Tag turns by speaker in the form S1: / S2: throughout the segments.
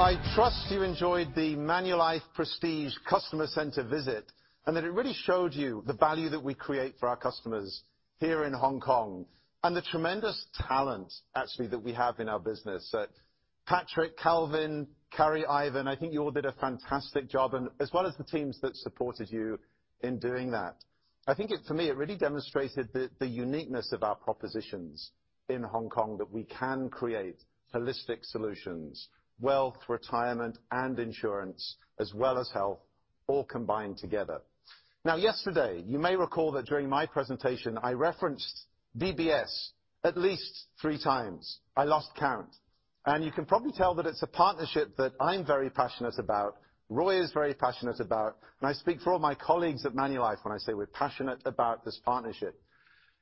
S1: I trust you enjoyed the Manulife Prestige customer center visit, and that it really showed you the value that we create for our customers here in Hong Kong, and the tremendous talent, actually, that we have in our business. So Patrick, Calvin, Carrie, Ivan, I think you all did a fantastic job, and as well as the teams that supported you in doing that. I think, for me, it really demonstrated the uniqueness of our propositions in Hong Kong, that we can create holistic solutions, wealth, retirement, and insurance, as well as health, all combined together. Now, yesterday, you may recall that during my presentation, I referenced DBS at least 3 times. I lost count. You can probably tell that it's a partnership that I'm very passionate about, Roy is very passionate about, and I speak for all my colleagues at Manulife when I say we're passionate about this partnership.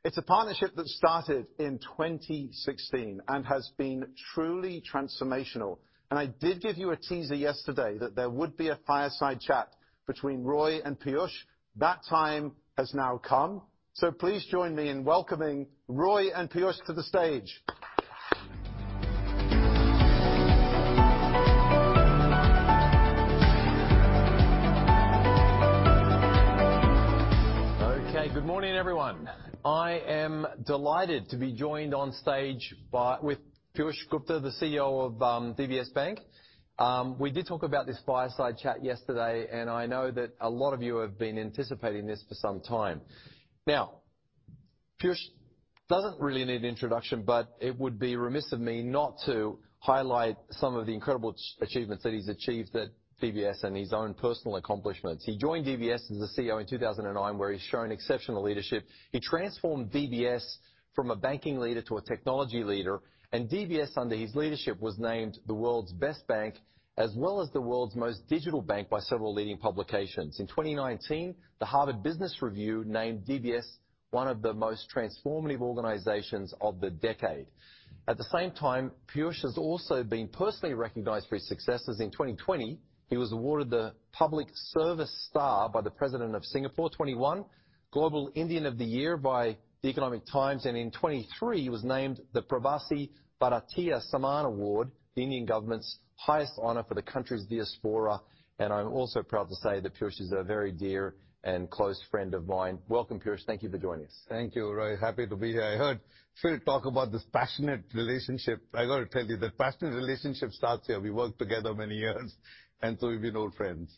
S1: It's a partnership that started in 2016 and has been truly transformational, and I did give you a teaser yesterday that there would be a fireside chat between Roy and Piyush. That time has now come, so please join me in welcoming Roy and Piyush to the stage.
S2: Okay, good morning, everyone. I am delighted to be joined on stage by, with Piyush Gupta, the CEO of DBS Bank. We did talk about this fireside chat yesterday, and I know that a lot of you have been anticipating this for some time. Now, Piyush doesn't really need an introduction, but it would be remiss of me not to highlight some of the incredible achievements that he's achieved at DBS and his own personal accomplishments. He joined DBS as the CEO in 2009, where he's shown exceptional leadership. He transformed DBS from a banking leader to a technology leader, and DBS, under his leadership, was named the world's best bank, as well as the world's most digital bank by several leading publications. In 2019, the Harvard Business Review named DBS one of the most transformative organizations of the decade. At the same time, Piyush has also been personally recognized for his successes. In 2020, he was awarded the Public Service Star by the President of Singapore, 2021, Global Indian of the Year by The Economic Times, and in 2023, he was named the Pravasi Bharatiya Samman Award, the Indian government's highest honor for the country's diaspora. I'm also proud to say that Piyush is a very dear and close friend of mine. Welcome, Piyush. Thank you for joining us.
S3: Thank you, Roy. Happy to be here. I heard Phil talk about this passionate relationship. I got to tell you, the passionate relationship starts here. We worked together many years, and so we've been old friends.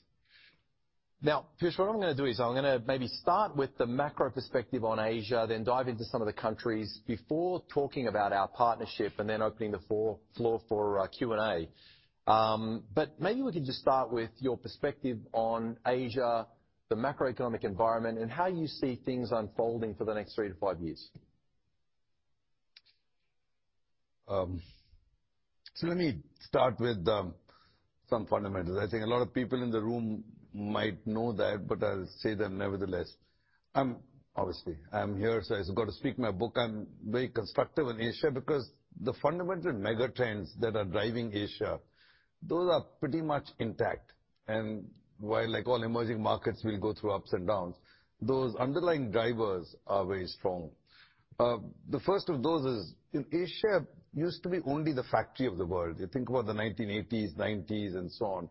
S2: Now, Piyush, what I'm gonna do is I'm gonna maybe start with the macro perspective on Asia, then dive into some of the countries before talking about our partnership and then opening the floor for Q&A. But maybe we could just start with your perspective on Asia, the macroeconomic environment, and how you see things unfolding for the next 3-5 years.
S3: So let me start with some fundamentals. I think a lot of people in the room might know that, but I'll say them nevertheless. Obviously, I'm here, so I've got to speak my book. I'm very constructive on Asia because the fundamental mega trends that are driving Asia, those are pretty much intact. And while, like all emerging markets, will go through ups and downs, those underlying drivers are very strong. The first of those is, Asia used to be only the factory of the world. You think about the 1980s, 1990s, and so on.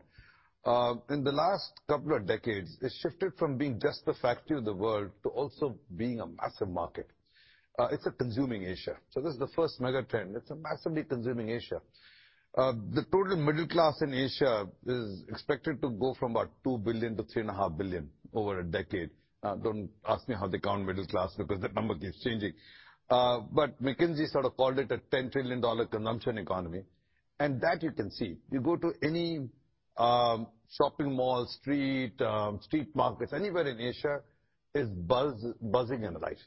S3: In the last couple of decades, it's shifted from being just the factory of the world to also being a massive market. It's a consuming Asia. So this is the first mega trend. It's a massively consuming Asia. The total middle class in Asia is expected to go from about 2 billion to 3.5 billion over a decade. Don't ask me how they count middle class, because the number keeps changing. But McKinsey sort of called it a $10 trillion consumption economy, and that you can see. You go to any shopping mall, street markets, anywhere in Asia, it's buzzing in the lights.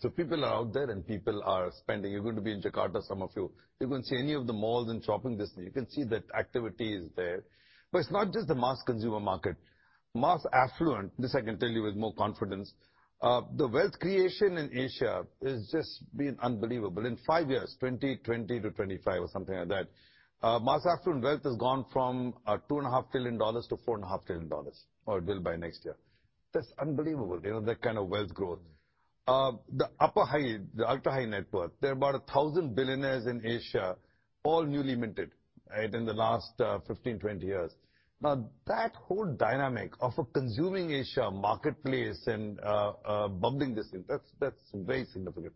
S3: So people are out there, and people are spending. You're going to be in Jakarta, some of you. You're going to see any of the malls and shopping district. You can see that activity is there. But it's not just the mass consumer market. Mass affluent, this I can tell you with more confidence, the wealth creation in Asia has just been unbelievable. In five years, 2020 to 2025 or something like that, mass affluent wealth has gone from $2.5 trillion to $4.5 trillion, or it will by next year. That's unbelievable, you know, that kind of wealth growth. The upper high, the ultra-high net worth, there are about 1,000 billionaires in Asia, all newly minted, right, in the last 15, 20 years. Now, that whole dynamic of a consuming Asia marketplace and bubbling this thing, that's very significant.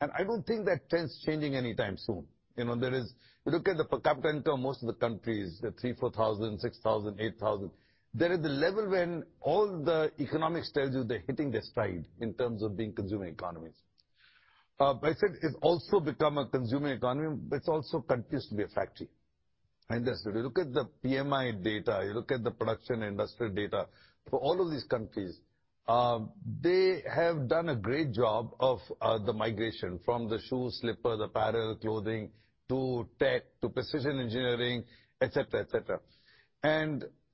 S2: Mm.
S3: I don't think that trend's changing anytime soon. You know, there is. You look at the per capita income, most of the countries, the $3,000-$4,000, $6,000, $8,000. They're at the level when all the economics tells you they're hitting their stride in terms of being consumer economies. But I said it's also become a consumer economy, but it's also continues to be a factory. And if you look at the PMI data, you look at the production industrial data for all of these countries, they have done a great job of the migration from the shoes, slippers, apparel, clothing, to tech, to precision engineering, et cetera, et cetera.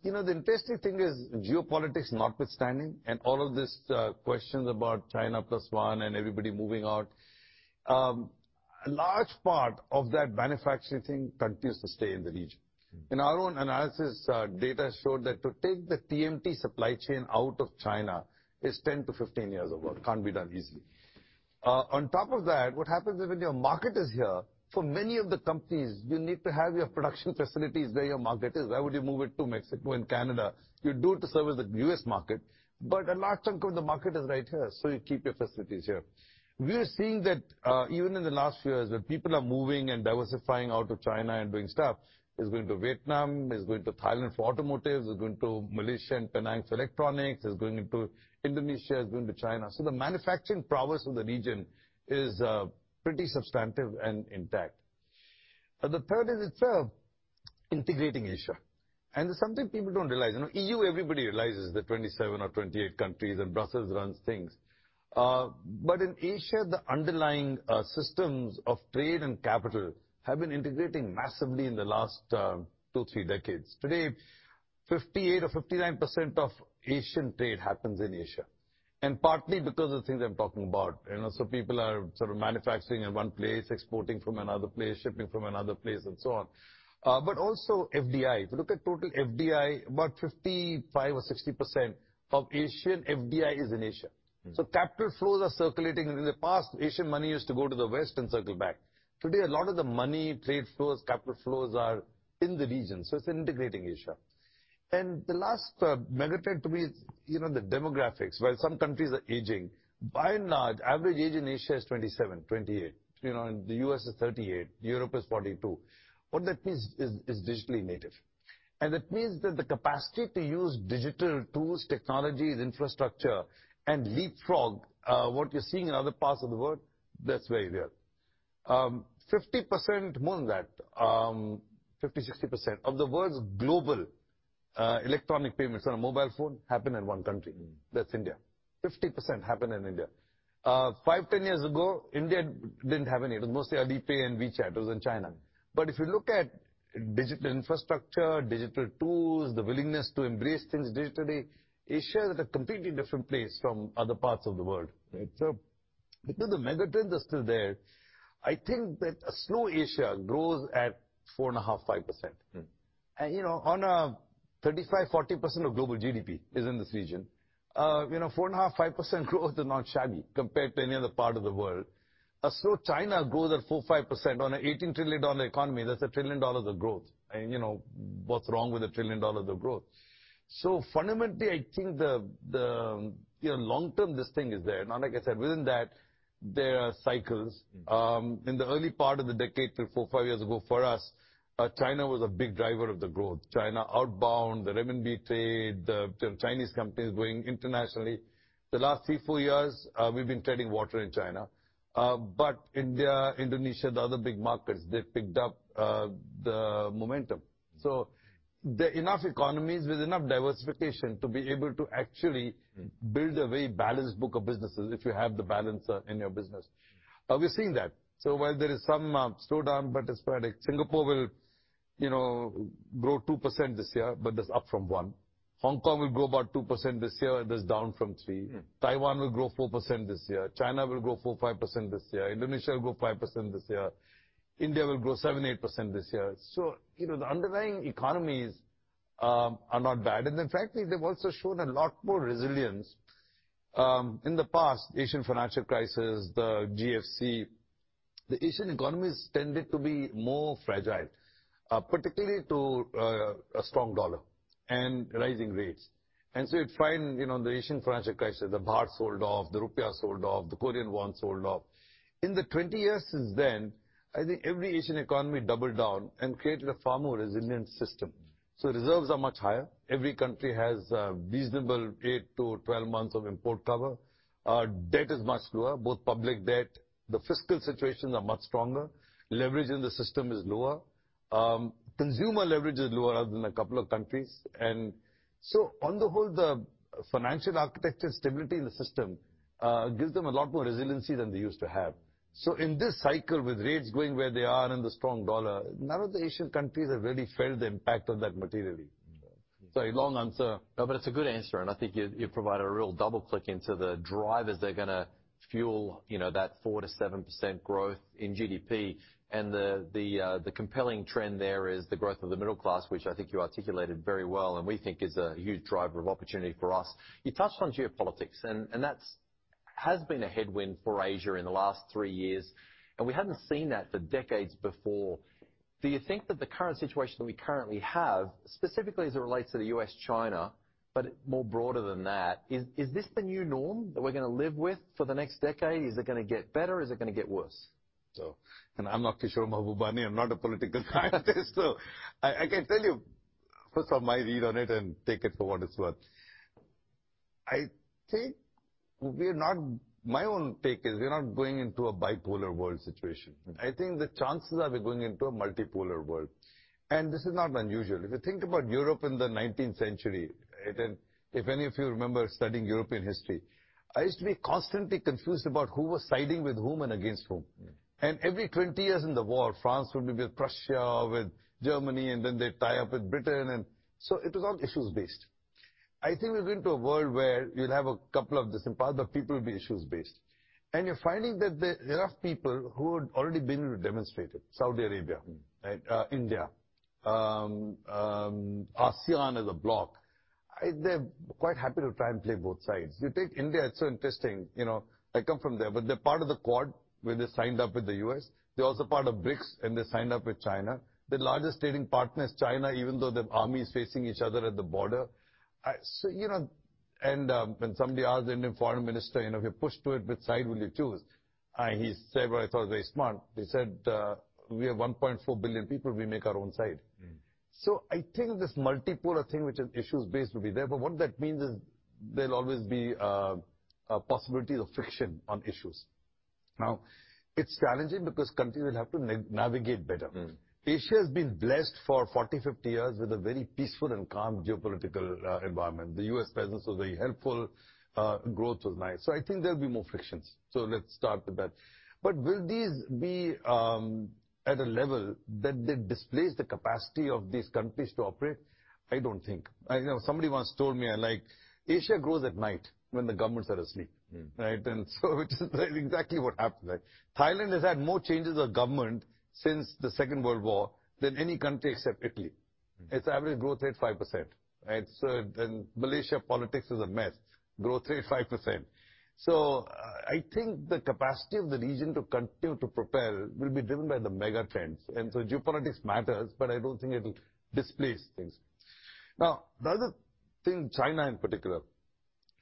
S3: You know, the interesting thing is, geopolitics notwithstanding, and all of these questions about China plus one and everybody moving out, a large part of that manufacturing continues to stay in the region.
S2: Mm.
S3: In our own analysis, data showed that to take the TMT supply chain out of China is 10-15 years of work. Can't be done easily. On top of that, what happens is when your market is here, for many of the companies, you need to have your production facilities where your market is. Why would you move it to Mexico and Canada? You do it to service the U.S. market, but a large chunk of the market is right here, so you keep your facilities here. We are seeing that, even in the last few years, that people are moving and diversifying out of China and doing stuff. It's going to Vietnam, it's going to Thailand for automotive, it's going to Malaysia and Penang for electronics, it's going into Indonesia, it's going to China. So the manufacturing prowess of the region is pretty substantive and intact. And the third is it's integrating Asia, and it's something people don't realize. You know, EU, everybody realizes, the 27 or 28 countries, and Brussels runs things. But in Asia, the underlying systems of trade and capital have been integrating massively in the last 2 or 3 decades. Today, 58% or 59% of Asian trade happens in Asia, and partly because of the things I'm talking about. You know, so people are sort of manufacturing in one place, exporting from another place, shipping from another place, and so on. But also FDI. If you look at total FDI, about 55% or 60% of Asian FDI is in Asia.
S2: Mm.
S3: So capital flows are circulating. In the past, Asian money used to go to the West and circle back. Today, a lot of the money, trade flows, capital flows are in the region, so it's integrating Asia. And the last, megatrend to me is, you know, the demographics. While some countries are aging, by and large, average age in Asia is 27, 28. You know, in the U.S. it's 38, Europe is 42. What that means is digitally native. And that means that the capacity to use digital tools, technologies, infrastructure and leapfrog, what you're seeing in other parts of the world, that's very real. 50%, more than that, 50%-60% of the world's global, electronic payments on a mobile phone happen in one country.
S2: Mm.
S3: That's India. 50% happen in India. 5, 10 years ago, India didn't have any. It was mostly Alipay and WeChat, it was in China. But if you look at digital infrastructure, digital tools, the willingness to embrace things digitally, Asia is at a completely different place from other parts of the world. So because the megatrends are still there, I think that a slow Asia grows at 4.5, 5%.
S2: Mm.
S3: And, you know, 35-40% of global GDP is in this region. You know, 4.5-5% growth is not shabby compared to any other part of the world. A slow China grows at 4-5% on an $18 trillion economy, that's $1 trillion of growth. And, you know, what's wrong with $1 trillion of growth? So fundamentally, I think the, the, you know, long-term, this thing is there. Now, like I said, within that, there are cycles.
S2: Mm.
S3: In the early part of the decade, 3, 4, 5 years ago, for us, China was a big driver of the growth. China outbound, the renminbi trade, the Chinese companies going internationally. The last 3, 4 years, we've been treading water in China, but India, Indonesia, the other big markets, they've picked up the momentum. So there are enough economies with enough diversification to be able to actually-
S2: Mm.
S3: -build a very balanced book of businesses if you have the balance in your business. We've seen that. So while there is some slowdown, but it's sporadic, Singapore will, you know, grow 2% this year, but that's up from 1%. Hong Kong will grow about 2% this year, and that's down from 3%.
S2: Mm.
S3: Taiwan will grow 4% this year. China will grow 4%-5% this year. Indonesia will grow 5% this year. India will grow 7%-8% this year. So, you know, the underlying economies are not bad. And in fact, they've also shown a lot more resilience. In the past, Asian Financial Crisis, the GFC, the Asian economies tended to be more fragile, particularly to a strong dollar and rising rates. And so you find, you know, the Asian Financial Crisis, the baht sold off, the rupiah sold off, the Korean won sold off. In the 20 years since then, I think every Asian economy doubled down and created a far more resilient system. So reserves are much higher. Every country has a reasonable 8-12 months of import cover. Debt is much lower, both public debt, the fiscal situations are much stronger, leverage in the system is lower. Consumer leverage is lower other than a couple of countries. And so, on the whole, the financial architecture stability in the system gives them a lot more resiliency than they used to have. So in this cycle, with rates going where they are and the strong dollar, none of the Asian countries have really felt the impact of that materially. Sorry, long answer.
S2: No, but it's a good answer, and I think you provided a real double click into the drivers that are gonna fuel, you know, that 4%-7% growth in GDP. And the compelling trend there is the growth of the middle class, which I think you articulated very well, and we think is a huge driver of opportunity for us. You touched on geopolitics, and that's been a headwind for Asia in the last three years, and we hadn't seen that for decades before. Do you think that the current situation that we currently have, specifically as it relates to the U.S., China, but more broader than that, is this the new norm that we're gonna live with for the next decade? Is it gonna get better, or is it gonna get worse?
S3: I'm not Kishore Mahbubani. I'm not a political scientist, so I can tell you first off, my read on it, and take it for what it's worth. I think we're not... My own take is we're not going into a bipolar world situation.
S2: Mm-hmm.
S3: I think the chances are we're going into a multipolar world, and this is not unusual. If you think about Europe in the nineteenth century, and if any of you remember studying European history, I used to be constantly confused about who was siding with whom and against whom.
S2: Mm.
S3: And every 20 years in the war, France would be with Prussia, with Germany, and then they'd tie up with Britain, and so it was all issues based. I think we're going to a world where you'll have a couple of this, and part of the people will be issues based. And you're finding that there are people who had already been demonstrated, Saudi Arabia-
S2: Mm.
S3: India, ASEAN as a bloc, they're quite happy to try and play both sides. You take India, it's so interesting, you know? I come from there, but they're part of the quad, where they signed up with the US. They're also part of BRICS, and they signed up with China. Their largest trading partner is China, even though the army is facing each other at the border. So, you know, when somebody asked the Indian Foreign Minister, "You know, if you're pushed to it, which side will you choose?" He said what I thought was very smart. He said, "We are 1.4 billion people, we make our own side.
S2: Mm.
S3: So I think this multipolar thing, which is issues-based, will be there, but what that means is there'll always be a possibility of friction on issues. Now, it's challenging because countries will have to navigate better.
S2: Mm.
S3: Asia has been blessed for 40, 50 years with a very peaceful and calm geopolitical environment. The U.S. presence was very helpful, growth was nice. So I think there'll be more frictions. So let's start with that. But will these be at a level that they displace the capacity of these countries to operate? I don't think. I know, somebody once told me, I like, "Asia grows at night when the governments are asleep.
S2: Mm.
S3: Right? And so which is exactly what happened, right? Thailand has had more changes of government since the Second World War than any country except Italy.
S2: Mm.
S3: Its average growth rate, 5%. Right? So then Malaysia, politics is a mess. Growth rate, 5%. So I think the capacity of the region to continue to propel will be driven by the mega trends. And so geopolitics matters, but I don't think it'll displace things. Now, the other thing, China in particular,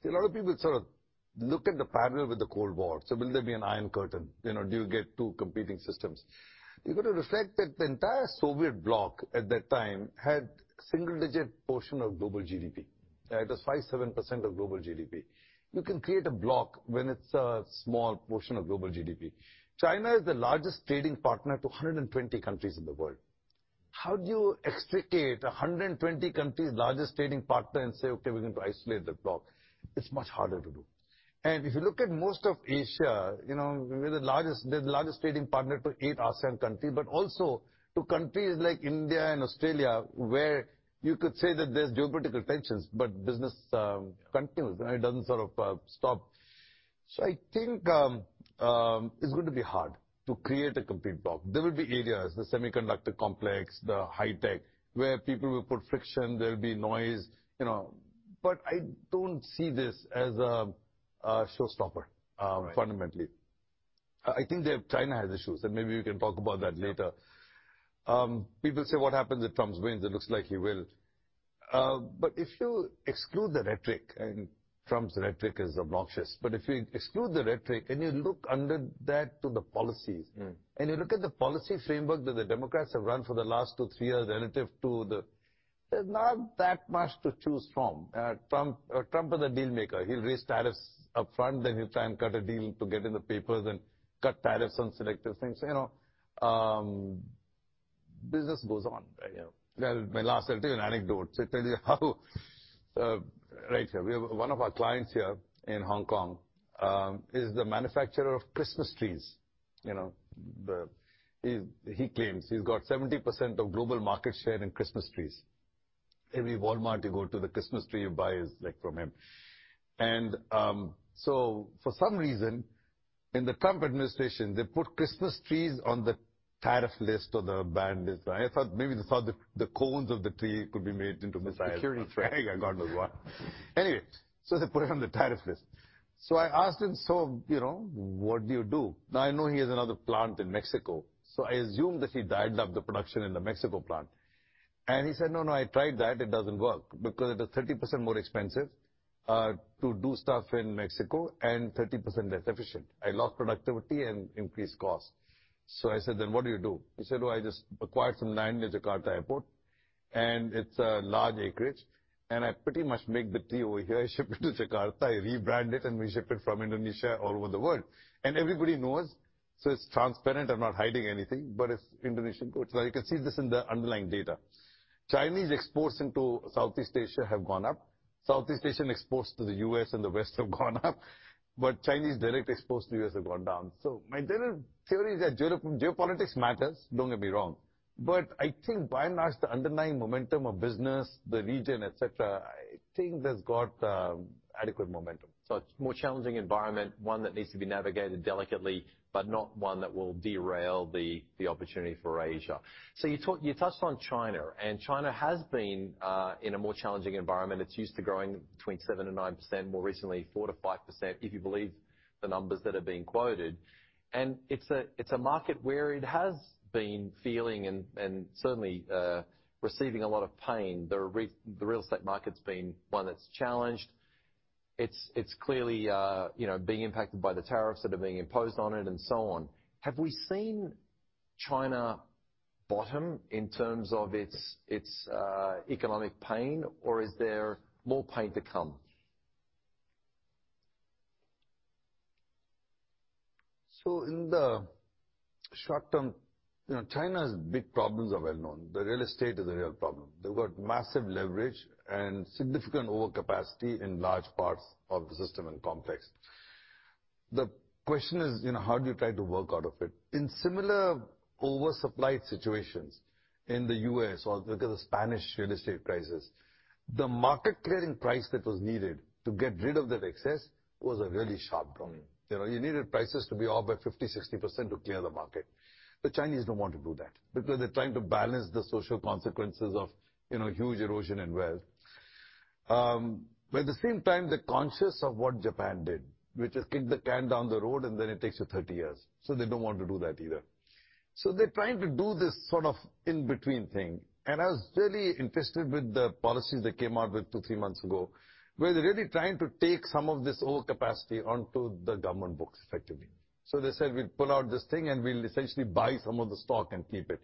S3: see a lot of people sort of look at the parallel with the Cold War. So will there be an Iron Curtain? You know, do you get two competing systems? You've got to reflect that the entire Soviet bloc at that time had single-digit portion of global GDP. It was 5%-7% of global GDP. You can create a bloc when it's a small portion of global GDP. China is the largest trading partner to 120 countries in the world. How do you extricate 120 countries' largest trading partner and say, "Okay, we're going to isolate the bloc"? It's much harder to do. And if you look at most of Asia, you know, we're the largest, the largest trading partner to eight ASEAN countries, but also to countries like India and Australia, where you could say that there's geopolitical tensions, but business continues, and it doesn't sort of stop. So I think it's going to be hard to create a complete bloc. There will be areas, the semiconductor complex, the high tech, where people will put friction, there'll be noise, you know, but I don't see this as a showstopper, fundamentally.
S2: Right.
S3: I think that China has issues, and maybe we can talk about that later. People say, "What happens if Trump wins?" It looks like he will. But if you exclude the rhetoric, and Trump's rhetoric is obnoxious, but if you exclude the rhetoric, and you look under that to the policies-
S2: Mm.
S3: You look at the policy framework that the Democrats have run for the last two, three years relative to the... There's not that much to choose from. Trump, Trump is a deal maker. He'll raise tariffs upfront, then he'll try and cut a deal to get in the papers and cut tariffs on selective things. You know, business goes on, right? You know, my last, I'll tell you an anecdote to tell you how, right here. We have one of our clients here in Hong Kong, is the manufacturer of Christmas trees. You know, the, he, he claims he's got 70% of global market share in Christmas trees. Every Walmart you go to, the Christmas tree you buy is, like, from him. For some reason, in the Trump administration, they put Christmas trees on the tariff list or the banned list. I thought maybe they thought the cones of the tree could be made into missiles.
S2: Security threat.
S3: Or, God knows what. Anyway, so they put it on the tariff list. So I asked him, "So, you know, what do you do?" Now, I know he has another plant in Mexico, so I assumed that he'd dial up the production in the Mexico plant. And he said, "No, no, I tried that. It doesn't work, because it is 30% more expensive to do stuff in Mexico and 30% less efficient. I lost productivity and increased costs." So I said, "Then what do you do?" He said, "Well, I just acquired some land near Jakarta Airport, and it's a large acreage, and I pretty much make the tree over here. I ship it to Jakarta, I rebrand it, and we ship it from Indonesia all over the world. And everybody knows, so it's transparent. I'm not hiding anything, but it's Indonesian goods." Now, you can see this in the underlying data. Chinese exports into Southeast Asia have gone up. Southeast Asian exports to the U.S. and the West have gone up, but Chinese direct exports to the U.S. have gone down. So my general theory is that geopolitics matters, don't get me wrong, but I think by and large, the underlying momentum of business, the region, et cetera, et cetera, I think that's got adequate momentum.
S2: So it's a more challenging environment, one that needs to be navigated delicately, but not one that will derail the opportunity for Asia. So you talked... You touched on China, and China has been in a more challenging environment. It's used to growing between 7% and 9%, more recently 4%-5%, if you believe the numbers that are being quoted. And it's a market where it has been feeling and certainly receiving a lot of pain. The real estate market's been one that's challenged. It's clearly, you know, being impacted by the tariffs that are being imposed on it, and so on. Have we seen China bottom in terms of its economic pain, or is there more pain to come?
S3: So in the short term, you know, China's big problems are well known. The real estate is a real problem. They've got massive leverage and significant overcapacity in large parts of the system and complex. The question is, you know, how do you try to work out of it? In similar oversupplied situations in the U.S., or look at the Spanish real estate crisis, the market clearing price that was needed to get rid of that excess was a really sharp drop. You know, you needed prices to be off by 50%-60% to clear the market. The Chinese don't want to do that because they're trying to balance the social consequences of, you know, huge erosion in wealth.... but at the same time, they're conscious of what Japan did, which is kick the can down the road, and then it takes you 30 years. So they don't want to do that either. So they're trying to do this sort of in-between thing, and I was really interested with the policy they came out with 2-3 months ago, where they're really trying to take some of this old capacity onto the government books, effectively. So they said, "We'll pull out this thing, and we'll essentially buy some of the stock and keep it."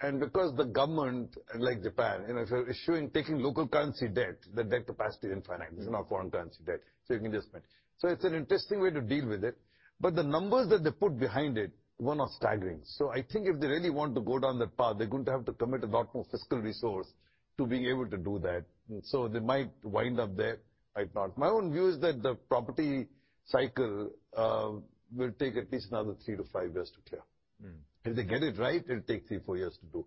S3: And because the government, like Japan, you know, if you're issuing, taking local currency debt, the debt capacity is infinite. This is not foreign currency debt, so you can just spend. So it's an interesting way to deal with it, but the numbers that they put behind it were not staggering. So I think if they really want to go down that path, they're going to have to commit a lot more fiscal resource to being able to do that. So they might wind up there, I thought. My own view is that the property cycle will take at least another 3-5 years to clear.
S2: Mm.
S3: If they get it right, it'll take 3-4 years to do.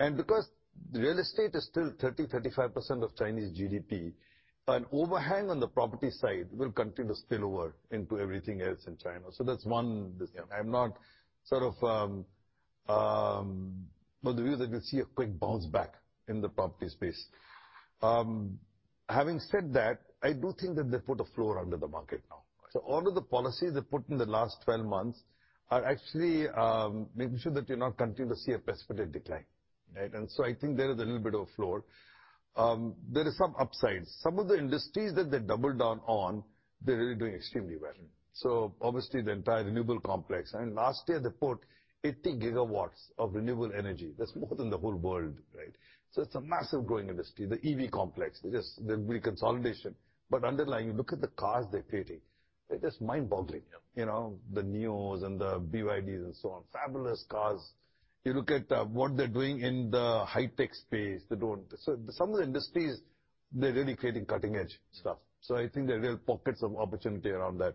S2: Mm.
S3: Because real estate is still 30%-35% of Chinese GDP, an overhang on the property side will continue to spill over into everything else in China. So that's one decision. I'm not sort of. Well, the view that you'll see a quick bounce back in the property space. Having said that, I do think that they put a floor under the market now. So all of the policies they put in the last 12 months are actually making sure that you not continue to see a precipitous decline, right? And so I think there is a little bit of floor. There is some upsides. Some of the industries that they doubled down on, they're really doing extremely well.
S2: Mm.
S3: So obviously, the entire renewable complex, and last year they put 80 gigawatts of renewable energy. That's more than the whole world, right? So it's a massive growing industry. The EV complex, there just, there'll be consolidation, but underlying, you look at the cars they're creating, they're just mind-boggling.
S2: Yeah.
S3: You know, the NIOs and the BYDs and so on. Fabulous cars! You look at what they're doing in the high-tech space, they don't... So some of the industries, they're really creating cutting-edge stuff, so I think there are real pockets of opportunity around that.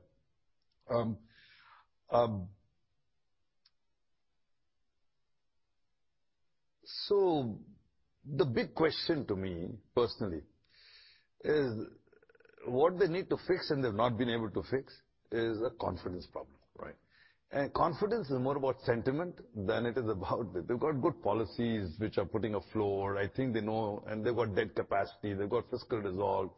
S3: So the big question to me, personally, is what they need to fix and they've not been able to fix is a confidence problem, right? And confidence is more about sentiment than it is about... They've got good policies which are putting a floor. I think they know, and they've got debt capacity. They've got fiscal resolve.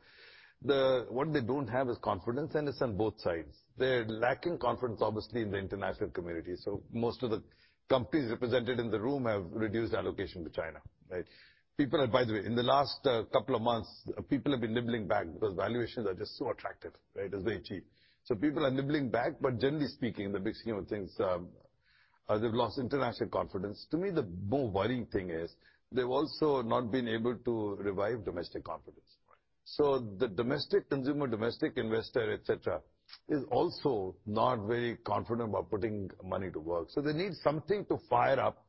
S3: The-- what they don't have is confidence, and it's on both sides. They're lacking confidence, obviously, in the international community, so most of the companies represented in the room have reduced allocation to China, right? People are, by the way, in the last couple of months, people have been nibbling back because valuations are just so attractive, right, as they achieve. So people are nibbling back, but generally speaking, the big scheme of things, they've lost international confidence. To me, the more worrying thing is they've also not been able to revive domestic confidence.
S2: Right.
S3: So the domestic consumer, domestic investor, et cetera, is also not very confident about putting money to work. So they need something to fire up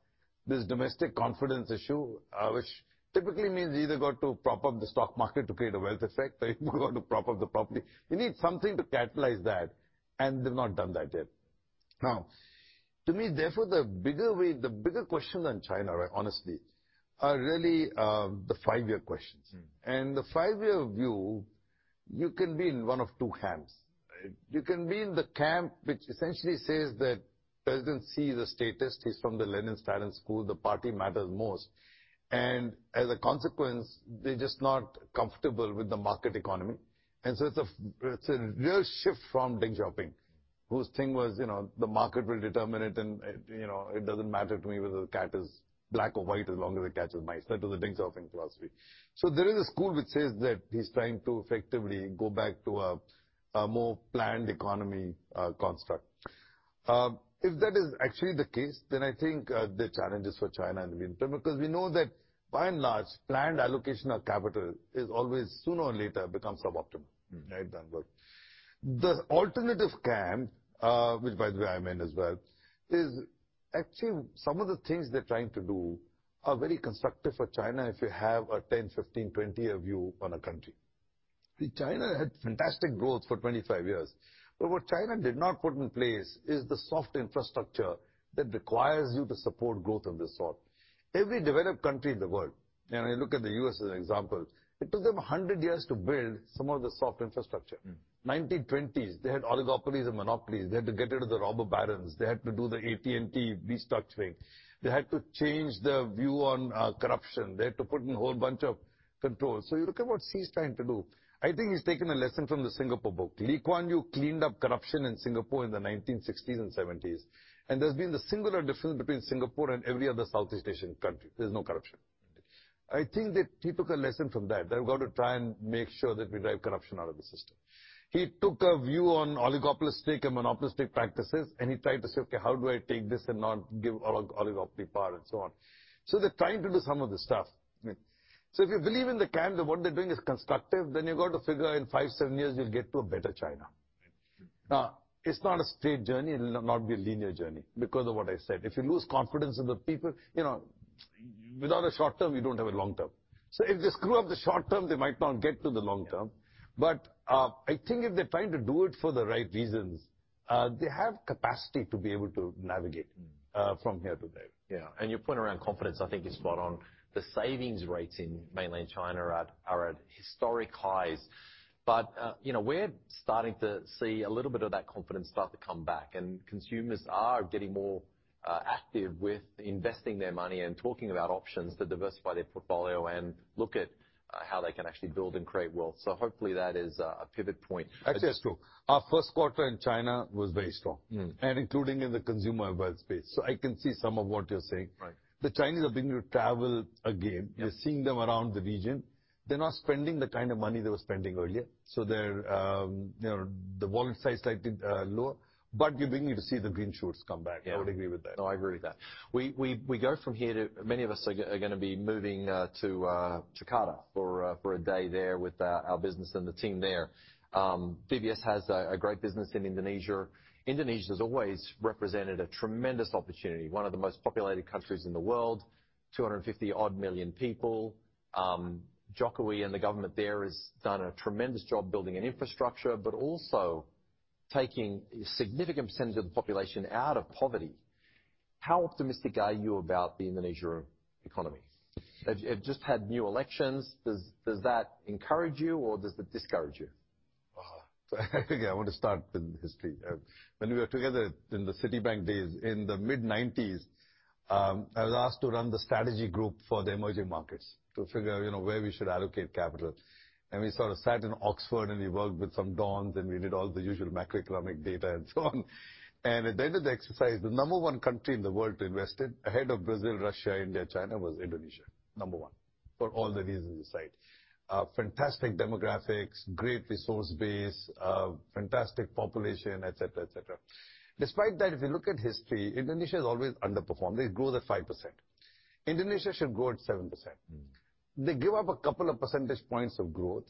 S3: this domestic confidence issue, which typically means you've either got to prop up the stock market to create a wealth effect or you've got to prop up the property. You need something to catalyze that, and they've not done that yet. Now, to me, therefore, the bigger way, the bigger question on China, right, honestly, are really the five-year questions.
S2: Mm.
S3: And the five-year view, you can be in one of two camps, right? You can be in the camp, which essentially says that President Xi, the status quo, he's from the Lenin, Stalin school, the party matters most, and as a consequence, they're just not comfortable with the market economy. And so it's a, it's a real shift from Deng Xiaoping, whose thing was, you know, the market will determine it, and, you know, it doesn't matter to me whether the cat is black or white, as long as the cat catches mice. That was the Deng Xiaoping philosophy. So there is a school which says that he's trying to effectively go back to a, a more planned economy construct. If that is actually the case, then I think the challenges for China will be interim, because we know that, by and large, planned allocation of capital is always, sooner or later, becomes suboptimal.
S2: Mm.
S3: Right? It doesn't work. The alternative camp, which by the way, I'm in as well, is actually some of the things they're trying to do are very constructive for China if you have a 10-, 15-, 20-year view on a country. China had fantastic growth for 25 years, but what China did not put in place is the soft infrastructure that requires you to support growth of this sort. Every developed country in the world, you know, you look at the U.S. as an example, it took them 100 years to build some of the soft infrastructure.
S2: Mm.
S3: 1920s, they had oligopolies and monopolies. They had to get rid of the robber barons. They had to do the AT&T restructuring. They had to change their view on, corruption. They had to put in a whole bunch of controls. So you look at what Xi's trying to do. I think he's taken a lesson from the Singapore book. Lee Kuan Yew cleaned up corruption in Singapore in the 1960s and 1970s, and there's been the singular difference between Singapore and every other Southeast Asian country. There's no corruption. I think that he took a lesson from that, that we've got to try and make sure that we drive corruption out of the system. He took a view on oligopolistic and monopolistic practices, and he tried to say, "Okay, how do I take this and not give oligopoly power," and so on. They're trying to do some of this stuff. If you believe in the camp that what they're doing is constructive, then you've got to figure out in 5-7 years you'll get to a better China.
S2: Mm.
S3: Now, it's not a straight journey. It'll not be a linear journey because of what I said. If you lose confidence in the people, you know, without a short term, you don't have a long term. So if they screw up the short term, they might not get to the long term.
S2: Yeah.
S3: But, I think if they're trying to do it for the right reasons, they have capacity to be able to navigate-
S2: Mm.
S3: - from here to there.
S2: Yeah, and your point around confidence, I think, is spot on. The savings rates in mainland China are at-... historic highs. But, you know, we're starting to see a little bit of that confidence start to come back, and consumers are getting more, active with investing their money and talking about options to diversify their portfolio and look at, how they can actually build and create wealth. So hopefully that is, a pivot point.
S3: Actually, that's true. Our first quarter in China was very strong.
S2: Mm.
S3: Including in the consumer wealth space. I can see some of what you're saying.
S2: Right.
S3: The Chinese are beginning to travel again.
S2: Yeah.
S3: We're seeing them around the region. They're not spending the kind of money they were spending earlier, so they're, you know, the wallet size slightly lower, but you're beginning to see the green shoots come back.
S2: Yeah.
S3: I would agree with that.
S2: No, I agree with that. We go from here to many of us are gonna be moving to Jakarta for a day there with our business and the team there. DBS has a great business in Indonesia. Indonesia has always represented a tremendous opportunity, one of the most populated countries in the world, 250-odd million people. Jokowi and the government there has done a tremendous job building an infrastructure, but also taking a significant percentage of the population out of poverty. How optimistic are you about the Indonesian economy? They've just had new elections. Does that encourage you, or does it discourage you?
S3: I think I want to start with history. When we were together in the Citibank days, in the mid-1990s, I was asked to run the strategy group for the emerging markets to figure out, you know, where we should allocate capital. And we sort of sat in Oxford, and we worked with some dons, and we did all the usual macroeconomic data and so on. And at the end of the exercise, the number one country in the world to invest in, ahead of Brazil, Russia, India, China, was Indonesia, number one, for all the reasons you cited. Fantastic demographics, great resource base, fantastic population, et cetera, et cetera. Despite that, if you look at history, Indonesia has always underperformed. They grew at 5%. Indonesia should grow at 7%.
S2: Mm.
S3: They give up a couple of percentage points of growth.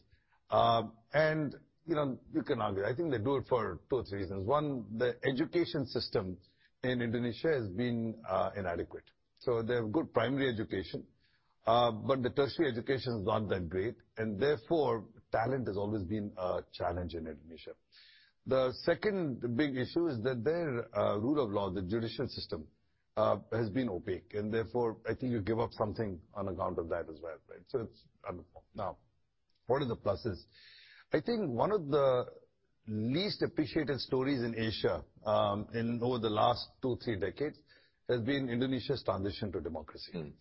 S3: And, you know, you can argue, I think they do it for two, three reasons. One, the education system in Indonesia has been inadequate, so they have good primary education, but the tertiary education is not that great, and therefore, talent has always been a challenge in Indonesia. The second big issue is that their rule of law, the judicial system, has been opaque, and therefore, I think you give up something on account of that as well, right? So it's underperformed. Now, what are the pluses? I think one of the least appreciated stories in Asia, in over the last two, three decades, has been Indonesia's transition to democracy.
S2: Mm.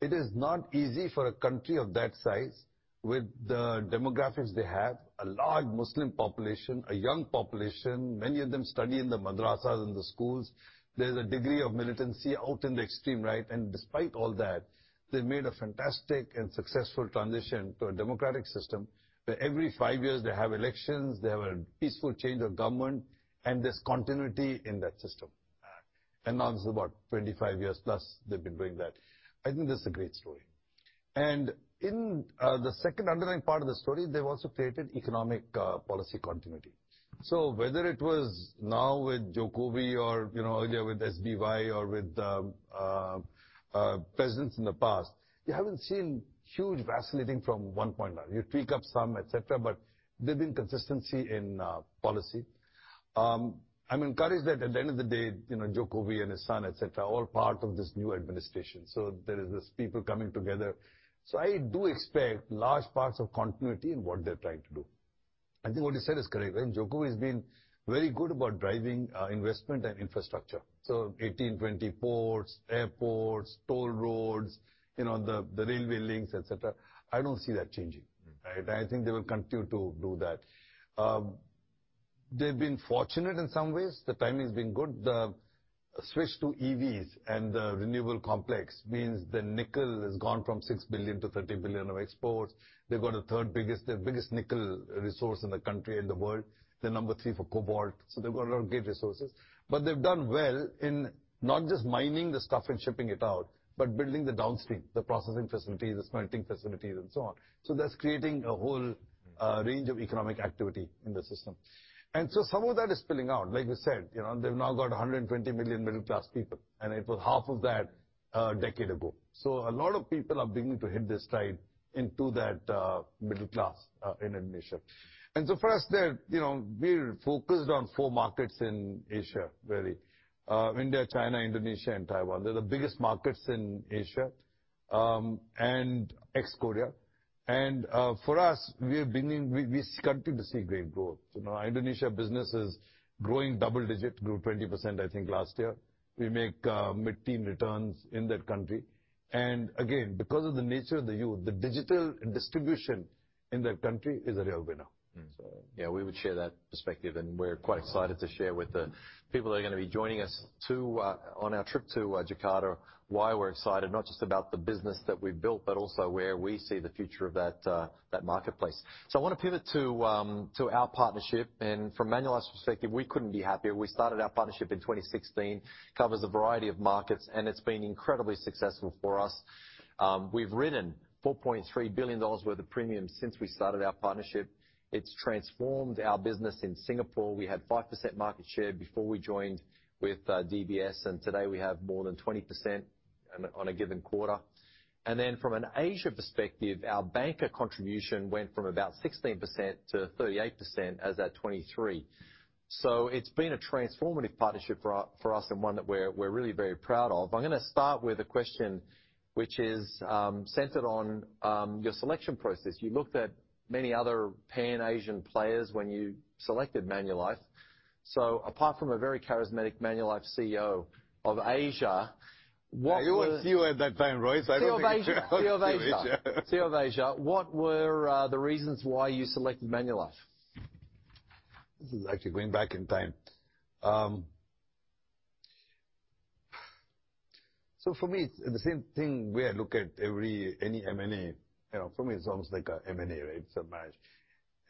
S3: It is not easy for a country of that size, with the demographics they have, a large Muslim population, a young population, many of them study in the madrasas in the schools. There's a degree of militancy out in the extreme right, and despite all that, they've made a fantastic and successful transition to a democratic system, where every five years they have elections, they have a peaceful change of government, and there's continuity in that system.
S2: Uh.
S3: And now this is about 25 years plus they've been doing that. I think that's a great story. And in the second underlying part of the story, they've also created economic policy continuity. So whether it was now with Jokowi or, you know, earlier with SBY or with presidents in the past, you haven't seen huge vacillating from one point another. You tweak up some, et cetera, but there've been consistency in policy. I'm encouraged that at the end of the day, you know, Jokowi and his son, et cetera, are all part of this new administration, so there is this people coming together. So I do expect large parts of continuity in what they're trying to do. I think what you said is correct, right? Jokowi has been very good about driving investment and infrastructure. So 18-20 ports, airports, toll roads, you know, the railway links, et cetera. I don't see that changing.
S2: Mm.
S3: Right? I think they will continue to do that. They've been fortunate in some ways. The timing has been good. The switch to EVs and the renewable complex means the nickel has gone from $6 billion to $30 billion of exports. They've got a third biggest... The biggest nickel resource in the country, in the world. They're number 3 for cobalt, so they've got a lot of great resources. But they've done well in not just mining the stuff and shipping it out, but building the downstream, the processing facilities, the smelting facilities, and so on. So that's creating a whole-
S2: Mm...
S3: range of economic activity in the system. And so some of that is spilling out. Like you said, you know, they've now got 120 million middle-class people, and it was half of that a decade ago. So a lot of people are beginning to hit their stride into that, middle class, in Indonesia. And so for us there, you know, we're focused on 4 markets in Asia, really, India, China, Indonesia, and Taiwan. They're the biggest markets in Asia, and ex-Korea. And, for us, we continue to see great growth. You know, Indonesia business is growing double digits, grew 20%, I think, last year. We make, mid-teen returns in that country. And again, because of the nature of the youth, the digital distribution in that country is a real winner.
S2: Mm.
S3: So...
S2: Yeah, we would share that perspective, and we're quite excited-
S3: Yeah...
S2: to share with the people that are gonna be joining us to on our trip to Jakarta, why we're excited not just about the business that we've built, but also where we see the future of that marketplace. So I wanna pivot to our partnership, and from Manulife's perspective, we couldn't be happier. We started our partnership in 2016, covers a variety of markets, and it's been incredibly successful for us. We've written $4.3 billion worth of premium since we started our partnership. It's transformed our business in Singapore. We had 5% market share before we joined with DBS, and today we have more than 20% on a given quarter. And then from an Asia perspective, our banker contribution went from about 16% to 38% as at 2023. So it's been a transformative partnership for our, for us, and one that we're, we're really very proud of. I'm gonna start with a question- which is centered on your selection process. You looked at many other Pan-Asian players when you selected Manulife. So apart from a very charismatic Manulife CEO of Asia, what was-
S3: He was CEO at that time, right? So I don't think
S2: CEO of Asia. CEO of Asia.
S3: CEO of Asia.
S2: CEO of Asia. What were the reasons why you selected Manulife?
S3: This is actually going back in time. So for me, it's the same thing, where I look at every any M&A. You know, for me, it's almost like a M&A, right? It's a match.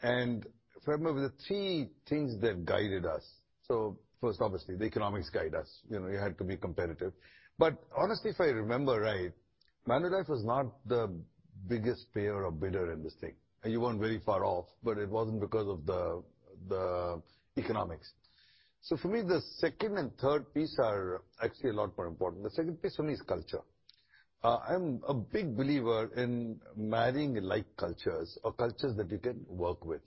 S3: And if I remember, the three things that guided us. So first, obviously, the economics guide us. You know, you had to be competitive. But honestly, if I remember right, Manulife was not the biggest player or bidder in this thing. You weren't very far off, but it wasn't because of the economics. So for me, the second and third piece are actually a lot more important. The second piece for me is culture. I'm a big believer in marrying like cultures or cultures that you can work with.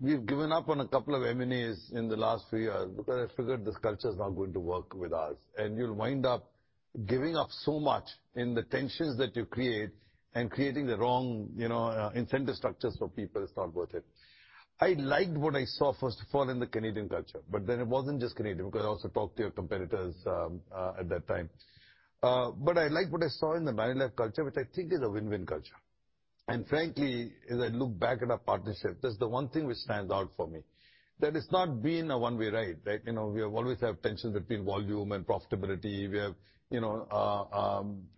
S3: We've given up on a couple of M&As in the last few years because I figured this culture is not going to work with ours, and you'll wind up giving up so much in the tensions that you create and creating the wrong, you know, incentive structures for people. It's not worth it. I liked what I saw first of all, in the Canadian culture, but then it wasn't just Canadian, because I also talked to your competitors at that time. But I liked what I saw in the Manulife culture, which I think is a win-win culture. And frankly, as I look back at our partnership, that's the one thing which stands out for me. That it's not been a one-way, right? Like, you know, we always have tensions between volume and profitability. We have, you know,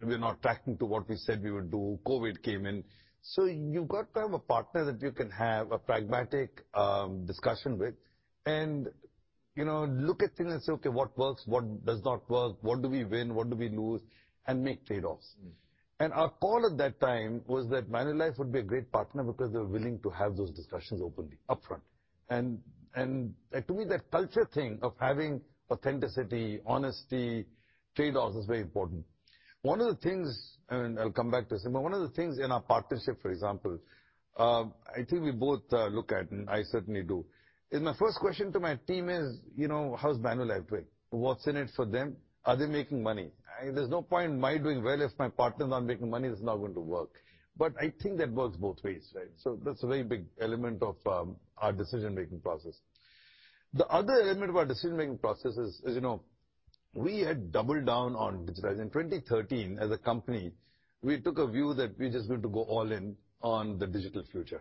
S3: we're not tracking to what we said we would do. COVID came in. So you've got to have a partner that you can have a pragmatic discussion with and, you know, look at things and say, "Okay, what works? What does not work? What do we win? What do we lose?" And make trade-offs.
S2: Mm-hmm.
S3: Our call at that time was that Manulife would be a great partner because they're willing to have those discussions openly, upfront. And to me, that culture thing of having authenticity, honesty, trade-offs is very important. One of the things, and I'll come back to this, but one of the things in our partnership, for example, I think we both look at, and I certainly do, is my first question to my team is, you know, "How's Manulife doing? What's in it for them? Are they making money?" There's no point in my doing well if my partner is not making money, it's not going to work. But I think that works both ways, right? So that's a very big element of our decision-making process. The other element of our decision-making process is, you know, we had doubled down on digitization. In 2013, as a company, we took a view that we're just going to go all in on the digital future,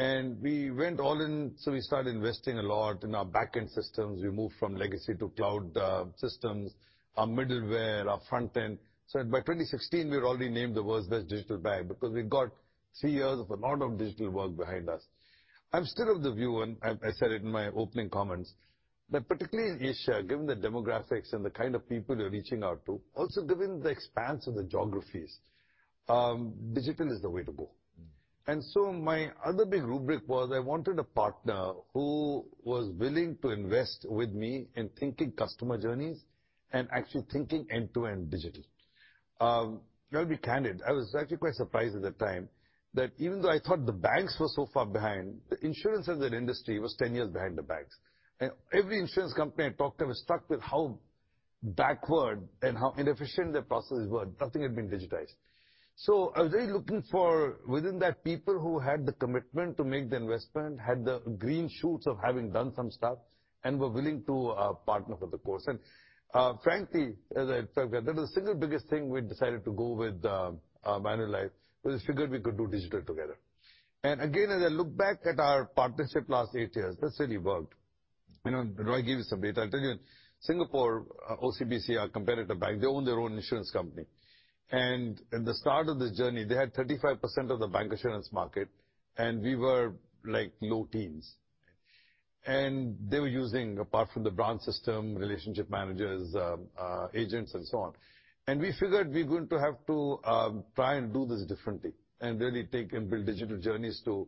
S3: and we went all in. So we started investing a lot in our back-end systems. We moved from legacy to cloud systems, our middleware, our front-end. So by 2016, we were already named the world's best digital bank because we got 3 years of a lot of digital work behind us. I'm still of the view, and I said it in my opening comments, that particularly in Asia, given the demographics and the kind of people you're reaching out to, also given the expanse of the geographies, digital is the way to go.
S2: Mm-hmm.
S3: My other big rubric was I wanted a partner who was willing to invest with me in thinking customer journeys and actually thinking end-to-end digital. I'll be candid. I was actually quite surprised at the time that even though I thought the banks were so far behind, the insurance as an industry was 10 years behind the banks. And every insurance company I talked to was struck with how backward and how inefficient their processes were. Nothing had been digitized. So I was really looking for, within that, people who had the commitment to make the investment, had the green shoots of having done some stuff, and were willing to partner for the course. Frankly, as I said, that was the single biggest thing we decided to go with Manulife, was figured we could do digital together. Again, as I look back at our partnership last 8 years, that's really worked. You know, do I give you some data? I'll tell you, Singapore, OCBC, our competitor bank, they own their own insurance company, and at the start of this journey, they had 35% of the bank insurance market, and we were like low teens. And they were using, apart from the branch system, relationship managers, agents and so on. And we figured we're going to have to try and do this differently and really take and build digital journeys to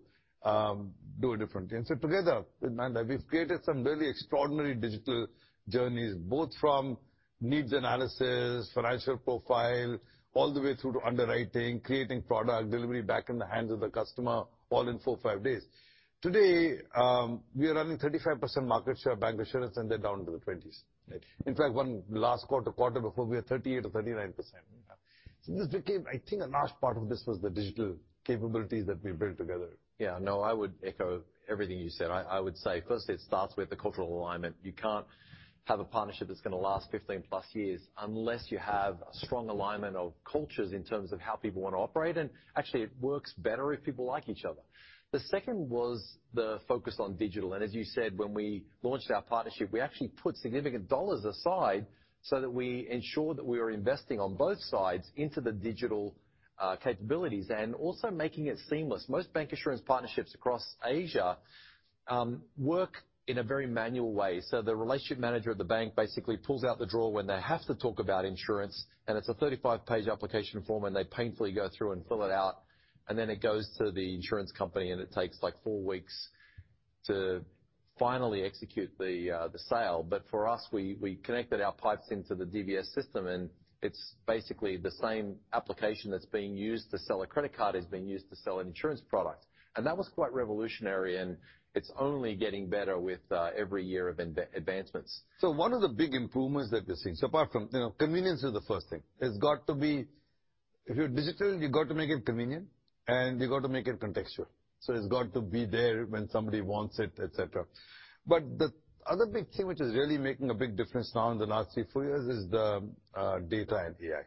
S3: do it differently. And so together with Manulife, we've created some really extraordinary digital journeys, both from needs analysis, financial profile, all the way through to underwriting, creating product, delivery back in the hands of the customer, all in 4-5 days. Today, we are running 35% market share bank insurance, and they're down to the 20s. In fact, one last quarter, quarter before, we were 38% or 39%. So this became, I think a large part of this was the digital capabilities that we built together.
S2: Yeah. No, I would echo everything you said. I would say, first, it starts with the cultural alignment. You can't have a partnership that's going to last 15+ years unless you have strong alignment of cultures in terms of how people want to operate, and actually, it works better if people like each other. The second was the focus on digital, and as you said, when we launched our partnership, we actually put significant dollars aside so that we ensure that we are investing on both sides into the digital capabilities and also making it seamless. Most bank insurance partnerships across Asia work in a very manual way. So the relationship manager at the bank basically pulls out the drawer when they have to talk about insurance, and it's a 35-page application form, and they painfully go through and fill it out, and then it goes to the insurance company, and it takes, like, 4 weeks to finally execute the sale. But for us, we connected our pipes into the DBS system, and it's basically the same application that's being used to sell a credit card is being used to sell an insurance product. And that was quite revolutionary, and it's only getting better with every year of advancements.
S3: So one of the big improvements that we've seen, so apart from, you know, convenience is the first thing. It's got to be. If you're digital, you've got to make it convenient, and you've got to make it contextual. So it's got to be there when somebody wants it, et cetera. But the other big thing, which is really making a big difference now in the last three, four years, is the data and AI.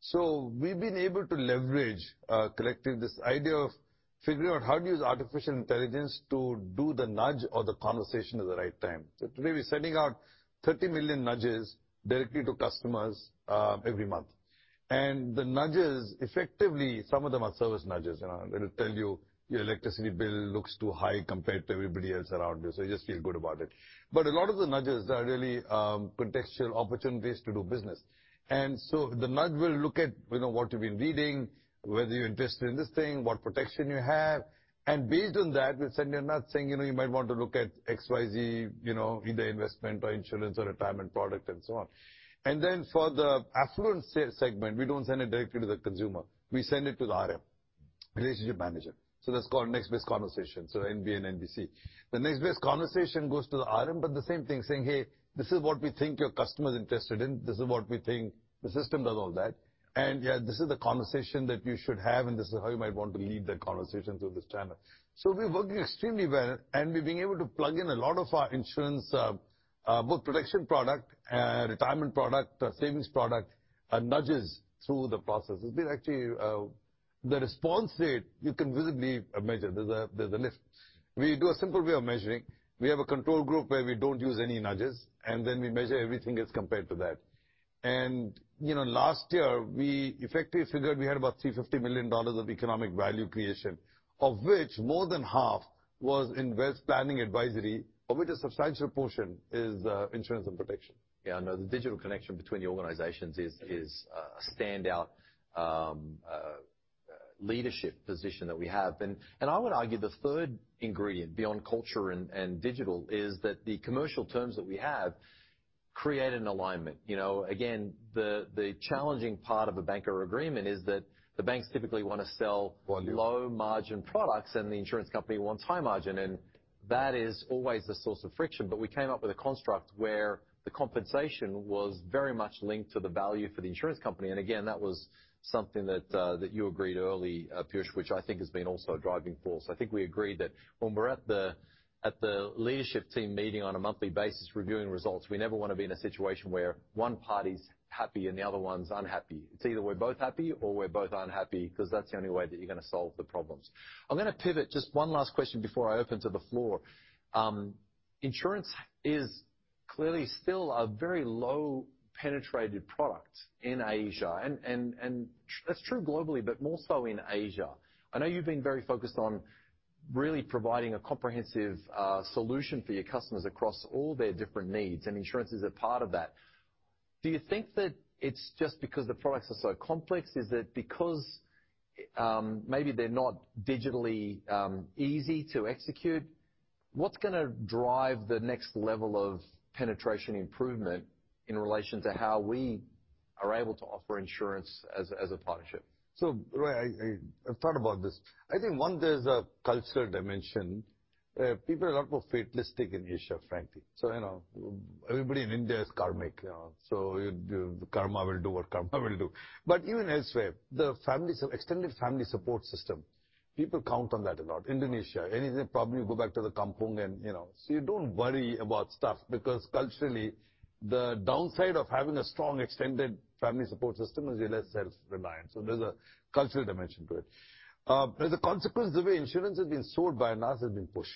S3: So we've been able to leverage collecting this idea of figuring out how to use artificial intelligence to do the nudge or the conversation at the right time. So today, we're sending out 30 million nudges directly to customers every month. And the nudges, effectively, some of them are service nudges. You know, it'll tell you, "Your electricity bill looks too high compared to everybody else around you," so you just feel good about it. But a lot of the nudges are really, contextual opportunities to do business. And so the nudge will look at, you know, what you've been reading, whether you're interested in this thing, what protection you have, and based on that, we'll send you a nudge saying, "You know, you might want to look at XYZ, you know, either investment or insurance or retirement product," and so on. And then, for the affluent segment, we don't send it directly to the consumer. We send it to the RM, relationship manager. So that's called next best conversation, so NB and NBC. The next best conversation goes to the RM, but the same thing, saying, "Hey, this is what we think your customer is interested in. This is what we think..." The system does all that. "And, yeah, this is the conversation that you should have, and this is how you might want to lead the conversation through this channel." So we're working extremely well, and we've been able to plug in a lot of our insurance, both protection product, retirement product, savings product, and nudges through the process. It's been actually. The response rate, you can visibly measure. There's a lift. We do a simple way of measuring. We have a control group where we don't use any nudges, and then we measure everything else compared to that. And, you know, last year, we effectively figured we had about $350 million of economic value creation, of which more than half was invest planning advisory, of which a substantial portion is, insurance and protection.
S2: Yeah, I know the digital connection between the organizations is a standout leadership position that we have. I would argue the third ingredient, beyond culture and digital, is that the commercial terms that we have create an alignment. You know, again, the challenging part of a banker agreement is that the banks typically want to sell-
S3: Volume.
S2: Low margin products, and the insurance company wants high margin, and that is always the source of friction. But we came up with a construct where the compensation was very much linked to the value for the insurance company. And again, that was something that, that you agreed early, Piyush, which I think has been also a driving force. I think we agreed that when we're at the, at the leadership team meeting on a monthly basis, reviewing results, we never want to be in a situation where one party's happy and the other one's unhappy. It's either we're both happy or we're both unhappy, because that's the only way that you're going to solve the problems. I'm going to pivot. Just one last question before I open to the floor. Insurance is clearly still a very low penetrated product in Asia, and that's true globally, but more so in Asia. I know you've been very focused on really providing a comprehensive solution for your customers across all their different needs, and insurance is a part of that. Do you think that it's just because the products are so complex? Is it because maybe they're not digitally easy to execute? What's going to drive the next level of penetration improvement in relation to how we are able to offer insurance as a partnership?
S3: So Roy, I've thought about this. I think one, there's a cultural dimension. People are a lot more fatalistic in Asia, frankly. So, you know, everybody in India is karmic, you know, so your karma will do what karma will do. But even elsewhere, the families have extended family support system. People count on that a lot. Indonesia, anything, probably go back to the kampung and, you know... So you don't worry about stuff because culturally, the downside of having a strong extended family support system is you're less self-reliant, so there's a cultural dimension to it. There's a consequence, the way insurance has been sold by us has been push,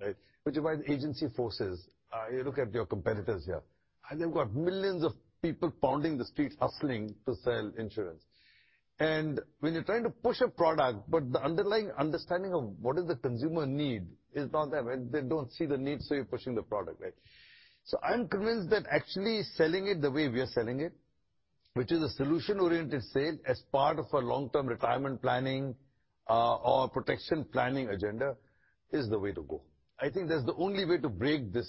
S3: right? Which is why the agency forces, you look at your competitors here, and they've got millions of people pounding the streets, hustling to sell insurance. When you're trying to push a product, but the underlying understanding of what is the consumer need is not there, and they don't see the need, so you're pushing the product, right? So I'm convinced that actually selling it the way we are selling it, which is a solution-oriented sale as part of a long-term retirement planning, or protection planning agenda, is the way to go. I think that's the only way to break this,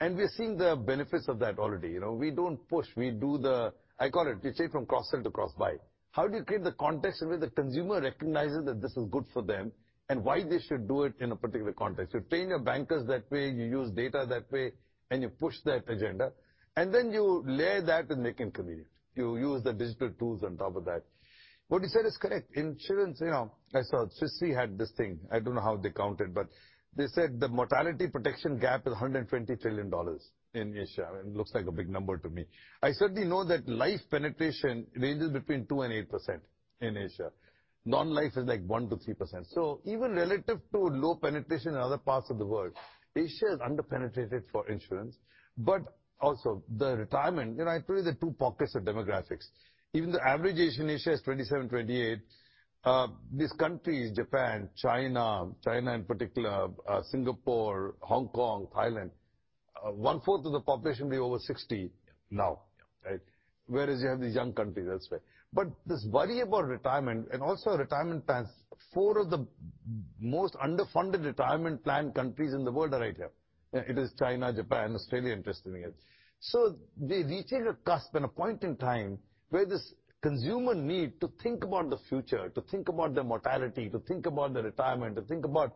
S3: and we're seeing the benefits of that already. You know, we don't push, we do the... I call it, we say, from cross-sell to cross-buy. How do you create the context in which the consumer recognizes that this is good for them, and why they should do it in a particular context? You're training your bankers that way, you use data that way, and you push that agenda, and then you layer that and make it convenient. You use the digital tools on top of that. What you said is correct. Insurance, you know, I saw Swiss Re had this thing, I don't know how they count it, but they said the mortality protection gap is $120 trillion in Asia. It looks like a big number to me. I certainly know that life penetration ranges between 2%-8% in Asia. Non-life is, like, 1%-3%. So even relative to low penetration in other parts of the world, Asia is under-penetrated for insurance, but also the retirement. You know, I tell you, the two pockets of demographics. Even the average age in Asia is 27-28. These countries, Japan, China, China in particular, Singapore, Hong Kong, Thailand, 1/4 of the population will be over 60 now, right? Whereas you have these young countries, that's right. But this worry about retirement and also retirement plans, 4 of the most underfunded retirement plan countries in the world are right here. It is China, Japan, Australia, and Thailand. So we've reached a cusp and a point in time where this consumer need to think about the future, to think about their mortality, to think about their retirement, to think about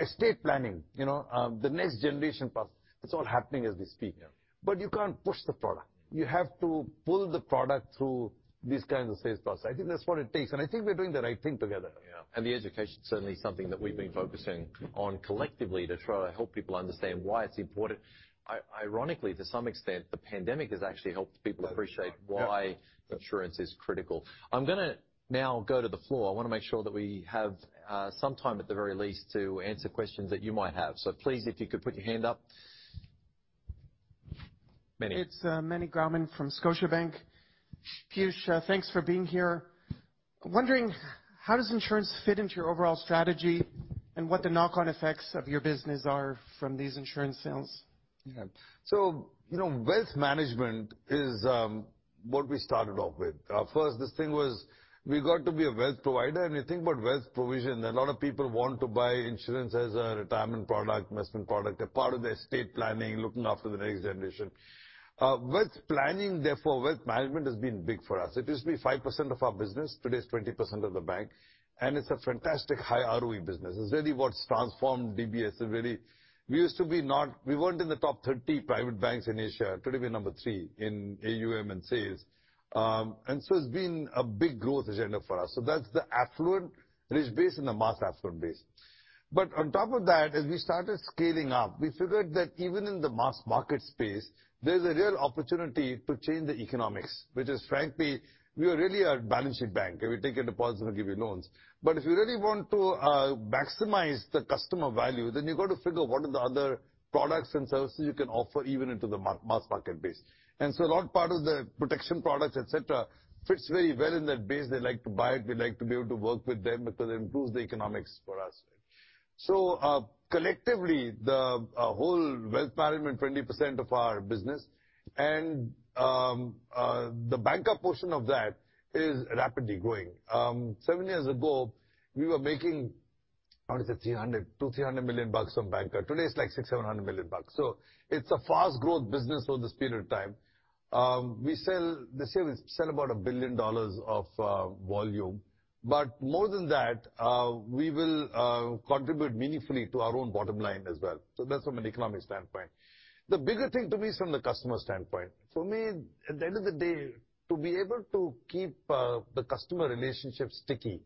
S3: estate planning, you know, the next generation path. It's all happening as we speak.
S2: Yeah.
S3: But you can't push the product. You have to pull the product through these kinds of sales process. I think that's what it takes, and I think we're doing the right thing together.
S2: Yeah. And the education is certainly something that we've been focusing on collectively to try to help people understand why it's important. Ironically, to some extent, the pandemic has actually helped people appreciate why insurance is critical. I'm gonna now go to the floor. I wanna make sure that we have some time, at the very least, to answer questions that you might have. So please, if you could put your hand up. Meny.
S4: It's, Meny Grauman from Scotiabank. Piyush, thanks for being here. Wondering, how does insurance fit into your overall strategy, and what the knock-on effects of your business are from these insurance sales?
S3: Yeah. So, you know, wealth management is what we started off with. First, this thing was we got to be a wealth provider, and you think about wealth provision, a lot of people want to buy insurance as a retirement product, investment product, a part of their estate planning, looking after the next generation. Wealth planning, therefore, wealth management has been big for us. It used to be 5% of our business, today, it's 20% of the bank, and it's a fantastic high ROE business. It's really what's transformed DBS. It really-- We weren't in the top 30 private banks in Asia, today, we're number 3 in AUM and sales. And so it's been a big growth agenda for us. So that's the affluent rich base and the mass affluent base. But on top of that, as we started scaling up, we figured that even in the mass market space, there's a real opportunity to change the economics, which is, frankly, we are really a balance sheet bank, and we take your deposits and we give you loans. But if you really want to maximize the customer value, then you've got to figure what are the other products and services you can offer even into the mass market base. And so a large part of the protection products, et cetera, fits very well in that base. They like to buy it, we like to be able to work with them because it improves the economics for us. So, collectively, the whole wealth management, 20% of our business, and the banker portion of that is rapidly growing. 7 years ago, we were making, I want to say 200-300 million bucks from banker. Today, it's like $600 million-$700 million bucks. So it's a fast growth business over this period of time. We sell the same, we sell about $1 billion of volume, but more than that, we will contribute meaningfully to our own bottom line as well. So that's from an economic standpoint. The bigger thing to me is from the customer standpoint. For me, at the end of the day, to be able to keep the customer relationship sticky,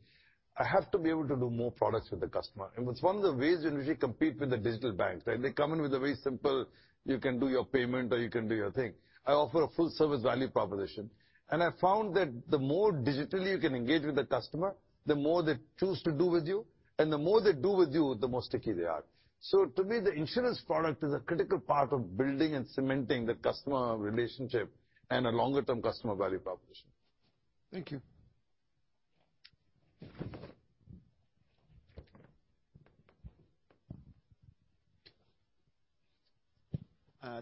S3: I have to be able to do more products with the customer. And it's one of the ways in which we compete with the digital banks, right? They come in with a very simple, you can do your payment or you can do your thing. I offer a full service value proposition, and I found that the more digitally you can engage with the customer, the more they choose to do with you, and the more they do with you, the more sticky they are. So to me, the insurance product is a critical part of building and cementing the customer relationship and a longer-term customer value proposition.
S4: Thank you.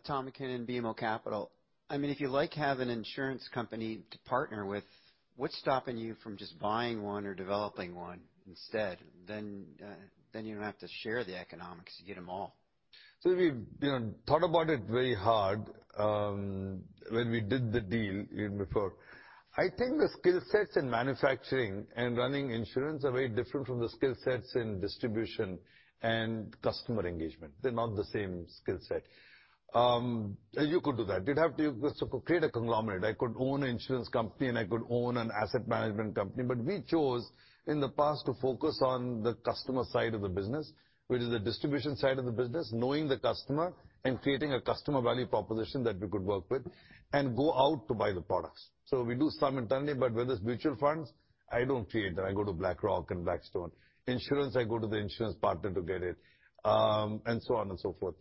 S5: Tom MacKinnon, BMO Capital. I mean, if you like having an insurance company to partner with, what's stopping you from just buying one or developing one instead, then you don't have to share the economics, you get them all?
S3: So we, you know, thought about it very hard, when we did the deal even before. I think the skill sets in manufacturing and running insurance are very different from the skill sets in distribution and customer engagement. They're not the same skill set. You could do that. You'd have to create a conglomerate. I could own an insurance company, and I could own an asset management company, but we chose, in the past, to focus on the customer side of the business, which is the distribution side of the business, knowing the customer and creating a customer value proposition that we could work with and go out to buy the products. So we do some internally, but whether it's mutual funds, I don't create them. I go to BlackRock and Blackstone. Insurance, I go to the insurance partner to get it, and so on and so forth.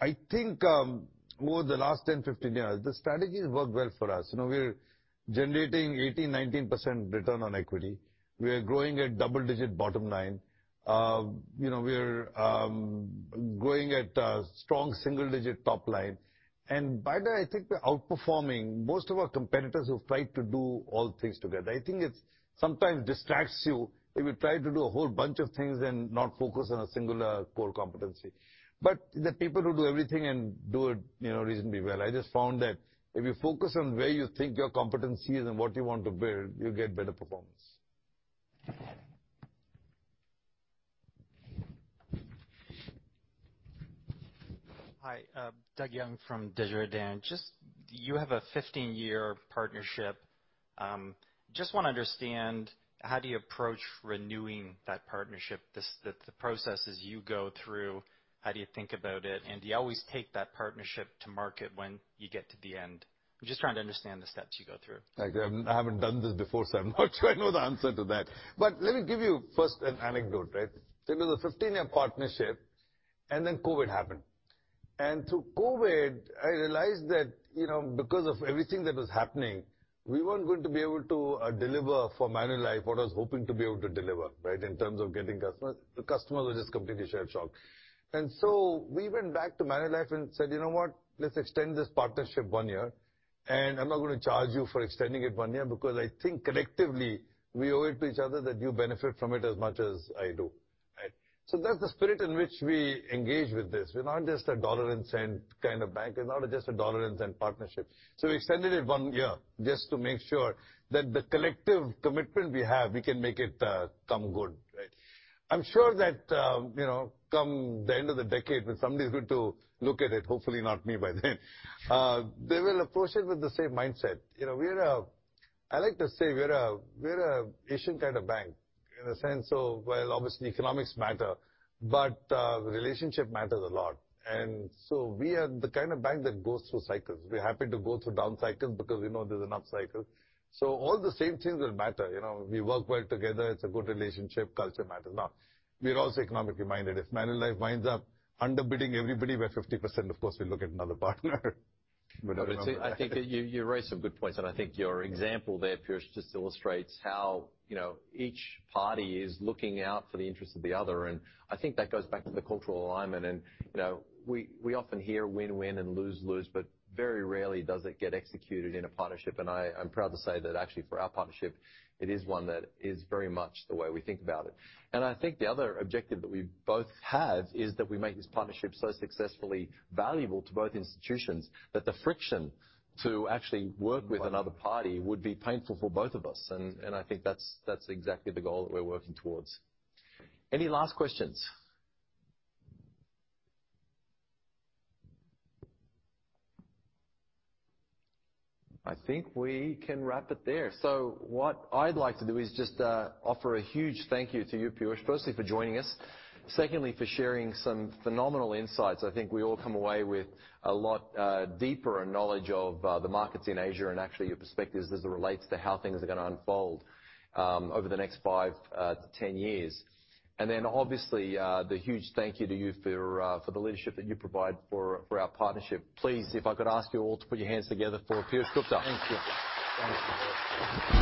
S3: I think, over the last 10, 15 years, the strategy has worked well for us. You know, we're generating 18, 19% return on equity. We are growing at double-digit bottom line. You know, we're growing at a strong single-digit top line. And by the way, I think we're outperforming most of our competitors who've tried to do all things together. I think it sometimes distracts you if you try to do a whole bunch of things and not focus on a singular core competency. But there are people who do everything and do it, you know, reasonably well. I just found that if you focus on where you think your competency is and what you want to build, you get better performance.
S6: Hi, Doug Young from Desjardins. Just, you have a 15-year partnership. Just wanna understand, how do you approach renewing that partnership, the processes you go through, how do you think about it? And do you always take that partnership to market when you get to the end? I'm just trying to understand the steps you go through.
S3: I haven't done this before, so I'm not sure I know the answer to that. But let me give you first an anecdote, right? So it was a 15-year partnership, and then COVID happened. And through COVID, I realized that, you know, because of everything that was happening, we weren't going to be able to deliver for Manulife what I was hoping to be able to deliver, right? In terms of getting customers. The customers were just completely shell-shocked. And so we went back to Manulife and said, "You know what? Let's extend this partnership one year, and I'm not going to charge you for extending it one year, because I think collectively, we owe it to each other that you benefit from it as much as I do," right? So that's the spirit in which we engage with this. We're not just a dollar and cent kind of bank. We're not just a dollar and cent partnership. So we extended it one year just to make sure that the collective commitment we have, we can make it come good, right? I'm sure that you know, come the end of the decade, when somebody's going to look at it, hopefully not me by then, they will approach it with the same mindset. You know, I like to say we're a Asian kind of bank in the sense of, well, obviously, economics matter, but relationship matters a lot. And so we are the kind of bank that goes through cycles. We're happy to go through down cycles because we know there's enough cycles. So all the same things will matter. You know, we work well together, it's a good relationship, culture matters. Now, we're also economically minded. If Manulife winds up underbidding everybody by 50%, of course, we'll look at another partner.
S2: But I think that you raise some good points, and I think your example there, Piyush, just illustrates how, you know, each party is looking out for the interests of the other. And I think that goes back to the cultural alignment. And, you know, we often hear win-win and lose-lose, but very rarely does it get executed in a partnership, and I'm proud to say that actually, for our partnership, it is one that is very much the way we think about it. And I think the other objective that we both have is that we make this partnership so successfully valuable to both institutions, that the friction to actually work with another party would be painful for both of us, and I think that's exactly the goal that we're working towards. Any last questions? I think we can wrap it there. So what I'd like to do is just offer a huge thank you to you, Piyush, firstly, for joining us. Secondly, for sharing some phenomenal insights. I think we all come away with a lot deeper in knowledge of the markets in Asia and actually your perspectives as it relates to how things are going to unfold over the next 5-10 years. And then, obviously, the huge thank you to you for the leadership that you provide for our partnership. Please, if I could ask you all to put your hands together for Piyush Gupta.
S3: Thank you. Thank you.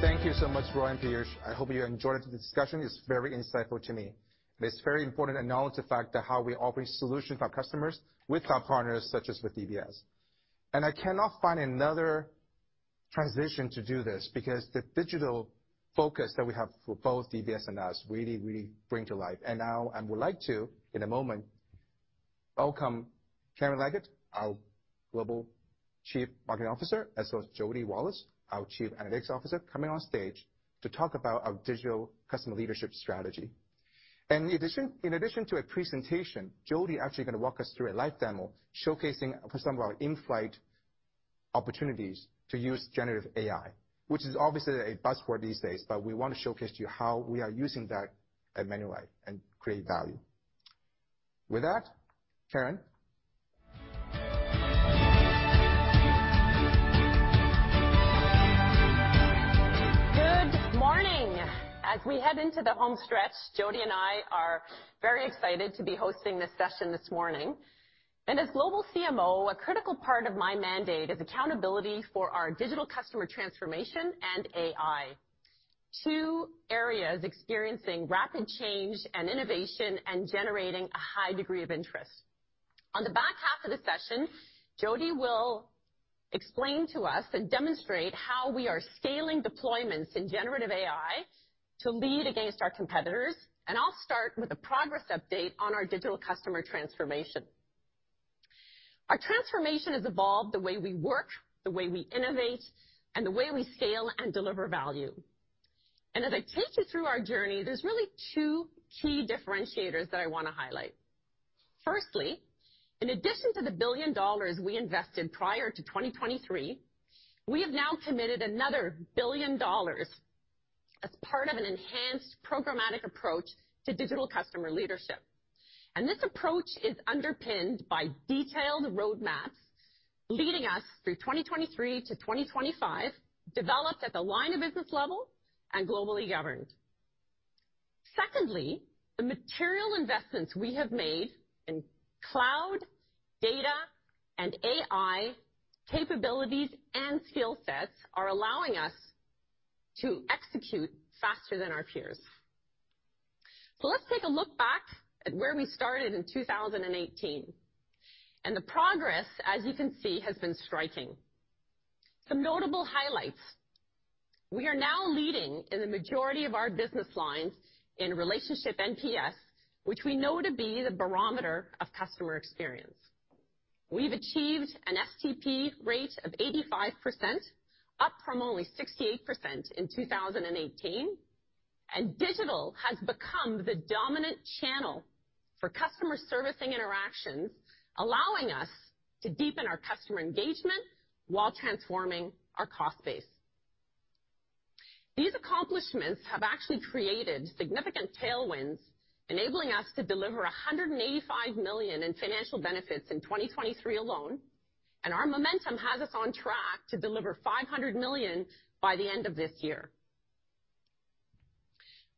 S7: Thank you so much, Roy and Piyush. I hope you enjoyed the discussion. It's very insightful to me. It's very important to acknowledge the fact that how we offer solutions to our customers with our partners, such as with DBS. And I cannot find another transition to do this, because the digital focus that we have for both DBS and us really, really bring to life. And now, I would like to, in a moment, welcome Karen Leggett, our Global Chief Marketing Officer, as well as Jody Wallace, our Chief Analytics Officer, coming on stage to talk about our digital customer leadership strategy. In addition to a presentation, Jody is actually going to walk us through a live demo showcasing some of our in-flight opportunities to use generative AI, which is obviously a buzzword these days, but we want to showcase to you how we are using that at Manulife and create value. With that, Karen?
S8: Good morning! As we head into the home stretch, Jody and I are very excited to be hosting this session this morning. As Global CMO, a critical part of my mandate is accountability for our digital customer transformation and AI, two areas experiencing rapid change and innovation and generating a high degree of interest. On the back half of the session, Jody will explain to us and demonstrate how we are scaling deployments in generative AI to lead against our competitors, and I'll start with a progress update on our digital customer transformation. Our transformation has evolved the way we work, the way we innovate, and the way we scale and deliver value. As I take you through our journey, there's really two key differentiators that I want to highlight. Firstly, in addition to the 1 billion dollars we invested prior to 2023, we have now committed another 1 billion dollars as part of an enhanced programmatic approach to digital customer leadership, and this approach is underpinned by detailed roadmaps leading us through 2023-2025, developed at the line of business level and globally governed. Secondly, the material investments we have made in cloud, data, and AI capabilities and skill sets are allowing us to execute faster than our peers. So let's take a look back at where we started in 2018. The progress, as you can see, has been striking. Some notable highlights: we are now leading in the majority of our business lines in relationship NPS, which we know to be the barometer of customer experience. We've achieved an STP rate of 85%, up from only 68% in 2018, and digital has become the dominant channel for customer servicing interactions, allowing us to deepen our customer engagement while transforming our cost base. These accomplishments have actually created significant tailwinds, enabling us to deliver $185 million in financial benefits in 2023 alone, and our momentum has us on track to deliver $500 million by the end of this year.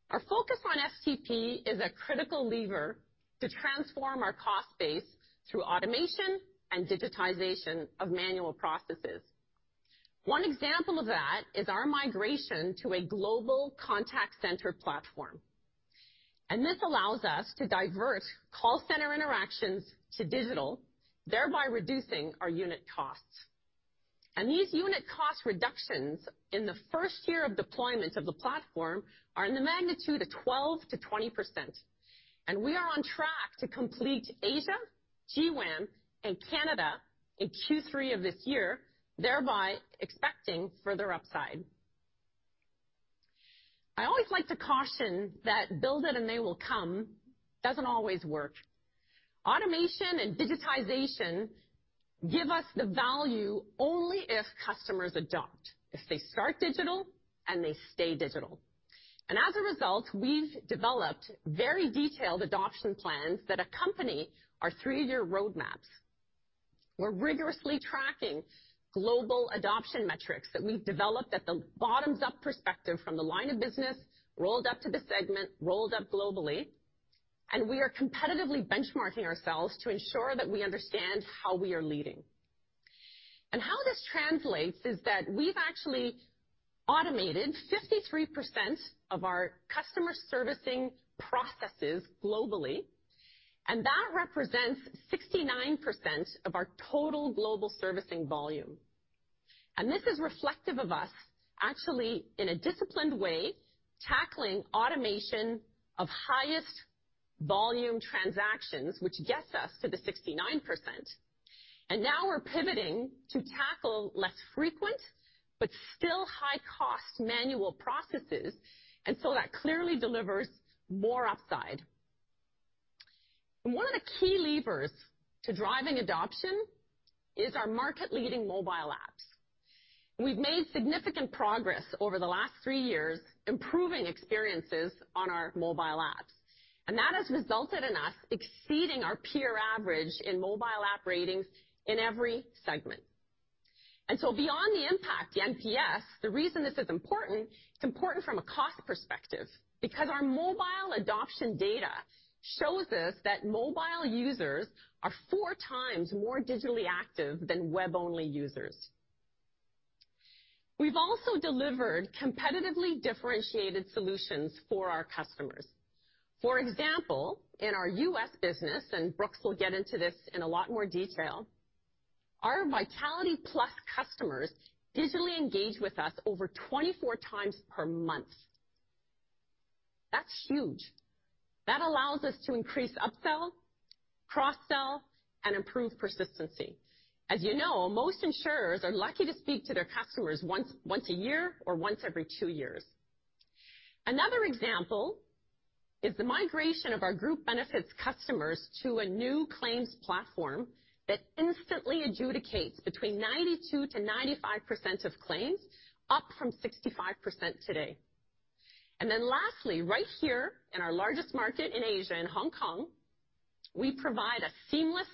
S8: Our focus on STP is a critical lever to transform our cost base through automation and digitization of manual processes. One example of that is our migration to a global contact center platform, and this allows us to divert call center interactions to digital, thereby reducing our unit costs. These unit cost reductions in the first year of deployment of the platform are in the magnitude of 12%-20%, and we are on track to complete Asia, GWAM, and Canada in Q3 of this year, thereby expecting further upside. I always like to caution that build it and they will come doesn't always work. Automation and digitization give us the value only if customers adopt, if they start digital and they stay digital. And as a result, we've developed very detailed adoption plans that accompany our three-year roadmaps. We're rigorously tracking global adoption metrics that we've developed at the bottoms-up perspective from the line of business, rolled up to the segment, rolled up globally, and we are competitively benchmarking ourselves to ensure that we understand how we are leading. How this translates is that we've actually automated 53% of our customer servicing processes globally, and that represents 69% of our total global servicing volume. This is reflective of us actually, in a disciplined way, tackling automation of highest volume transactions, which gets us to the 69%. Now we're pivoting to tackle less frequent, but still high-cost manual processes, and so that clearly delivers more upside. One of the key levers to driving adoption is our market-leading mobile apps. We've made significant progress over the last three years, improving experiences on our mobile apps, and that has resulted in us exceeding our peer average in mobile app ratings in every segment. And so beyond the impact, the NPS, the reason this is important, it's important from a cost perspective, because our mobile adoption data shows us that mobile users are four times more digitally active than web-only users. We've also delivered competitively differentiated solutions for our customers. For example, in our U.S. business, and Brooks will get into this in a lot more detail, our Vitality Plus Customers digitally engage with us over 24 times per month. That's huge. That allows us to increase upsell, cross-sell, and improve persistency. As you know, most insurers are lucky to speak to their customers once, once a year or once every two years. Another example is the migration of our group benefits customers to a new claims platform that instantly adjudicates between 92%-95% of claims, up from 65% today. Then lastly, right here in our largest market in Asia, in Hong Kong, we provide a seamless,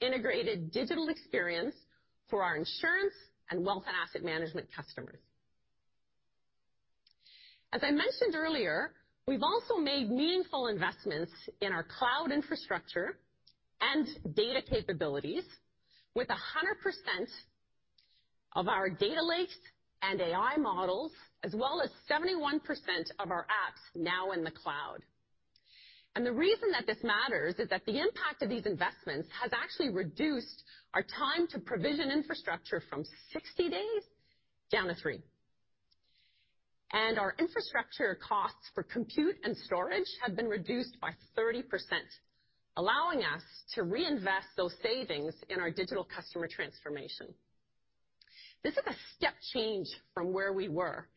S8: integrated digital experience for our insurance and wealth and asset management customers. As I mentioned earlier, we've also made meaningful investments in our cloud infrastructure and data capabilities with 100% of our data lakes and AI models, as well as 71% of our apps now in the cloud. The reason that this matters is that the impact of these investments has actually reduced our time to provision infrastructure from 60 days down to 3. Our infrastructure costs for compute and storage have been reduced by 30%, allowing us to reinvest those savings in our digital customer transformation. This is a step change from where we were,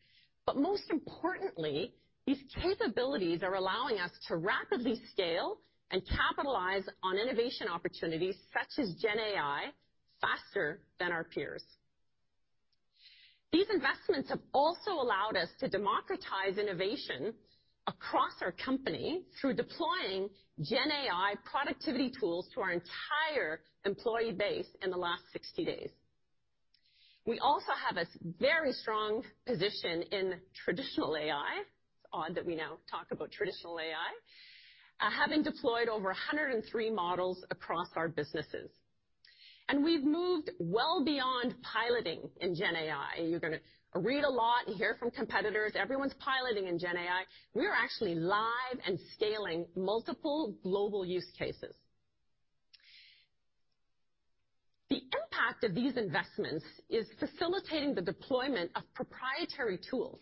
S8: but most importantly, these capabilities are allowing us to rapidly scale and capitalize on innovation opportunities, such as GenAI, faster than our peers. These investments have also allowed us to democratize innovation across our company through deploying GenAI productivity tools to our entire employee base in the last 60 days. We also have a very strong position in traditional AI. It's odd that we now talk about traditional AI, having deployed over 103 models across our businesses. We've moved well beyond piloting in GenAI. You're gonna read a lot and hear from competitors. Everyone's piloting in GenAI. We are actually live and scaling multiple global use cases. The impact of these investments is facilitating the deployment of proprietary tools,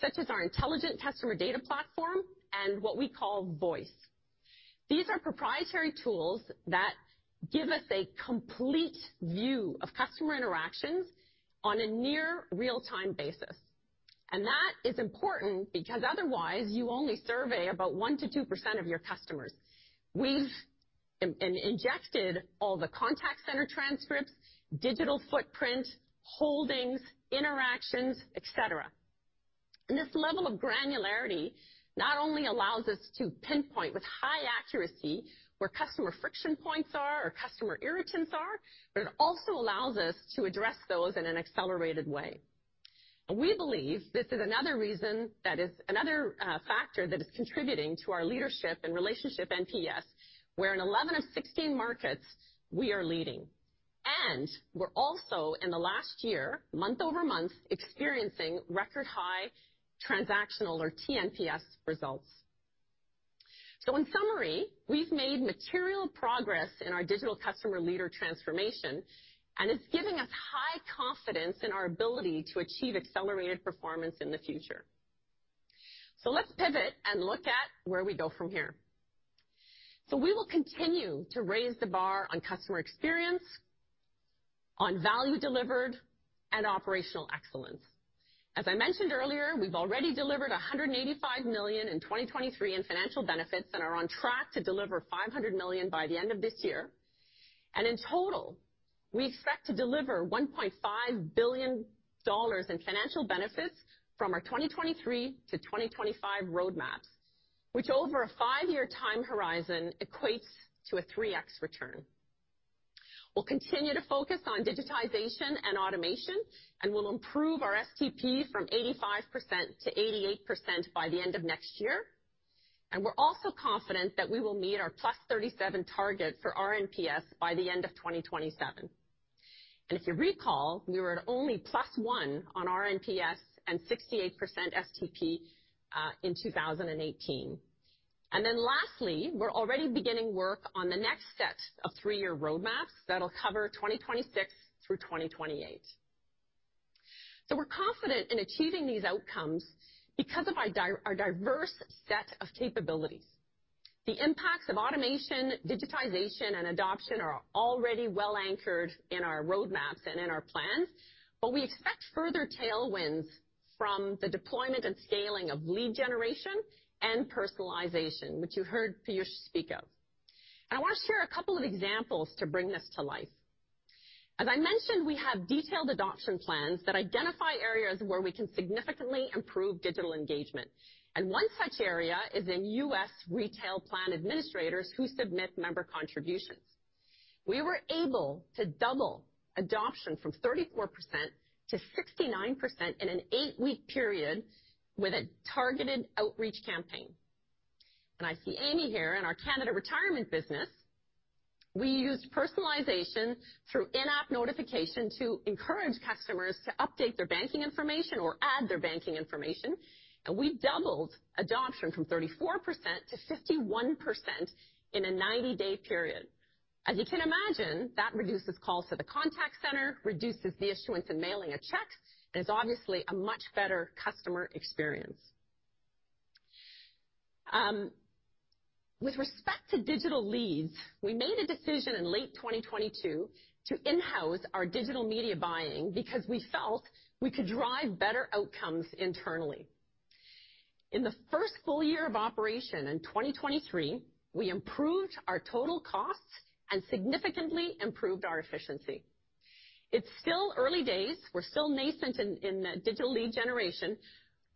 S8: such as our Intelligent Customer Data Platform and what we call Voice. These are proprietary tools that give us a complete view of customer interactions on a near real-time basis. That is important because otherwise you only survey about 1%-2% of your customers. Injected all the contact center transcripts, digital footprint, holdings, interactions, et cetera. This level of granularity not only allows us to pinpoint with high accuracy where customer friction points are or customer irritants are, but it also allows us to address those in an accelerated way. We believe this is another reason that is another factor that is contributing to our leadership and relationship NPS, where, in 11 of 16 markets, we are leading. We're also, in the last year, month-over-month, experiencing record-high transactional or tNPS results. So in summary, we've made material progress in our digital customer leader transformation, and it's giving us high confidence in our ability to achieve accelerated performance in the future. So let's pivot and look at where we go from here. So we will continue to raise the bar on customer experience, on value delivered, and operational excellence. As I mentioned earlier, we've already delivered $185 million in 2023 in financial benefits and are on track to deliver $500 million by the end of this year. And in total, we expect to deliver $1.5 billion in financial benefits from our 2023-2025 roadmaps, which over a five-year time horizon, equates to a 3x return. We'll continue to focus on digitization and automation, and we'll improve our STP from 85%-88% by the end of next year. We're also confident that we will meet our +37 target for RNPS by the end of 2027. If you recall, we were at only +1 on RNPS and 68% STP in 2018. Then lastly, we're already beginning work on the next set of three-year roadmaps that'll cover 2026 through 2028. So we're confident in achieving these outcomes because of our diverse set of capabilities. The impacts of automation, digitization, and adoption are already well anchored in our roadmaps and in our plans, but we expect further tailwinds from the deployment and scaling of lead generation and personalization, which you heard Piyush speak of. I wanna share a couple of examples to bring this to life. As I mentioned, we have detailed adoption plans that identify areas where we can significantly improve digital engagement, and one such area is in U.S. retail plan administrators who submit member contributions. We were able to double adoption from 34%-69% in an 8-week period with a targeted outreach campaign. I see Aimee here in our Canada retirement business. We used personalization through in-app notification to encourage customers to update their banking information or add their banking information, and we've doubled adoption from 34%-51% in a 90-day period. As you can imagine, that reduces calls to the contact center, reduces the issuance in mailing a check, and is obviously a much better customer experience. With respect to digital leads, we made a decision in late 2022 to in-house our digital media buying because we felt we could drive better outcomes internally. In the first full year of operation, in 2023, we improved our total costs and significantly improved our efficiency. It's still early days. We're still nascent in digital lead generation,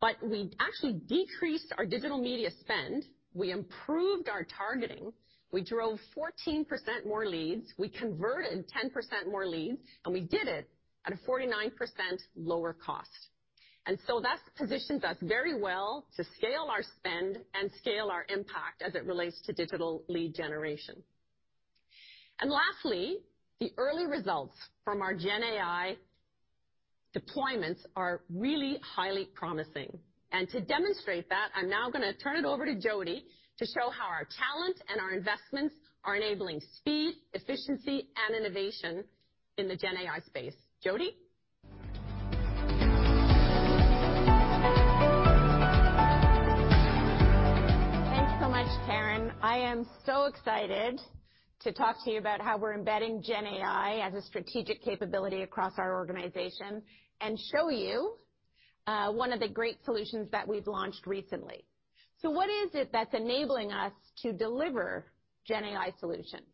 S8: but we actually decreased our digital media spend, we improved our targeting, we drove 14% more leads, we converted 10% more leads, and we did it at a 49% lower cost. And so that positions us very well to scale our spend and scale our impact as it relates to digital lead generation. And lastly, the early results from our GenAI deployments are really highly promising. To demonstrate that, I'm now gonna turn it over to Jody, to show how our talent and our investments are enabling speed, efficiency, and innovation in the GenAI space. Jody?
S9: Thanks so much, Karen. I am so excited to talk to you about how we're embedding GenAI as a strategic capability across our organization, and show you one of the great solutions that we've launched recently. So what is it that's enabling us to deliver GenAI solutions?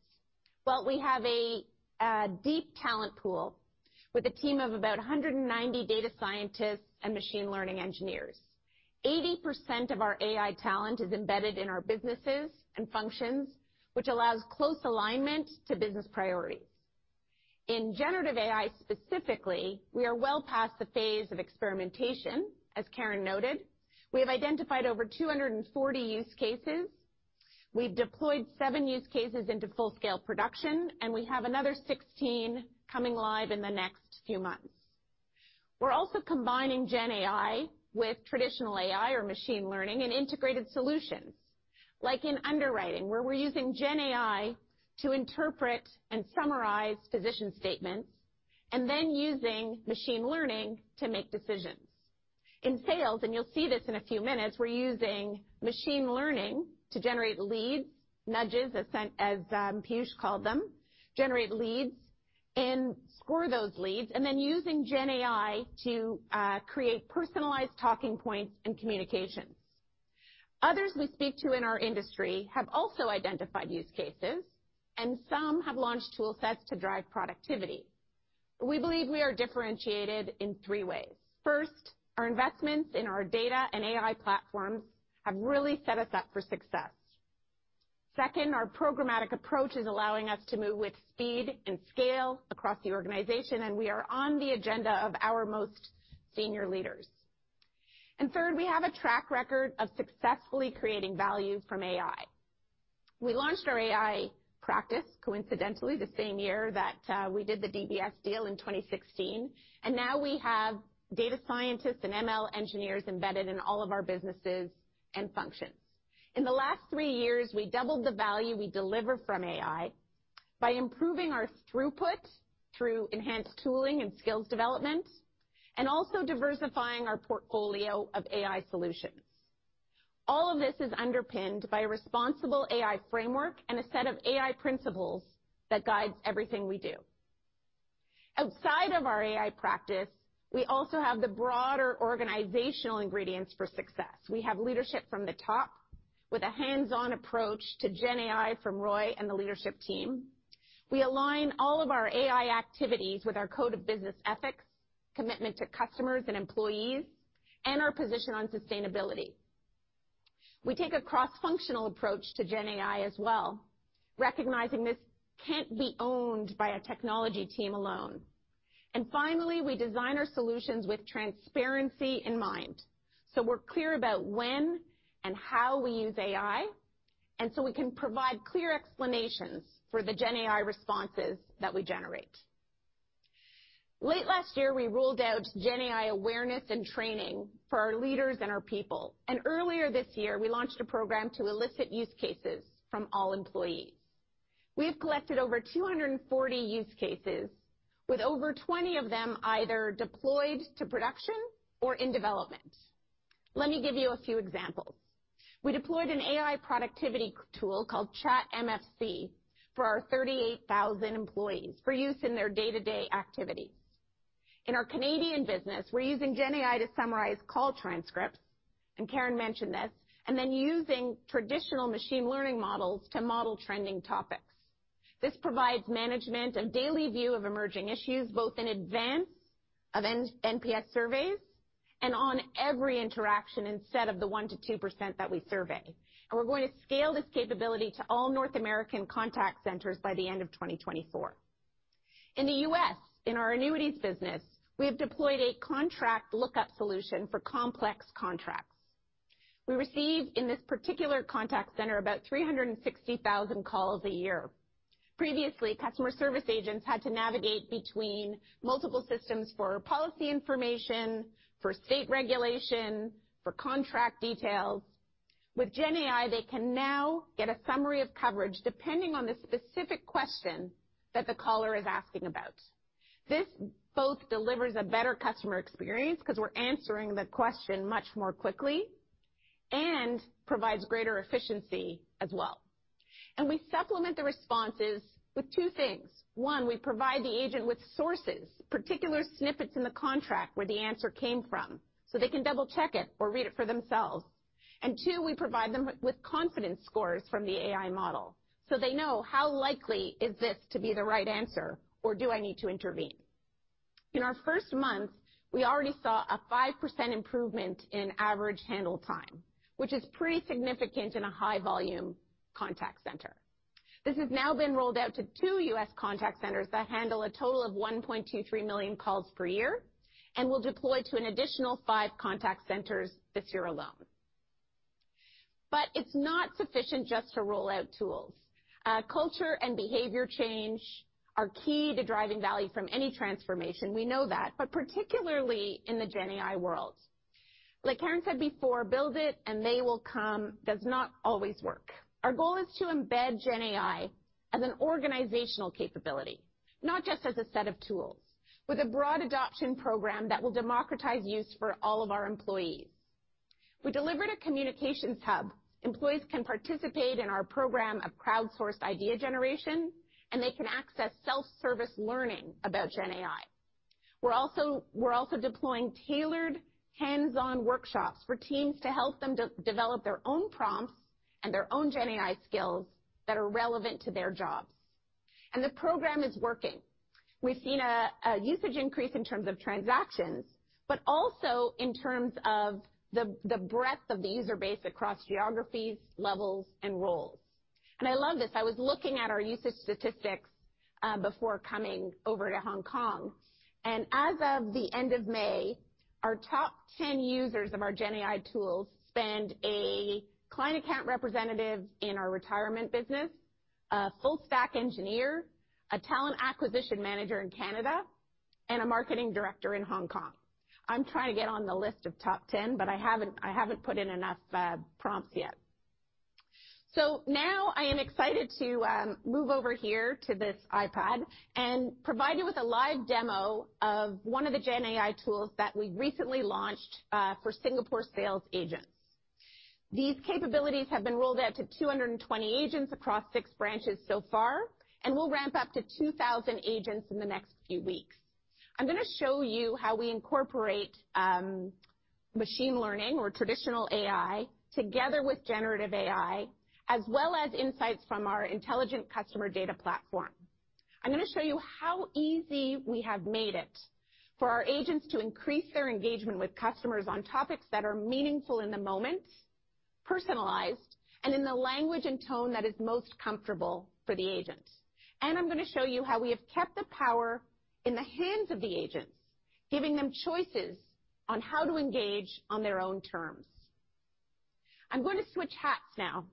S9: Well, we have a deep talent pool with a team of about 190 data scientists and machine learning engineers. 80% of our AI talent is embedded in our businesses and functions, which allows close alignment to business priorities. In generative AI specifically, we are well past the phase of experimentation, as Karen noted. We have identified over 240 use cases, we've deployed seven use cases into full scale production, and we have another 16 coming live in the next few months. We're also combining GenAI with traditional AI or machine learning and integrated solutions, like in underwriting, where we're using GenAI to interpret and summarize physician statements, and then using machine learning to make decisions. In sales, and you'll see this in a few minutes, we're using machine learning to generate leads, nudges, as Piyush called them, and score those leads, and then using GenAI to create personalized talking points and communications. Others we speak to in our industry have also identified use cases, and some have launched tool sets to drive productivity. We believe we are differentiated in three ways. First, our investments in our data and AI platforms have really set us up for success. Second, our programmatic approach is allowing us to move with speed and scale across the organization, and we are on the agenda of our most senior leaders. And third, we have a track record of successfully creating value from AI. We launched our AI practice, coincidentally, the same year that we did the DBS deal in 2016, and now we have data scientists and ML engineers embedded in all of our businesses and functions. In the last three years, we doubled the value we deliver from AI by improving our throughput through enhanced tooling and skills development, and also diversifying our portfolio of AI solutions. All of this is underpinned by a responsible AI framework and a set of AI principles that guides everything we do. Outside of our AI practice, we also have the broader organizational ingredients for success. We have leadership from the top, with a hands-on approach to GenAI from Roy and the leadership team. We align all of our AI activities with our code of business ethics, commitment to customers and employees, and our position on sustainability. We take a cross-functional approach to GenAI as well, recognizing this can't be owned by a technology team alone. Finally, we design our solutions with transparency in mind, so we're clear about when and how we use AI, and so we can provide clear explanations for the GenAI responses that we generate. Late last year, we rolled out GenAI awareness and training for our leaders and our people, and earlier this year, we launched a program to elicit use cases from all employees. We have collected over 240 use cases, with over 20 of them either deployed to production or in development. Let me give you a few examples. We deployed an AI productivity tool called ChatMFC for our 38,000 employees for use in their day-to-day activities. In our Canadian business, we're using GenAI to summarize call transcripts, and Karen mentioned this, and then using traditional machine learning models to model trending topics. This provides management a daily view of emerging issues, both in advance of NPS surveys, and on every interaction instead of the 1%-2% that we survey, and we're going to scale this capability to all North American contact centers by the end of 2024. In the US, in our annuities business, we have deployed a contract lookup solution for complex contracts. We receive, in this particular contact center, about 360,000 calls a year. Previously, customer service agents had to navigate between multiple systems for policy information, for state regulation, for contract details. With GenAI, they can now get a summary of coverage depending on the specific question that the caller is asking about. This both delivers a better customer experience, 'cause we're answering the question much more quickly, and provides greater efficiency as well. And we supplement the responses with two things: One, we provide the agent with sources, particular snippets in the contract where the answer came from, so they can double check it or read it for themselves. And two, we provide them with confidence scores from the AI model, so they know how likely is this to be the right answer, or do I need to intervene? In our first month, we already saw a 5% improvement in average handle time, which is pretty significant in a high volume contact center. This has now been rolled out to two U.S. contact centers that handle a total of 1.23 million calls per year, and will deploy to an additional five contact centers this year alone. But it's not sufficient just to roll out tools. Culture and behavior change are key to driving value from any transformation, we know that, but particularly in the GenAI world. Like Karen said before, "Build it, and they will come," does not always work. Our goal is to embed GenAI as an organizational capability, not just as a set of tools, with a broad adoption program that will democratize use for all of our employees. We delivered a communications hub. Employees can participate in our program of crowdsourced idea generation, and they can access self-service learning about GenAI. We're also deploying tailored hands-on workshops for teams to help them develop their own prompts and their own GenAI skills that are relevant to their jobs, and the program is working. We've seen a usage increase in terms of transactions, but also in terms of the breadth of the user base across geographies, levels, and roles. And I love this. I was looking at our usage statistics before coming over to Hong Kong, and as of the end of May, our top 10 users of our GenAI tools include a client account representative in our retirement business, a full stack engineer, a talent acquisition manager in Canada, and a marketing director in Hong Kong. I'm trying to get on the list of top 10, but I haven't put in enough prompts yet. Now I am excited to move over here to this iPad and provide you with a live demo of one of the GenAI tools that we recently launched for Singapore sales agents. These capabilities have been rolled out to 220 agents across six branches so far, and will ramp up to 2,000 agents in the next few weeks. I'm going to show you how we incorporate machine learning or traditional AI together with generative AI, as well as insights from our intelligent customer data platform. I'm going to show you how easy we have made it for our agents to increase their engagement with customers on topics that are meaningful in the moment, personalized, and in the language and tone that is most comfortable for the agent. And I'm going to show you how we have kept the power in the hands of the agents, giving them choices on how to engage on their own terms. I'm going to switch hats now,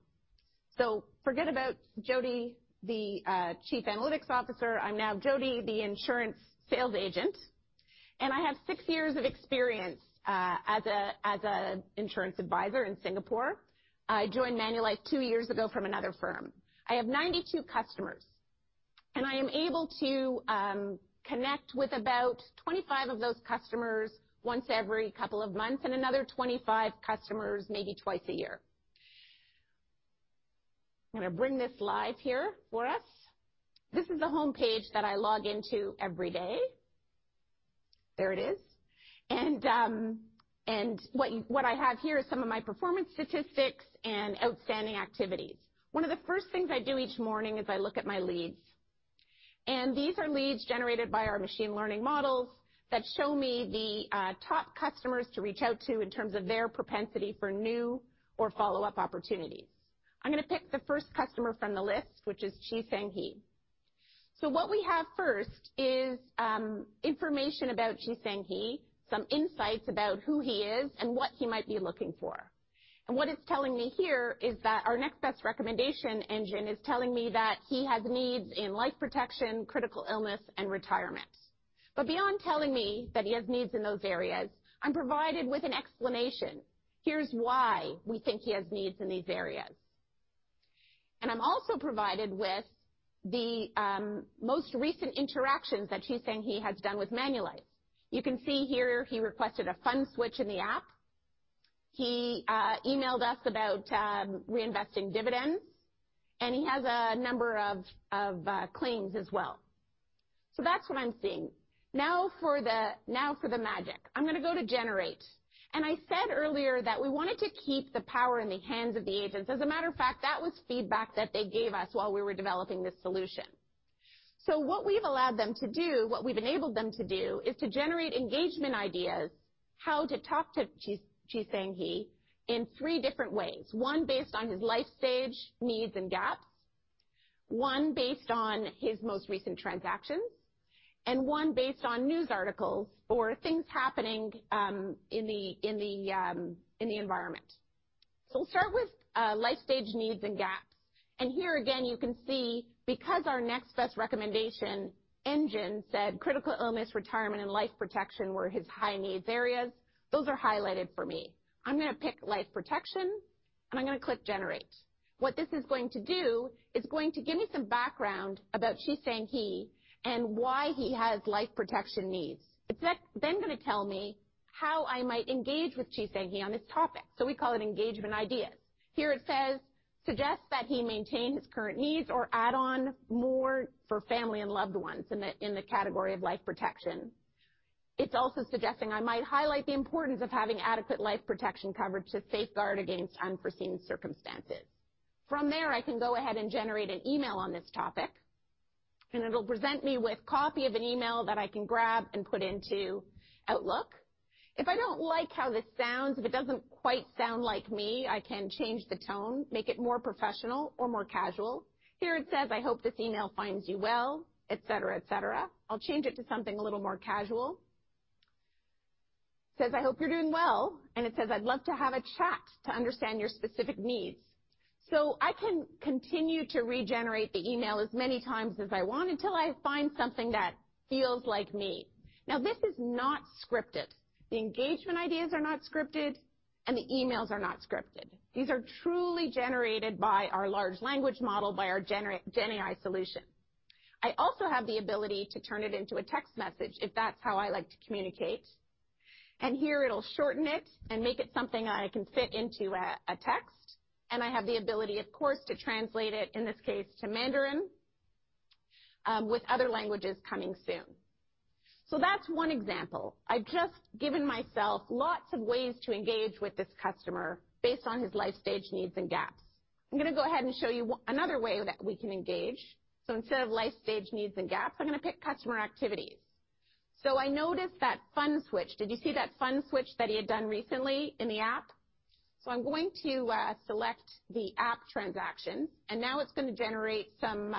S9: so forget about Jody, the Chief Analytics Officer. I'm now Jody, the insurance sales agent, and I have six years of experience as a insurance advisor in Singapore. I joined Manulife two years ago from another firm. I have 92 customers, and I am able to connect with about 25 of those customers once every couple of months, and another 25 customers maybe twice a year. I'm gonna bring this live here for us. This is the homepage that I log into every day. There it is. And what I have here is some of my performance statistics and outstanding activities. One of the first things I do each morning is I look at my leads, and these are leads generated by our machine learning models that show me the top customers to reach out to in terms of their propensity for new or follow-up opportunities. I'm gonna pick the first customer from the list, which is Chi Seng Hee. So what we have first is information about Chi Seng Hee, some insights about who he is and what he might be looking for. And what it's telling me here is that our next best recommendation engine is telling me that he has needs in life protection, critical illness, and retirement. But beyond telling me that he has needs in those areas, I'm provided with an explanation. Here's why we think he has needs in these areas. I'm also provided with the most recent interactions that Chi Seng Hee has done with Manulife. You can see here he requested a fund switch in the app. He emailed us about reinvesting dividends, and he has a number of claims as well. So that's what I'm seeing. Now for the magic. I'm gonna go to generate, and I said earlier that we wanted to keep the power in the hands of the agents. As a matter of fact, that was feedback that they gave us while we were developing this solution. So what we've allowed them to do, what we've enabled them to do, is to generate engagement ideas, how to talk to Chi, Chi Seng Hee in three different ways, one based on his life stage, needs, and gaps, one based on his most recent transactions, and one based on news articles or things happening in the environment. So we'll start with life stage, needs, and gaps. And here again, you can see, because our next best recommendation engine said critical illness, retirement, and life protection were his high needs areas, those are highlighted for me. I'm gonna pick life protection, and I'm gonna click Generate. What this is going to do, it's going to give me some background about Chi Seng Hee and why he has life protection needs. It's then gonna tell me how I might engage with Chi Seng Hee on this topic, so we call it engagement ideas. Here it says: Suggest that he maintain his current needs or add on more for family and loved ones in the category of life protection. It's also suggesting I might highlight the importance of having adequate life protection coverage to safeguard against unforeseen circumstances. From there, I can go ahead and generate an email on this topic, and it'll present me with copy of an email that I can grab and put into Outlook. If I don't like how this sounds, if it doesn't quite sound like me, I can change the tone, make it more professional or more casual. Here it says, "I hope this email finds you well," et cetera, et cetera. I'll change it to something a little more casual. Says, "I hope you're doing well," and it says, "I'd love to have a chat to understand your specific needs." So I can continue to regenerate the email as many times as I want until I find something that feels like me. Now, this is not scripted. The engagement ideas are not scripted, and the emails are not scripted. These are truly generated by our large language model, by our GenAI solution. I also have the ability to turn it into a text message, if that's how I like to communicate. And here, it'll shorten it and make it something I can fit into a text, and I have the ability, of course, to translate it, in this case, to Mandarin, with other languages coming soon. So that's one example. I've just given myself lots of ways to engage with this customer based on his life stage, needs, and gaps. I'm gonna go ahead and show you another way that we can engage. So instead of life stage, needs, and gaps, I'm gonna pick customer activities. So I noticed that fund switch. Did you see that fund switch that he had done recently in the app? So I'm going to select the app transaction, and now it's gonna generate some,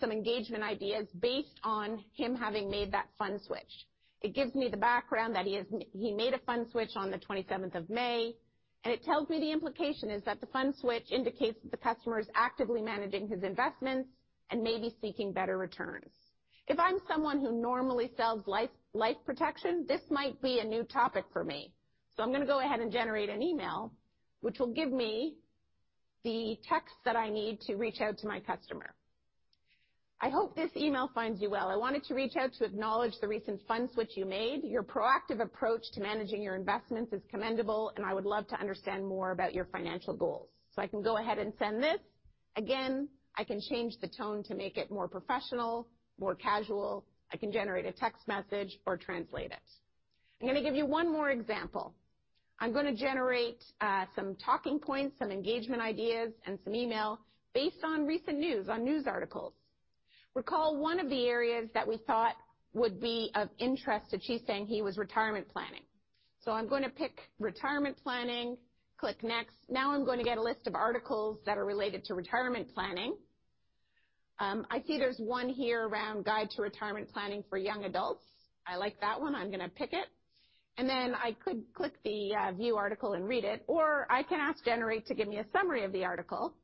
S9: some engagement ideas based on him having made that fund switch. It gives me the background that he has... He made a fund switch on the twenty-seventh of May, and it tells me the implication is that the fund switch indicates that the customer is actively managing his investments and may be seeking better returns. If I'm someone who normally sells life, life protection, this might be a new topic for me. So I'm gonna go ahead and generate an email, which will give me the text that I need to reach out to my customer. I hope this email finds you well. I wanted to reach out to acknowledge the recent fund switch you made. Your proactive approach to managing your investments is commendable, and I would love to understand more about your financial goals. So I can go ahead and send this. Again, I can change the tone to make it more professional, more casual. I can generate a text message or translate it. I'm going to give you one more example. I'm going to generate some talking points, some engagement ideas, and some email based on recent news, on news articles. Recall one of the areas that we thought would be of interest to Chi Seng Hee was retirement planning. So I'm going to pick retirement planning, click Next. Now I'm going to get a list of articles that are related to retirement planning. I see there's one here around Guide to Retirement Planning for Young Adults. I like that one. I'm going to pick it, and then I could click the View Article and read it, or I can ask Generate to give me a summary of the article,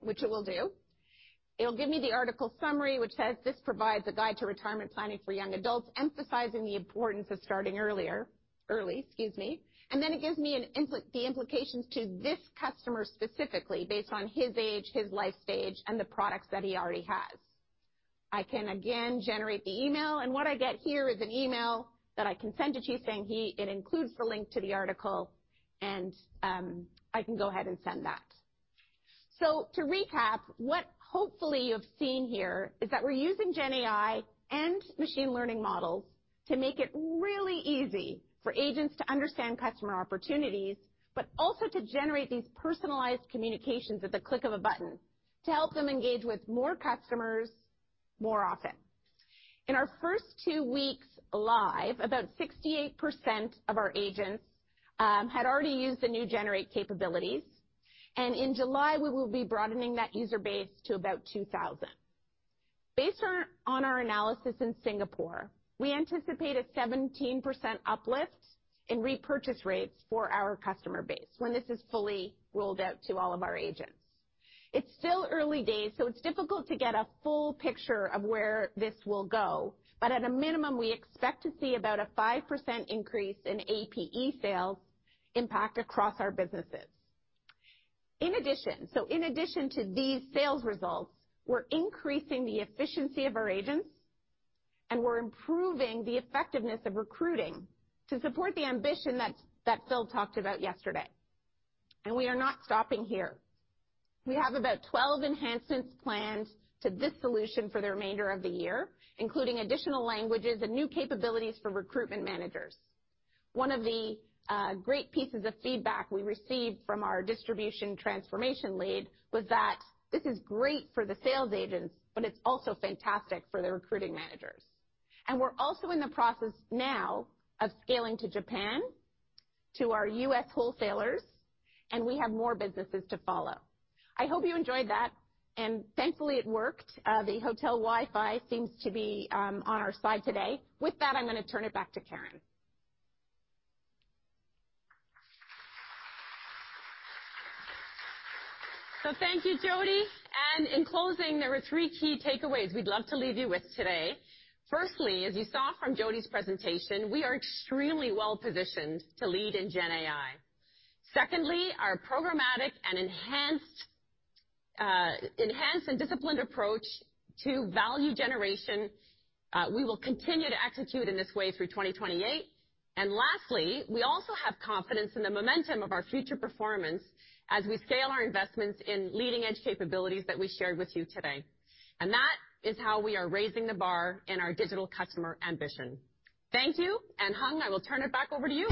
S9: which it will do. It'll give me the article summary, which says, "This provides a guide to retirement planning for young adults, emphasizing the importance of starting earlier," excuse me. And then it gives me the implications to this customer, specifically based on his age, his life stage, and the products that he already has. I can again generate the email, and what I get here is an email that I can send to Chi Seng Hee. It includes the link to the article and, I can go ahead and send that. So to recap, what hopefully you've seen here is that we're using GenAI and machine learning models to make it really easy for agents to understand customer opportunities, but also to generate these personalized communications at the click of a button to help them engage with more customers more often. In our first two weeks live, about 68% of our agents had already used the new generate capabilities, and in July, we will be broadening that user base to about 2,000. Based on our analysis in Singapore, we anticipate a 17% uplift in repurchase rates for our customer base when this is fully rolled out to all of our agents. It's still early days, so it's difficult to get a full picture of where this will go, but at a minimum, we expect to see about a 5% increase in APE sales impact across our businesses. In addition to these sales results, we're increasing the efficiency of our agents, and we're improving the effectiveness of recruiting to support the ambition that Phil talked about yesterday, and we are not stopping here. We have about 12 enhancements planned to this solution for the remainder of the year, including additional languages and new capabilities for recruitment managers. One of the great pieces of feedback we received from our distribution transformation lead was that this is great for the sales agents, but it's also fantastic for the recruiting managers. We're also in the process now of scaling to Japan, to our U.S. wholesalers, and we have more businesses to follow. I hope you enjoyed that, and thankfully, it worked. The hotel Wi-Fi seems to be on our side today. With that, I'm going to turn it back to Karen.
S8: So thank you, Jody. And in closing, there are three key takeaways we'd love to leave you with today. Firstly, as you saw from Jody's presentation, we are extremely well-positioned to lead in GenAI. Secondly, our programmatic and enhanced and disciplined approach to value generation, we will continue to execute in this way through 2028. And lastly, we also have confidence in the momentum of our future performance as we scale our investments in leading-edge capabilities that we shared with you today. And that is how we are raising the bar in our digital customer ambition. Thank you, and Hung, I will turn it back over to you.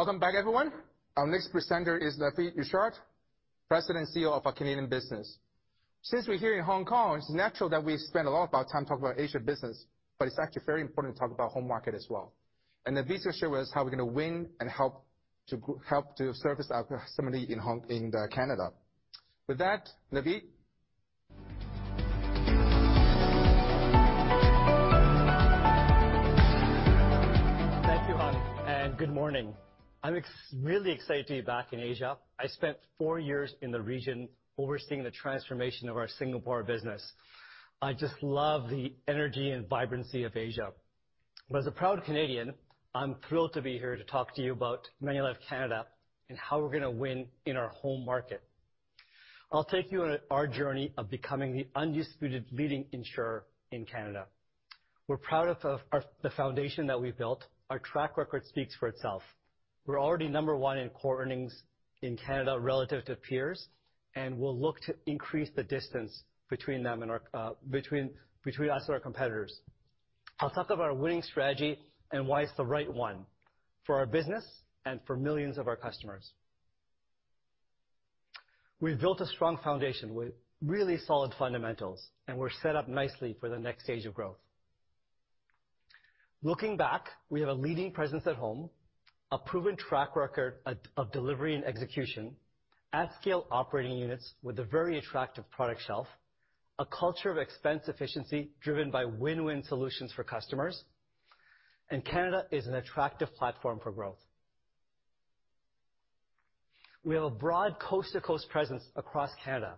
S7: Welcome back, everyone. Our next presenter is Naveed Irshad, President and CEO of our Canadian business. Since we're here in Hong Kong, it's natural that we spend a lot of our time talking about Asia business, but it's actually very important to talk about home market as well. Naveed will show us how we're going to win and help to service our customer in Hong Kong and Canada. With that, Naveed?
S10: Thank you, Hung, and good morning. I'm really excited to be back in Asia. I spent four years in the region overseeing the transformation of our Singapore business. I just love the energy and vibrancy of Asia. But as a proud Canadian, I'm thrilled to be here to talk to you about Manulife Canada and how we're going to win in our home market. I'll take you on our journey of becoming the undisputed leading insurer in Canada. We're proud of the foundation that we've built. Our track record speaks for itself. We're already number one in core earnings in Canada relative to peers, and we'll look to increase the distance between us and our competitors. I'll talk about our winning strategy and why it's the right one for our business and for millions of our customers. We've built a strong foundation with really solid fundamentals, and we're set up nicely for the next stage of growth. Looking back, we have a leading presence at home, a proven track record of delivery and execution, at-scale operating units with a very attractive product shelf, a culture of expense efficiency driven by win-win solutions for customers, and Canada is an attractive platform for growth. We have a broad coast-to-coast presence across Canada.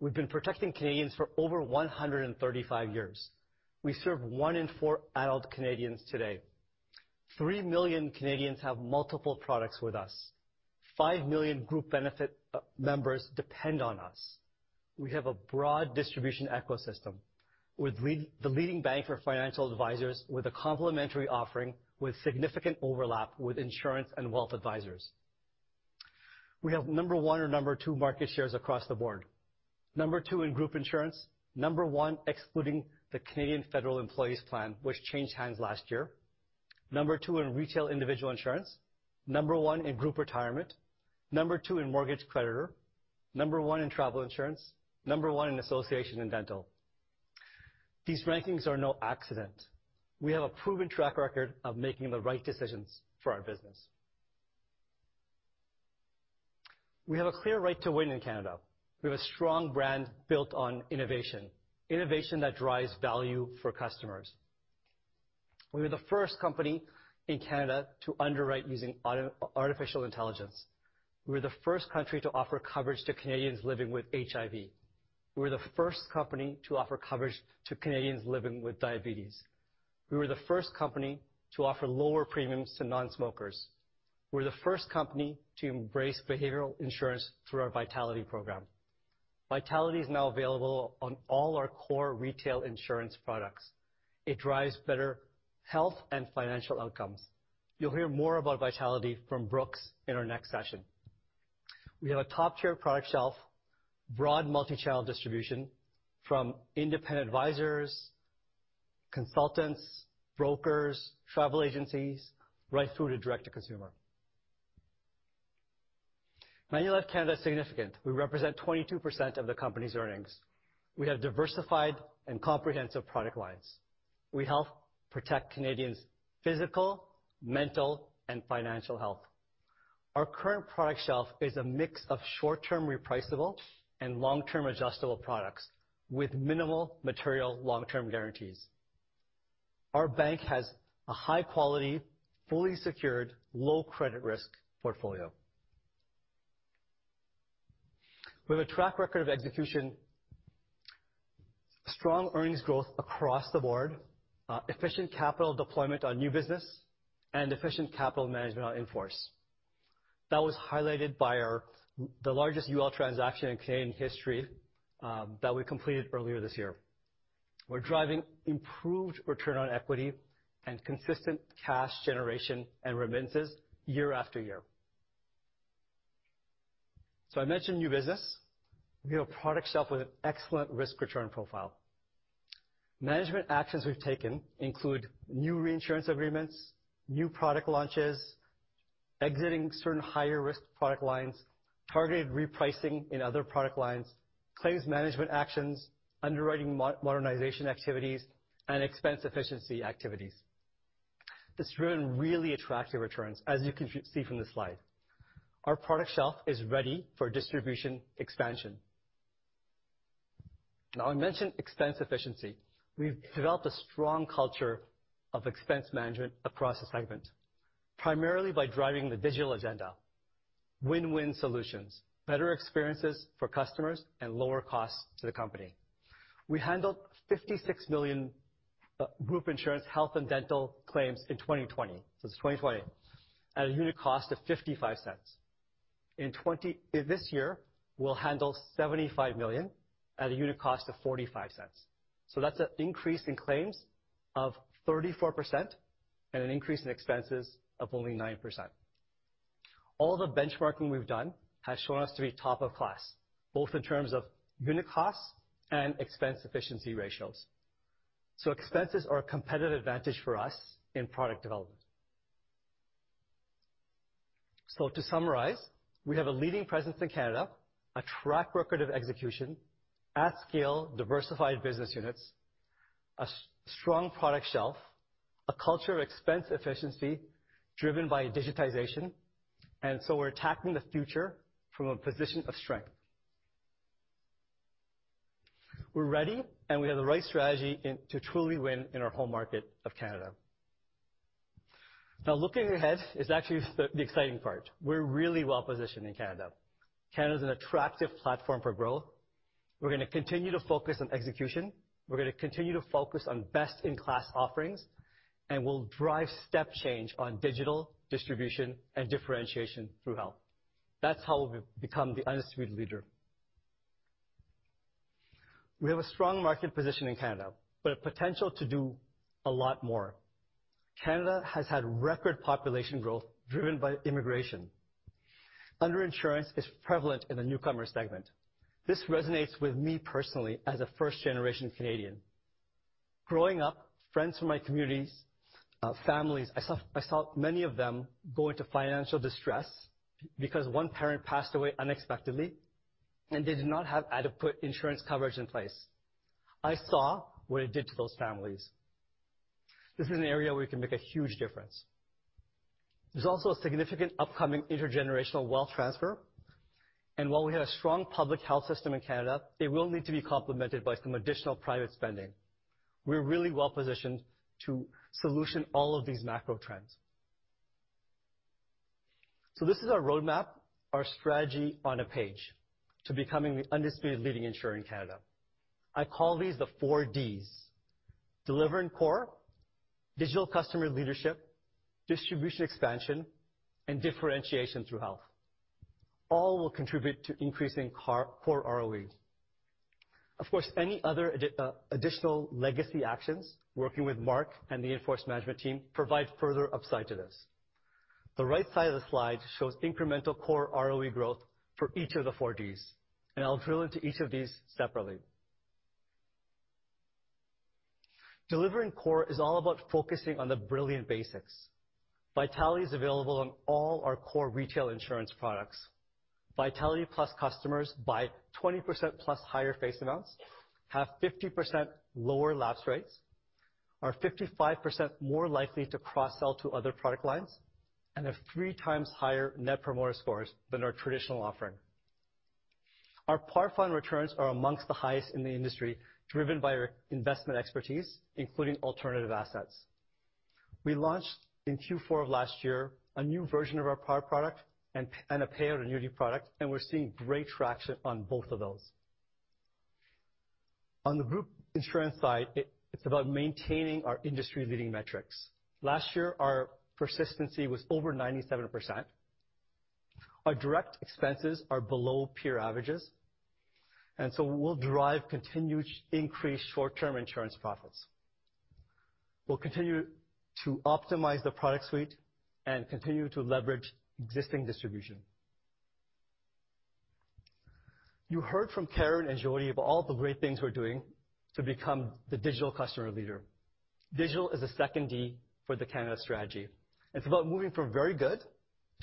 S10: We've been protecting Canadians for over 135 years. We serve 1 in 4 adult Canadians today. 3 million Canadians have multiple products with us. 5 million group benefit members depend on us. We have a broad distribution ecosystem with leading banks and financial advisors with a complementary offering, with significant overlap with insurance and wealth advisors. We have number one or number two market shares across the board. Number 2 in group insurance. Number 1, excluding the Canadian Federal Employees Plan, which changed hands last year. Number 2 in retail individual insurance. Number 1 in group retirement. Number 2 in mortgage creditor. Number 1 in travel insurance. Number 1 in association and dental. These rankings are no accident. We have a proven track record of making the right decisions for our business. We have a clear right to win in Canada. We have a strong brand built on innovation, innovation that drives value for customers. We were the first company in Canada to underwrite using artificial intelligence. We were the first company to offer coverage to Canadians living with HIV. We were the first company to offer coverage to Canadians living with diabetes. We were the first company to offer lower premiums to non-smokers. We're the first company to embrace behavioral insurance through our Vitality program. Vitality is now available on all our core retail insurance products. It drives better health and financial outcomes. You'll hear more about Vitality from Brooks in our next session. We have a top-tier product shelf, broad multi-channel distribution from independent advisors, consultants, brokers, travel agencies, right through to direct-to-consumer. Manulife Canada is significant. We represent 22% of the company's earnings. We have diversified and comprehensive product lines. We help protect Canadians' physical, mental, and financial health. Our current product shelf is a mix of short-term repriceable and long-term adjustable products, with minimal material long-term guarantees. Our bank has a high quality, fully secured, low credit risk portfolio. We have a track record of execution, strong earnings growth across the board, efficient capital deployment on new business, and efficient capital management on in-force. That was highlighted by our, the largest UL transaction in Canadian history that we completed earlier this year. We're driving improved return on equity and consistent cash generation and remittances year after year. So I mentioned new business. We have a product shelf with an excellent risk-return profile. Management actions we've taken include new reinsurance agreements, new product launches, exiting certain higher risk product lines, targeted repricing in other product lines, claims management actions, underwriting modernization activities, and expense efficiency activities. This has driven really attractive returns, as you can see from the slide. Our product shelf is ready for distribution expansion. Now, I mentioned expense efficiency. We've developed a strong culture of expense management across the segment, primarily by driving the digital agenda, win-win solutions, better experiences for customers, and lower costs to the company. We handled 56 million group insurance, health, and dental claims in 2020. It's 2020, at a unit cost of 0.55. In this year, we'll handle 75 million at a unit cost of 0.45. That's an increase in claims of 34% and an increase in expenses of only 9%. All the benchmarking we've done has shown us to be top of class, both in terms of unit costs and expense efficiency ratios. Expenses are a competitive advantage for us in product development. To summarize, we have a leading presence in Canada, a track record of execution at scale, diversified business units, a strong product shelf, a culture of expense efficiency driven by digitization, and we're tackling the future from a position of strength. We're ready, and we have the right strategy in to truly win in our home market of Canada. Now, looking ahead is actually the exciting part. We're really well-positioned in Canada. Canada is an attractive platform for growth. We're gonna continue to focus on execution, we're gonna continue to focus on best-in-class offerings, and we'll drive step change on digital distribution and differentiation through health. That's how we've become the undisputed leader. We have a strong market position in Canada, but a potential to do a lot more. Canada has had record population growth driven by immigration. Underinsurance is prevalent in the newcomer segment. This resonates with me personally as a first-generation Canadian. Growing up, friends from my communities, families, I saw many of them go into financial distress because one parent passed away unexpectedly, and they did not have adequate insurance coverage in place. I saw what it did to those families. This is an area where we can make a huge difference. There's also a significant upcoming intergenerational wealth transfer, and while we have a strong public health system in Canada, it will need to be complemented by some additional private spending. We're really well positioned to solution all of these macro trends. So this is our roadmap, our strategy on a page, to becoming the undisputed leading insurer in Canada. I call these the four Ds: deliver in core, digital customer leadership, distribution expansion, and differentiation through health. All will contribute to increasing core ROE. Of course, any other additional legacy actions, working with Marc and the in-force management team, provide further upside to this. The right side of the slide shows incremental core ROE growth for each of the four Ds, and I'll drill into each of these separately. Delivering core is all about focusing on the brilliant basics. Vitality is available on all our core retail insurance products. Vitality plus customers buy 20% plus higher face amounts, have 50% lower lapse rates, are 55% more likely to cross-sell to other product lines, and have three times higher net promoter scores than our traditional offering. Our par fund returns are among the highest in the industry, driven by our investment expertise, including alternative assets. We launched in Q4 of last year, a new version of our par product and a payout annuity product, and we're seeing great traction on both of those. On the group insurance side, it's about maintaining our industry-leading metrics. Last year, our persistency was over 97%. Our direct expenses are below peer averages, and so we'll drive continued increased short-term insurance profits. We'll continue to optimize the product suite and continue to leverage existing distribution. You heard from Karen and Jody about all the great things we're doing to become the digital customer leader. Digital is a second D for the Canada strategy, and it's about moving from very good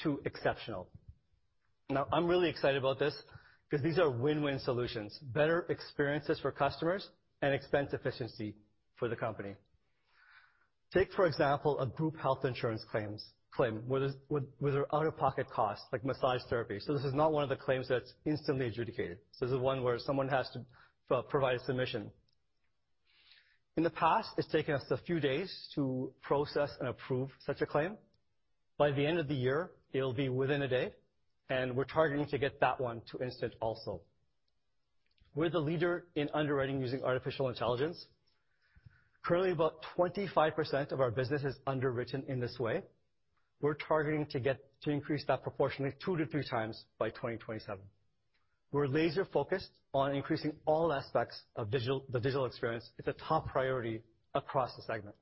S10: to exceptional. Now, I'm really excited about this because these are win-win solutions, better experiences for customers and expense efficiency for the company. Take, for example, a group health insurance claim with out-of-pocket costs, like massage therapy. So this is not one of the claims that's instantly adjudicated. This is one where someone has to provide a submission. In the past, it's taken us a few days to process and approve such a claim. By the end of the year, it'll be within a day, and we're targeting to get that one to instant also. We're the leader in underwriting using artificial intelligence. Currently, about 25% of our business is underwritten in this way. We're targeting to get to increase that proportionally 2-3 times by 2027. We're laser-focused on increasing all aspects of digital, the digital experience. It's a top priority across the segment.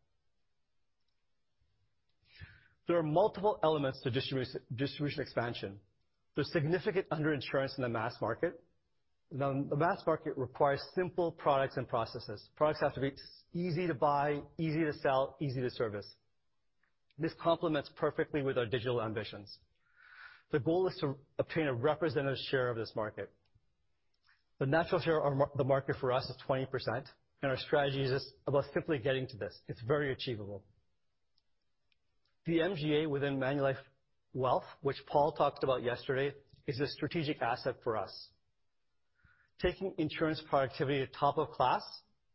S10: There are multiple elements to distribution expansion. There's significant underinsurance in the mass market. The mass market requires simple products and processes. Products have to be easy to buy, easy to sell, easy to service. This complements perfectly with our digital ambitions. The goal is to obtain a representative share of this market. The natural share of the market for us is 20%, and our strategy is just about simply getting to this. It's very achievable. The MGA within Manulife Wealth, which Paul talked about yesterday, is a strategic asset for us. Taking insurance productivity to top of class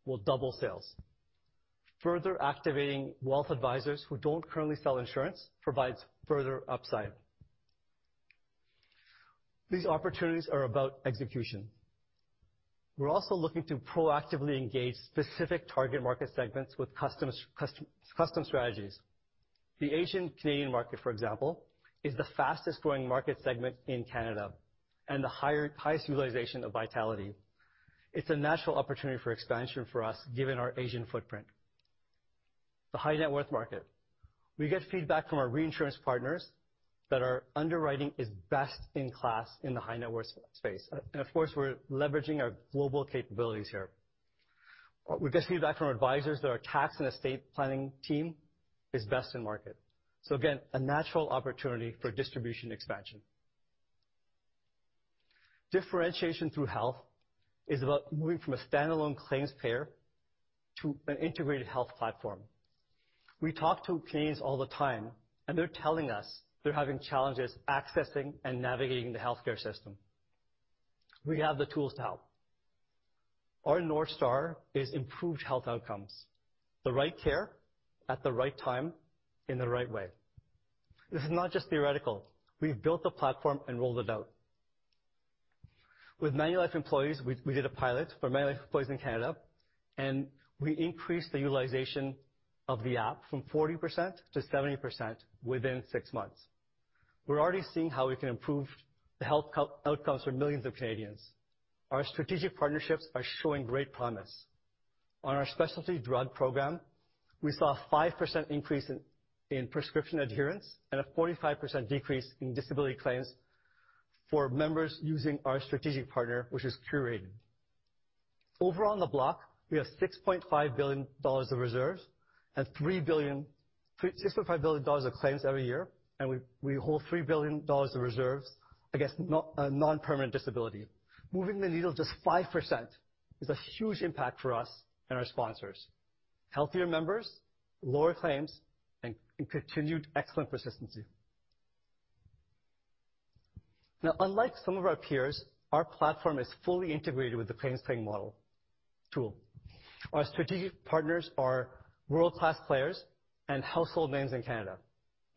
S10: will double sales. Further activating wealth advisors who don't currently sell insurance provides further upside. These opportunities are about execution. We're also looking to proactively engage specific target market segments with custom strategies. The Asian Canadian market, for example, is the fastest-growing market segment in Canada and the highest utilization of Vitality. It's a natural opportunity for expansion for us, given our Asian footprint. The high net worth market. We get feedback from our reinsurance partners that our underwriting is best in class in the high net worth space, and of course, we're leveraging our global capabilities here. We get feedback from advisors that our tax and estate planning team is best in market. So again, a natural opportunity for distribution expansion. Differentiation through health is about moving from a standalone claims payer to an integrated health platform. We talk to Canadians all the time, and they're telling us they're having challenges accessing and navigating the healthcare system. We have the tools to help. Our North Star is improved health outcomes, the right care at the right time, in the right way. This is not just theoretical. We've built the platform and rolled it out. With Manulife employees, we did a pilot for Manulife employees in Canada, and we increased the utilization of the app from 40% to 70% within six months. We're already seeing how we can improve the health outcomes for millions of Canadians. Our strategic partnerships are showing great promise. On our specialty drug program, we saw a 5% increase in prescription adherence and a 45% decrease in disability claims for members using our strategic partner, which is curated. Over on the block, we have 6.5 billion dollars of reserves and 3 billion... 6.5 billion dollars of claims every year, and we hold 3 billion dollars in reserves against known, non-permanent disability. Moving the needle just 5% is a huge impact for us and our sponsors. Healthier members, lower claims, and continued excellent persistency. Now, unlike some of our peers, our platform is fully integrated with the claims paying model tool. Our strategic partners are world-class players and household names in Canada,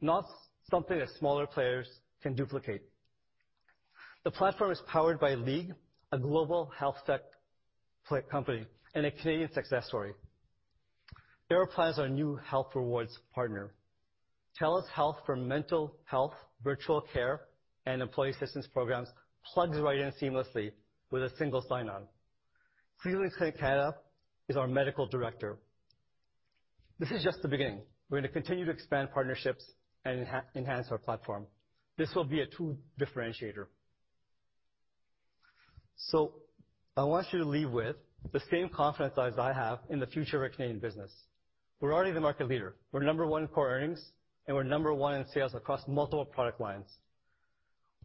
S10: not something that smaller players can duplicate. The platform is powered by League, a global health tech pl- company and a Canadian success story.... Aeroplan is our new health rewards partner. Telus Health for mental health, virtual care, and employee assistance programs plugs right in seamlessly with a single sign-on. Cleveland Clinic Canada is our medical director. This is just the beginning. We're going to continue to expand partnerships and enhance our platform. This will be a true differentiator. So I want you to leave with the same confidence that I have in the future of our Canadian business. We're already the market leader. We're number one in core earnings, and we're number one in sales across multiple product lines.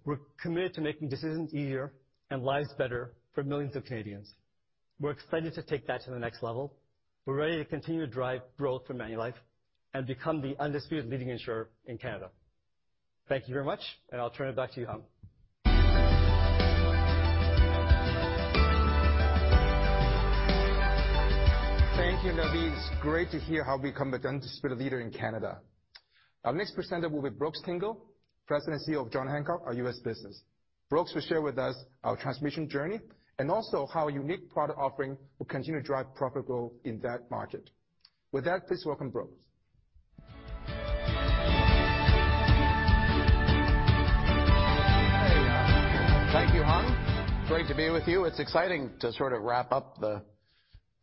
S10: We're committed to making decisions easier and lives better for millions of Canadians. We're excited to take that to the next level. We're ready to continue to drive growth for Manulife and become the undisputed leading insurer in Canada. Thank you very much, and I'll turn it back to you, Hung.
S7: Thank you, Naveed. It's great to hear how we become the undisputed leader in Canada. Our next presenter will be Brooks Tingle, President and CEO of John Hancock, our U.S. business. Brooks will share with us our transformation journey and also how our unique product offering will continue to drive profit growth in that market. With that, please welcome Brooks.
S11: Hey, thank you, Hung. Great to be with you. It's exciting to sort of wrap up the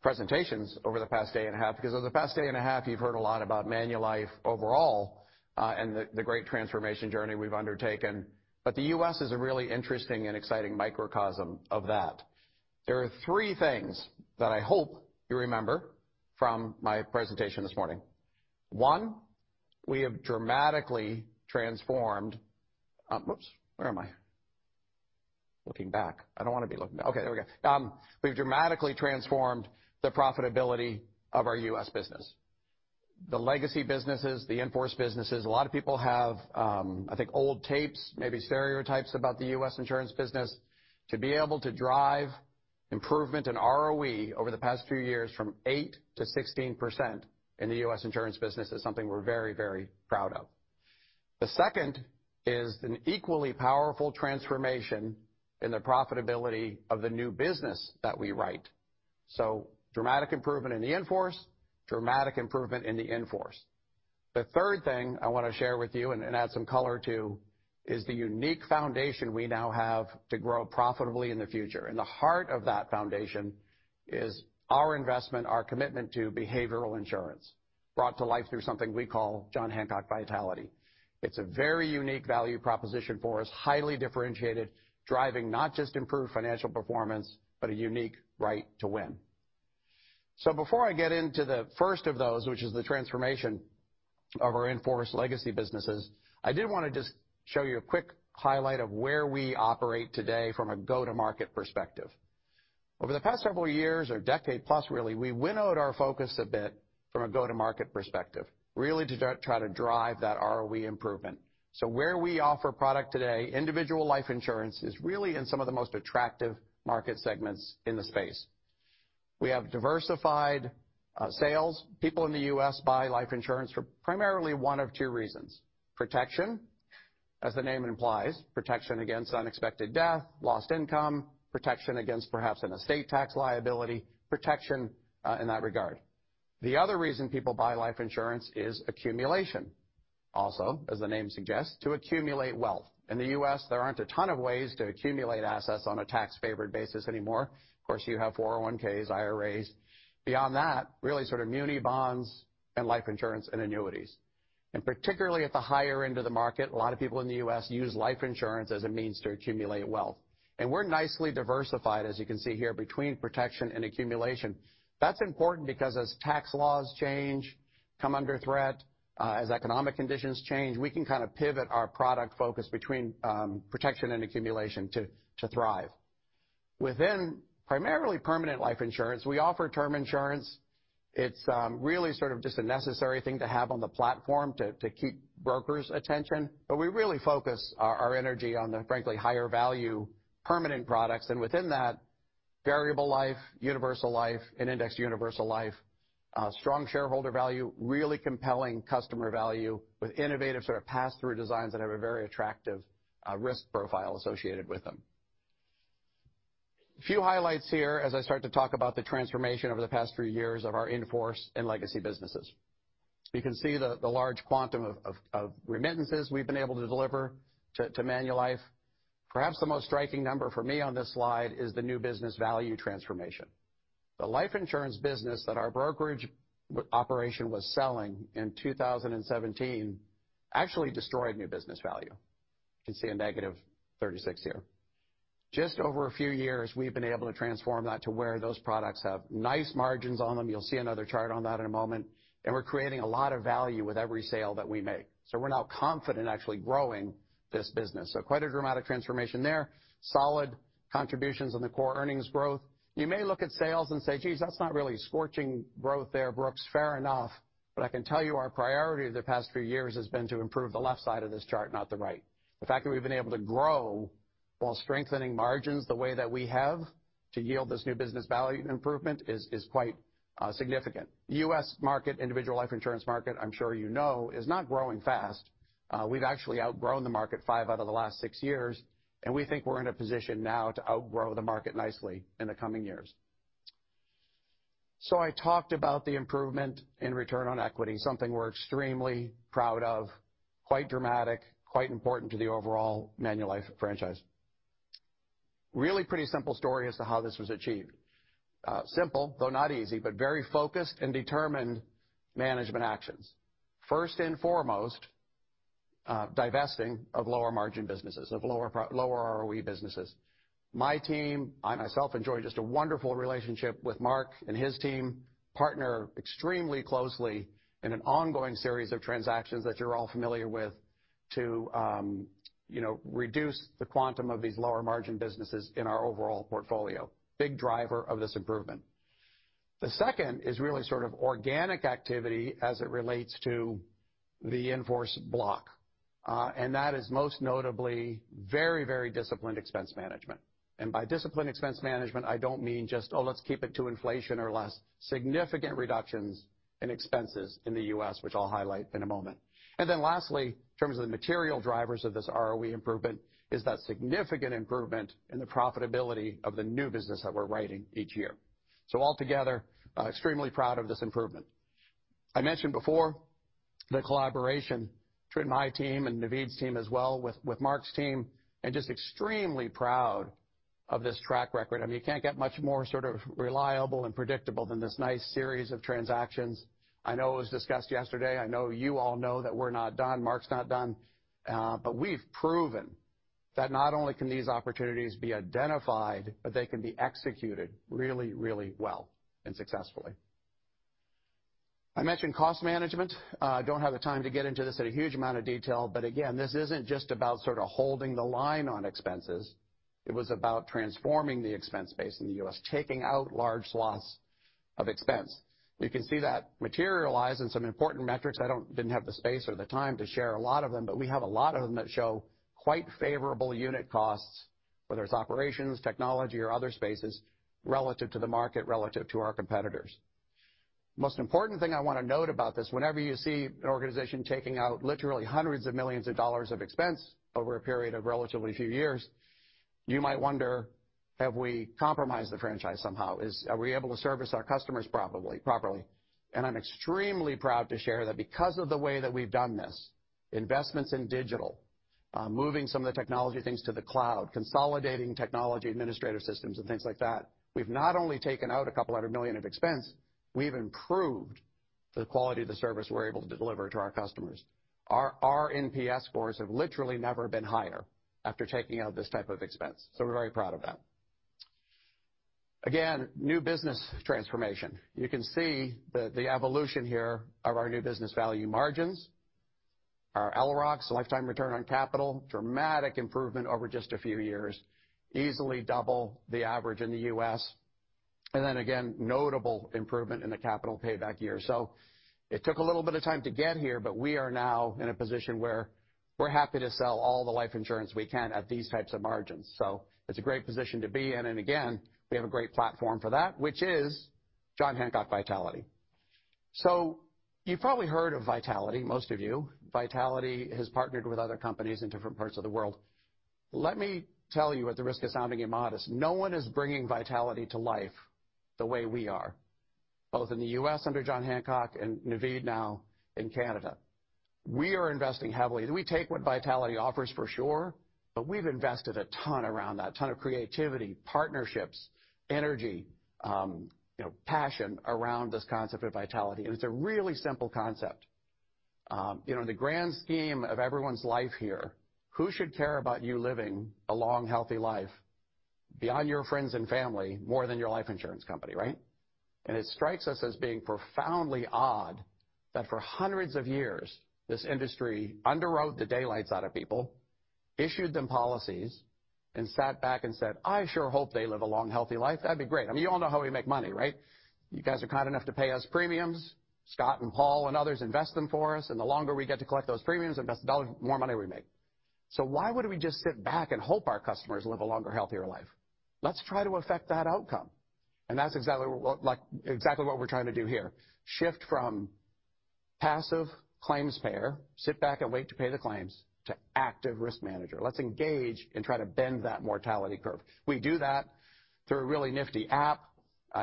S11: presentations over the past day and a half, because over the past day and a half, you've heard a lot about Manulife overall, and the great transformation journey we've undertaken. But the U.S. is a really interesting and exciting microcosm of that. There are three things that I hope you remember from my presentation this morning. One, we have dramatically transformed, oops, where am I? Looking back. I don't want to be looking back. Okay, there we go. We've dramatically transformed the profitability of our U.S. business. The legacy businesses, the in-force businesses, a lot of people have, I think, old tapes, maybe stereotypes about the U.S. insurance business. To be able to drive improvement in ROE over the past few years from 8%-16% in the U.S. insurance business is something we're very, very proud of. The second is an equally powerful transformation in the profitability of the new business that we write. So dramatic improvement in the in-force, dramatic improvement in the in-force. The third thing I want to share with you and, and add some color to, is the unique foundation we now have to grow profitably in the future, and the heart of that foundation is our investment, our commitment to behavioral insurance, brought to life through something we call John Hancock Vitality. It's a very unique value proposition for us, highly differentiated, driving not just improved financial performance, but a unique right to win. So before I get into the first of those, which is the transformation of our in-force legacy businesses, I did want to just show you a quick highlight of where we operate today from a go-to-market perspective. Over the past several years or decade plus, really, we winnowed our focus a bit from a go-to-market perspective, really to try to drive that ROE improvement. So where we offer product today, individual life insurance is really in some of the most attractive market segments in the space. We have diversified sales. People in the U.S. buy life insurance for primarily one of two reasons: protection, as the name implies, protection against unexpected death, lost income, protection against perhaps an estate tax liability, protection in that regard. The other reason people buy life insurance is accumulation. Also, as the name suggests, to accumulate wealth. In the US, there aren't a ton of ways to accumulate assets on a tax-favored basis anymore. Of course, you have 401(k)s, IRAs. Beyond that, really sort of muni bonds and life insurance and annuities. Particularly at the higher end of the market, a lot of people in the US use life insurance as a means to accumulate wealth, and we're nicely diversified, as you can see here, between protection and accumulation. That's important because as tax laws change, come under threat, as economic conditions change, we can kind of pivot our product focus between, protection and accumulation to, to thrive. Within primarily permanent life insurance, we offer term insurance. It's really sort of just a necessary thing to have on the platform to keep brokers' attention, but we really focus our energy on the, frankly, higher value permanent products, and within that, variable life, universal life, and index universal life. Strong shareholder value, really compelling customer value, with innovative sort of pass-through designs that have a very attractive risk profile associated with them. A few highlights here as I start to talk about the transformation over the past few years of our in-force and legacy businesses. You can see the large quantum of remittances we've been able to deliver to Manulife. Perhaps the most striking number for me on this slide is the new business value transformation. The life insurance business that our brokerage operation was selling in 2017 actually destroyed new business value. You can see a -36 here. Just over a few years, we've been able to transform that to where those products have nice margins on them. You'll see another chart on that in a moment, and we're creating a lot of value with every sale that we make. So we're now confident actually growing this business, so quite a dramatic transformation there. Solid contributions on the core earnings growth. You may look at sales and say, "Geez, that's not really scorching growth there, Brooks." Fair enough, but I can tell you our priority over the past few years has been to improve the left side of this chart, not the right. The fact that we've been able to grow while strengthening margins the way that we have to yield this new business value improvement is quite significant. U.S. market, individual life insurance market, I'm sure you know, is not growing fast. We've actually outgrown the market five out of the last six years, and we think we're in a position now to outgrow the market nicely in the coming years. So I talked about the improvement in return on equity, something we're extremely proud of, quite dramatic, quite important to the overall Manulife franchise. Really pretty simple story as to how this was achieved. Simple, though not easy, but very focused and determined management actions. First and foremost, divesting of lower margin businesses, of lower ROE businesses. My team, I myself, enjoy just a wonderful relationship with Marc and his team, partner extremely closely in an ongoing series of transactions that you're all familiar with, to, you know, reduce the quantum of these lower margin businesses in our overall portfolio. Big driver of this improvement. The second is really sort of organic activity as it relates to the in-force block, and that is most notably very, very disciplined expense management. And by disciplined expense management, I don't mean just, oh, let's keep it to inflation or less. Significant reductions in expenses in the U.S., which I'll highlight in a moment. And then lastly, in terms of the material drivers of this ROE improvement, is that significant improvement in the profitability of the new business that we're writing each year. So altogether, extremely proud of this improvement. I mentioned before the collaboration between my team and Naveed's team as well with, with Marc's team, and just extremely proud of this track record. I mean, you can't get much more sort of reliable and predictable than this nice series of transactions. I know it was discussed yesterday. I know you all know that we're not done, Marc's not done, but we've proven that not only can these opportunities be identified, but they can be executed really, really well and successfully. I mentioned cost management. Don't have the time to get into this in a huge amount of detail, but again, this isn't just about sort of holding the line on expenses. It was about transforming the expense base in the U.S., taking out large swaths of expense. You can see that materialize in some important metrics. I didn't have the space or the time to share a lot of them, but we have a lot of them that show quite favorable unit costs, whether it's operations, technology, or other spaces, relative to the market, relative to our competitors. Most important thing I want to note about this, whenever you see an organization taking out literally $hundreds of millions of expense over a period of relatively few years, you might wonder, have we compromised the franchise somehow? Are we able to service our customers properly, properly? And I'm extremely proud to share that because of the way that we've done this, investments in digital, moving some of the technology things to the cloud, consolidating technology, administrative systems, and things like that, we've not only taken out $200 million of expense, we've improved the quality of the service we're able to deliver to our customers. Our NPS scores have literally never been higher after taking out this type of expense, so we're very proud of that. Again, new business transformation. You can see the evolution here of our new business value margins. Our LROCs, lifetime return on capital, dramatic improvement over just a few years, easily double the average in the U.S. And then again, notable improvement in the capital payback year. So it took a little bit of time to get here, but we are now in a position where we're happy to sell all the life insurance we can at these types of margins. So it's a great position to be in, and again, we have a great platform for that, which is John Hancock Vitality. So you've probably heard of Vitality, most of you. Vitality has partnered with other companies in different parts of the world. Let me tell you, at the risk of sounding immodest, no one is bringing Vitality to life the way we are, both in the U.S., under John Hancock and Naveed now in Canada. We are investing heavily. We take what Vitality offers for sure, but we've invested a ton around that, ton of creativity, partnerships, energy, you know, passion around this concept of Vitality, and it's a really simple concept. You know, in the grand scheme of everyone's life here, who should care about you living a long, healthy life beyond your friends and family, more than your life insurance company, right? It strikes us as being profoundly odd that for hundreds of years, this industry underwrote the daylights out of people, issued them policies, and sat back and said, "I sure hope they live a long, healthy life. That'd be great." I mean, you all know how we make money, right? You guys are kind enough to pay us premiums. Scott and Paul and others invest them for us, and the longer we get to collect those premiums, invest dollars, the more money we make. So why would we just sit back and hope our customers live a longer, healthier life? Let's try to affect that outcome. And that's exactly what, like, exactly what we're trying to do here. Shift from passive claims payer, sit back and wait to pay the claims, to active risk manager. Let's engage and try to bend that mortality curve. We do that through a really nifty app,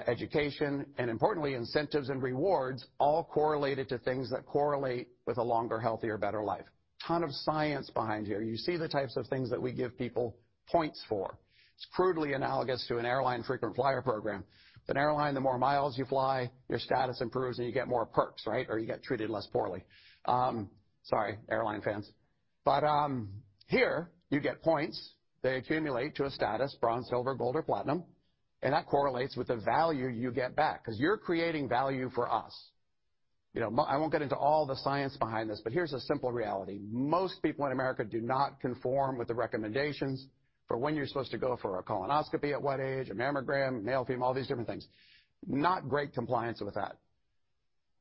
S11: education, and importantly, incentives and rewards, all correlated to things that correlate with a longer, healthier, better life. Ton of science behind here. You see the types of things that we give people points for. It's crudely analogous to an airline frequent flyer program. An airline, the more miles you fly, your status improves, and you get more perks, right? Or you get treated less poorly. Sorry, airline fans, but here you get points. They accumulate to a status, bronze, silver, gold, or platinum, and that correlates with the value you get back, because you're creating value for us. You know, I won't get into all the science behind this, but here's a simple reality: most people in America do not conform with the recommendations for when you're supposed to go for a colonoscopy, at what age, a mammogram, male, female, all these different things. Not great compliance with that.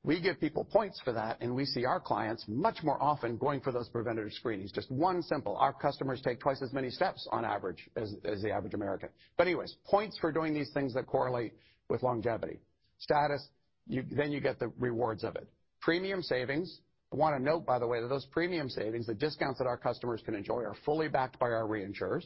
S11: We give people points for that, and we see our clients much more often going for those preventative screenings. Just one simple, our customers take twice as many steps on average as the average American. But anyways, points for doing these things that correlate with longevity. Status, you then you get the rewards of it. Premium savings, I want to note, by the way, that those premium savings, the discounts that our customers can enjoy, are fully backed by our reinsurers.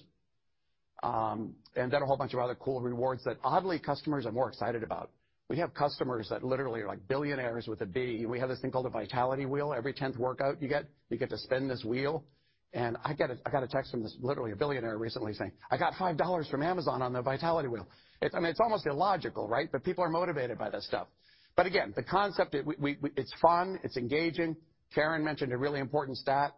S11: And then a whole bunch of other cool rewards that oddly, customers are more excited about. We have customers that literally are like billionaires with a B. We have this thing called a Vitality Wheel. Every tenth workout you get, you get to spin this wheel, and I got a text from this, literally a billionaire recently saying, "I got $5 from Amazon on the Vitality Wheel." It's, I mean, it's almost illogical, right? But people are motivated by this stuff. But again, the concept, it we, we, it's fun, it's engaging. Karen mentioned a really important stat.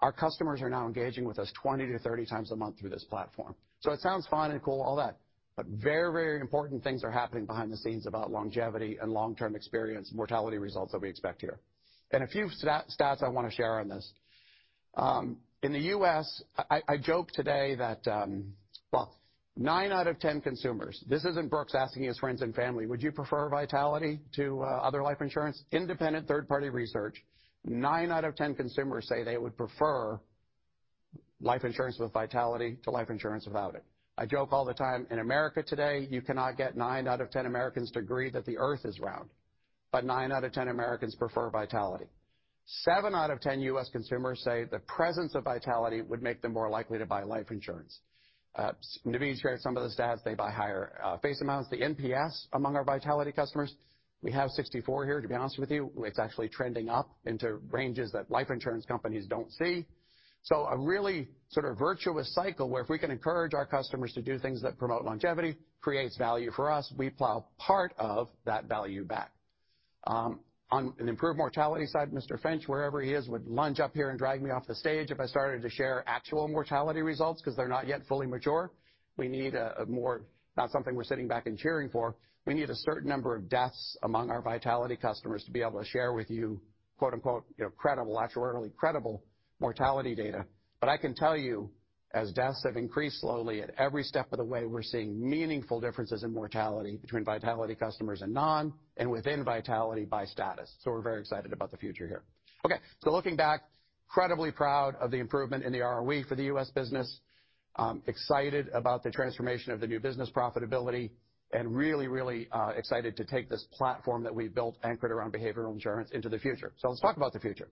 S11: Our customers are now engaging with us 20-30 times a month through this platform. So it sounds fun and cool, all that, but very, very important things are happening behind the scenes about longevity and long-term experience, mortality results that we expect here. A few stats I want to share on this. In the U.S., I joked today that, well, 9 out of 10 consumers, this isn't Brooks asking his friends and family, "Would you prefer Vitality to other life insurance?" Independent third-party research, 9 out of 10 consumers say they would prefer life insurance with Vitality to life insurance without it. I joke all the time, in America today, you cannot get 9 out of 10 Americans to agree that the Earth is round, but 9 out of 10 Americans prefer Vitality. Seven out of ten U.S. consumers say the presence of Vitality would make them more likely to buy life insurance. Naveed shared some of the stats. They buy higher face amounts. The NPS among our Vitality customers, we have 64 here, to be honest with you, it's actually trending up into ranges that life insurance companies don't see. So a really sort of virtuous cycle, where if we can encourage our customers to do things that promote longevity, creates value for us, we plow part of that value back. On an improved mortality side, Mr. Finch, wherever he is, would lunge up here and drag me off the stage if I started to share actual mortality results, because they're not yet fully mature. We need a more... Not something we're sitting back and cheering for. We need a certain number of deaths among our Vitality customers to be able to share with you, quote, unquote, you know, "credible," actuarially credible mortality data. But I can tell you, as deaths have increased slowly, at every step of the way, we're seeing meaningful differences in mortality between Vitality customers and non, and within Vitality by status. So we're very excited about the future here. Okay, so looking back, incredibly proud of the improvement in the ROE for the U.S. business. Excited about the transformation of the new business profitability, and really, really excited to take this platform that we've built anchored around behavioral insurance into the future. So let's talk about the future.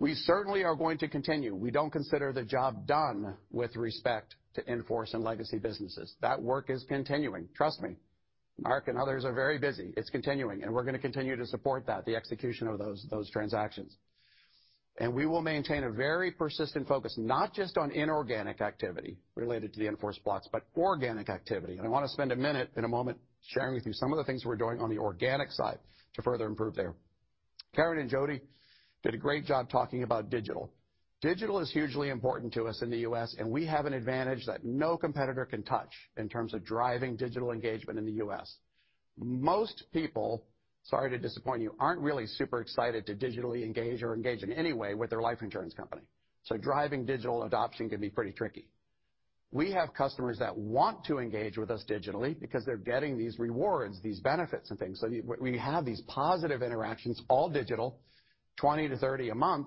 S11: We certainly are going to continue. We don't consider the job done with respect to in-force and legacy businesses. That work is continuing, trust me. Marc and others are very busy. It's continuing, and we're going to continue to support that, the execution of those, those transactions. And we will maintain a very persistent focus, not just on inorganic activity related to the in-force blocks, but organic activity. And I want to spend a minute, in a moment, sharing with you some of the things we're doing on the organic side to further improve there. Karen and Jody did a great job talking about digital. Digital is hugely important to us in the U.S., and we have an advantage that no competitor can touch in terms of driving digital engagement in the U.S. Most people, sorry to disappoint you, aren't really super excited to digitally engage or engage in any way with their life insurance company, so driving digital adoption can be pretty tricky. We have customers that want to engage with us digitally because they're getting these rewards, these benefits and things. So we have these positive interactions, all digital, 20-30 a month,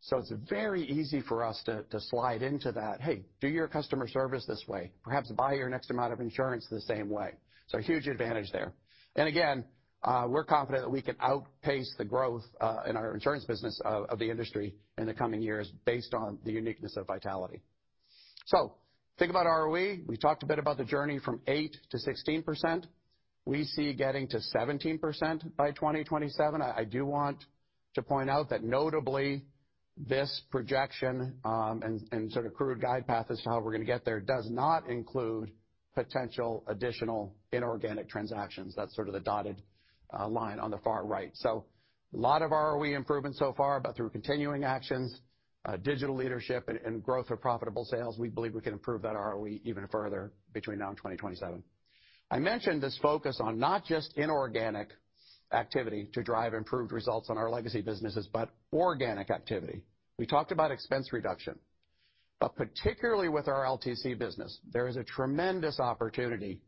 S11: so it's very easy for us to slide into that, "Hey, do your customer service this way. Perhaps buy your next amount of insurance the same way." So a huge advantage there. And again, we're confident that we can outpace the growth in our insurance business of the industry in the coming years based on the uniqueness of Vitality. So think about ROE. We talked a bit about the journey from 8%-16%. We see getting to 17% by 2027. I do want to point out that notably, this projection and sort of crude guide path as to how we're going to get there, does not include potential additional inorganic transactions. That's sort of the dotted line on the far right. So a lot of ROE improvement so far, but through continuing actions, digital leadership and growth of profitable sales, we believe we can improve that ROE even further between now and 2027. I mentioned this focus on not just inorganic activity to drive improved results on our legacy businesses, but organic activity. We talked about expense reduction, but particularly with our LTC business, there is a tremendous opportunity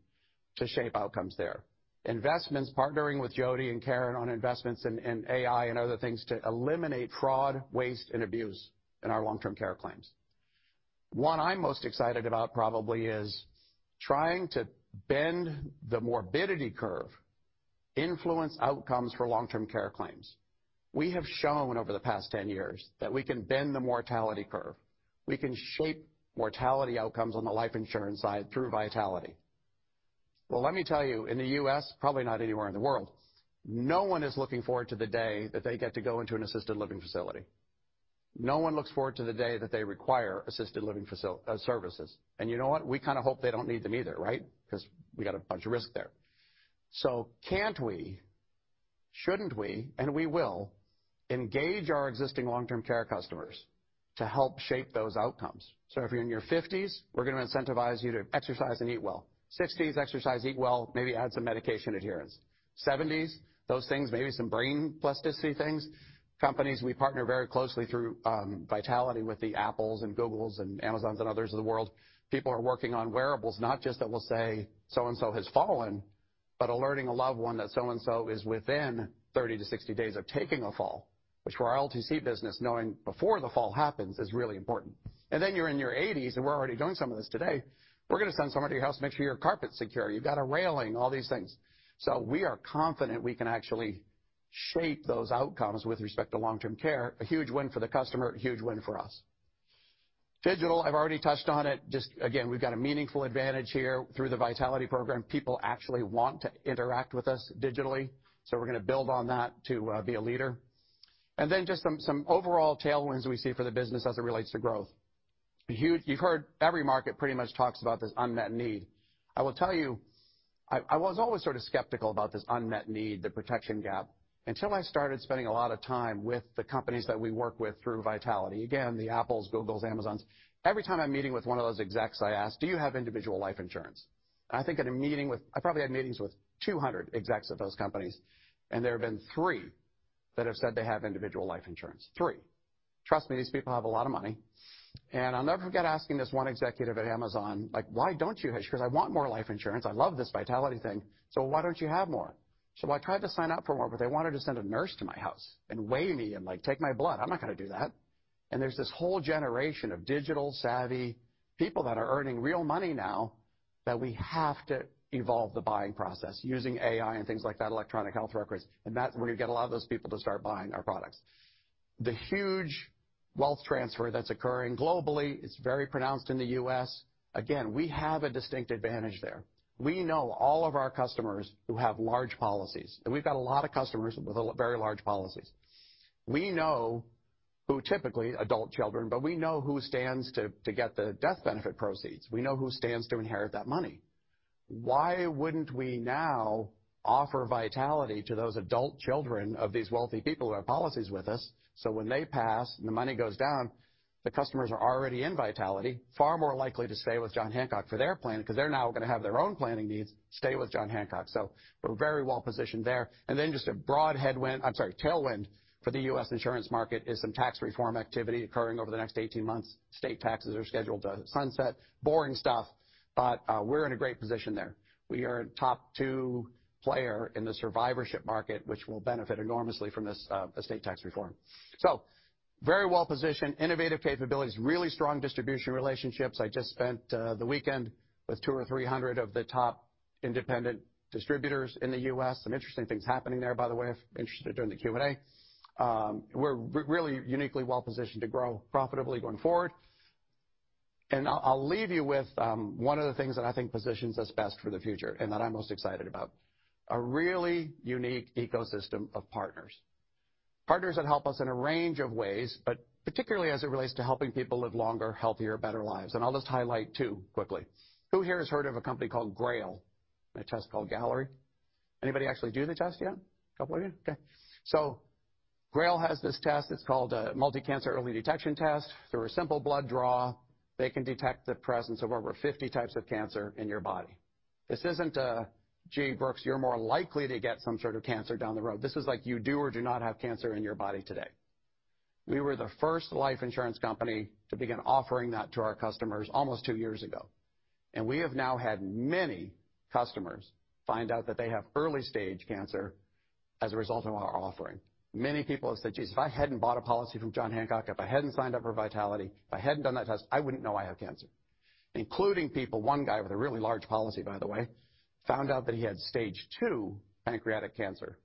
S11: to shape outcomes there. Investments, partnering with Jody and Karen on investments in AI and other things to eliminate fraud, waste, and abuse in our long-term care claims. One I'm most excited about probably is trying to bend the morbidity curve, influence outcomes for long-term care claims. We have shown over the past 10 years that we can bend the mortality curve. We can shape mortality outcomes on the life insurance side through Vitality. Well, let me tell you, in the U.S., probably not anywhere in the world, no one is looking forward to the day that they get to go into an assisted living facility. No one looks forward to the day that they require assisted living services. And you know what? We kind of hope they don't need them either, right? Because we got a bunch of risk there. So can't we, shouldn't we, and we will, engage our existing long-term care customers to help shape those outcomes? So if you're in your 50s, we're going to incentivize you to exercise and eat well. Sixties, exercise, eat well, maybe add some medication adherence. Seventies, those things, maybe some brain plasticity things. Companies, we partner very closely through Vitality with the Apple, Google, and Amazon and others of the world. People are working on wearables, not just that will say, so and so has fallen, but alerting a loved one that so and so is within 30-60 days of taking a fall, which for our LTC business, knowing before the fall happens is really important. And then you're in your eighties, and we're already doing some of this today, we're going to send someone to your house to make sure your carpet's secure, you've got a railing, all these things. So we are confident we can actually shape those outcomes with respect to long-term care, a huge win for the customer, a huge win for us. Digital, I've already touched on it. Just again, we've got a meaningful advantage here through the Vitality program. People actually want to interact with us digitally, so we're gonna build on that to be a leader. And then just some, some overall tailwinds we see for the business as it relates to growth. Huge. You've heard every market pretty much talks about this unmet need. I will tell you, I, I was always sort of skeptical about this unmet need, the protection gap, until I started spending a lot of time with the companies that we work with through Vitality. Again, the Apples, Googles, Amazons. Every time I'm meeting with one of those execs, I ask, "Do you have individual life insurance?" I think in a meeting with, I probably had meetings with 200 execs of those companies, and there have been 3 that have said they have individual life insurance. 3. Trust me, these people have a lot of money. And I'll never forget asking this one executive at Amazon, like, "Why don't you, because I want more life insurance. I love this Vitality thing, so why don't you have more?" "So I tried to sign up for more, but they wanted to send a nurse to my house and weigh me and, like, take my blood. I'm not gonna do that." There's this whole generation of digital-savvy people that are earning real money now, that we have to evolve the buying process using AI and things like that, electronic health records, and that's where you get a lot of those people to start buying our products. The huge wealth transfer that's occurring globally, it's very pronounced in the U.S. Again, we have a distinct advantage there. We know all of our customers who have large policies, and we've got a lot of customers with very large policies. We know who, typically adult children, but we know who stands to get the death benefit proceeds. We know who stands to inherit that money. Why wouldn't we now offer Vitality to those adult children of these wealthy people who have policies with us, so when they pass and the money goes down, the customers are already in Vitality, far more likely to stay with John Hancock for their plan, because they're now gonna have their own planning needs, stay with John Hancock. So we're very well positioned there. And then just a broad headwind, I'm sorry, tailwind for the U.S. insurance market is some tax reform activity occurring over the next 18 months. State taxes are scheduled to sunset. Boring stuff, but, we're in a great position there. We are a top two player in the survivorship market, which will benefit enormously from this, estate tax reform. So very well-positioned, innovative capabilities, really strong distribution relationships. I just spent the weekend with 200 or 300 of the top independent distributors in the U.S. Some interesting things happening there, by the way, if interested, during the Q&A. We're really uniquely well positioned to grow profitably going forward. And I'll leave you with one of the things that I think positions us best for the future and that I'm most excited about, a really unique ecosystem of partners. Partners that help us in a range of ways, but particularly as it relates to helping people live longer, healthier, better lives, and I'll just highlight two quickly. Who here has heard of a company called Grail? A test called Galleri? Anybody actually do the test yet? A couple of you, okay. So Grail has this test, it's called a multi-cancer early detection test. Through a simple blood draw, they can detect the presence of over 50 types of cancer in your body. This isn't a, "Gee, Brooks, you're more likely to get some sort of cancer down the road." This is like, "You do or do not have cancer in your body today." We were the first life insurance company to begin offering that to our customers almost 2 years ago, and we have now had many customers find out that they have early-stage cancer as a result of our offering. Many people have said, "Geez, if I hadn't bought a policy from John Hancock, if I hadn't signed up for Vitality, if I hadn't done that test, I wouldn't know I have cancer." Including people, one guy with a really large policy, by the way, found out that he had stage 2 pancreatic cancer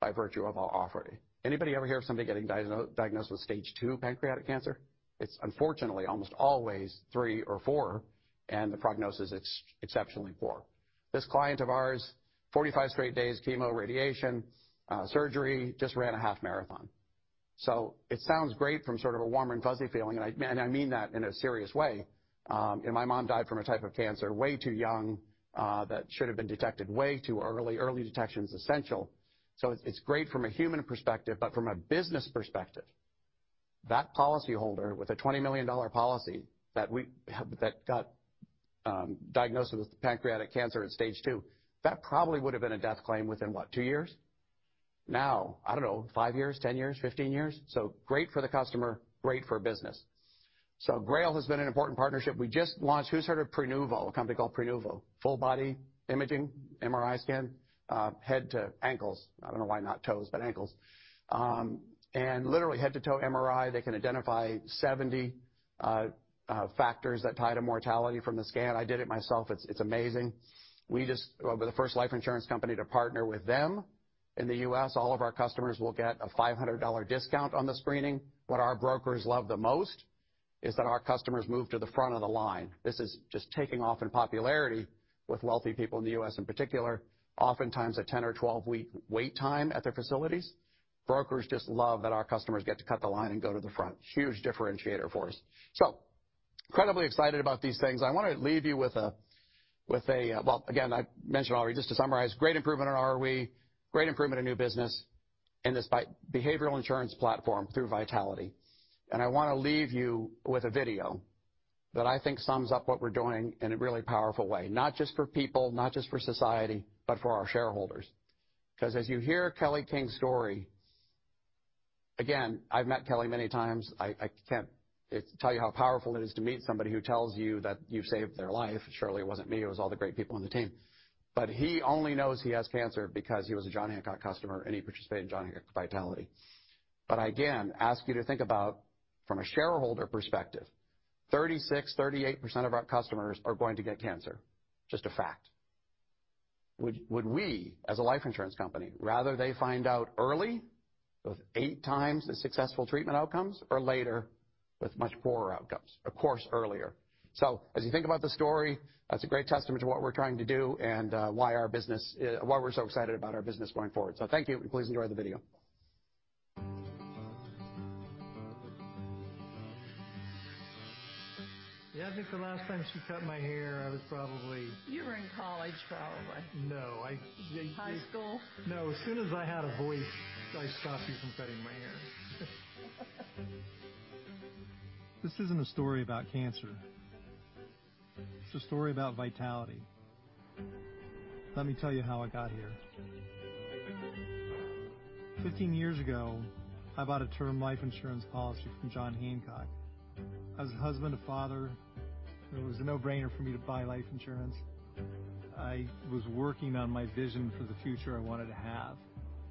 S11: by virtue of our offering. Anybody ever hear of somebody getting diagnosed with stage 2 pancreatic cancer? It's unfortunately almost always 3 or 4, and the prognosis is exceptionally poor. This client of ours, 45 straight days, chemo, radiation, surgery, just ran a half marathon. So it sounds great from sort of a warm and fuzzy feeling, and I, and I mean that in a serious way, and my mom died from a type of cancer way too young, that should have been detected way too early. Early detection is essential. So it's great from a human perspective, but from a business perspective, that policyholder with a $20 million policy that got diagnosed with pancreatic cancer at stage 2, that probably would've been a death claim within what, 2 years? Now, I don't know, 5 years, 10 years, 15 years? So great for the customer, great for business. So Grail has been an important partnership. We just launched. Who's heard of Prenuvo, a company called Prenuvo? Full body imaging, MRI scan, head to ankles. I don't know why not toes, but ankles. And literally head to toe MRI, they can identify 70 factors that tie to mortality from the scan. I did it myself. It's amazing. We just were the first life insurance company to partner with them in the U.S. All of our customers will get a $500 discount on the screening. What our brokers love the most is that our customers move to the front of the line. This is just taking off in popularity with wealthy people in the U.S., in particular, oftentimes a 10- or 12-week wait time at their facilities. Brokers just love that our customers get to cut the line and go to the front. Huge differentiator for us. So incredibly excited about these things. I wanna leave you with a, with a, well, again, I mentioned already, just to summarize, great improvement in ROE, great improvement in new business in this behavioral insurance platform through Vitality. And I wanna leave you with a video that I think sums up what we're doing in a really powerful way, not just for people, not just for society, but for our shareholders. 'Cause as you hear Kelly King's story... Again, I've met Kelly many times. I, I can't tell you how powerful it is to meet somebody who tells you that you saved their life. Surely, it wasn't me, it was all the great people on the team. But he only knows he has cancer because he was a John Hancock customer, and he participated in John Hancock Vitality. But again, ask you to think about from a shareholder perspective- ... 36%-38% of our customers are going to get cancer. Just a fact. Would we, as a life insurance company, rather they find out early, with eight times the successful treatment outcomes, or later with much poorer outcomes? Of course, earlier. So as you think about the story, that's a great testament to what we're trying to do and why our business, why we're so excited about our business going forward. So thank you, and please enjoy the video. Yeah, I think the last time she cut my hair, I was probably—
S12: You were in college, probably.
S11: No, I—
S12: High school?
S11: No. As soon as I had a voice, I stopped you from cutting my hair. This isn't a story about cancer. It's a story about vitality. Let me tell you how I got here. 15 years ago, I bought a term life insurance policy from John Hancock. As a husband and father, it was a no-brainer for me to buy life insurance. I was working on my vision for the future I wanted to have,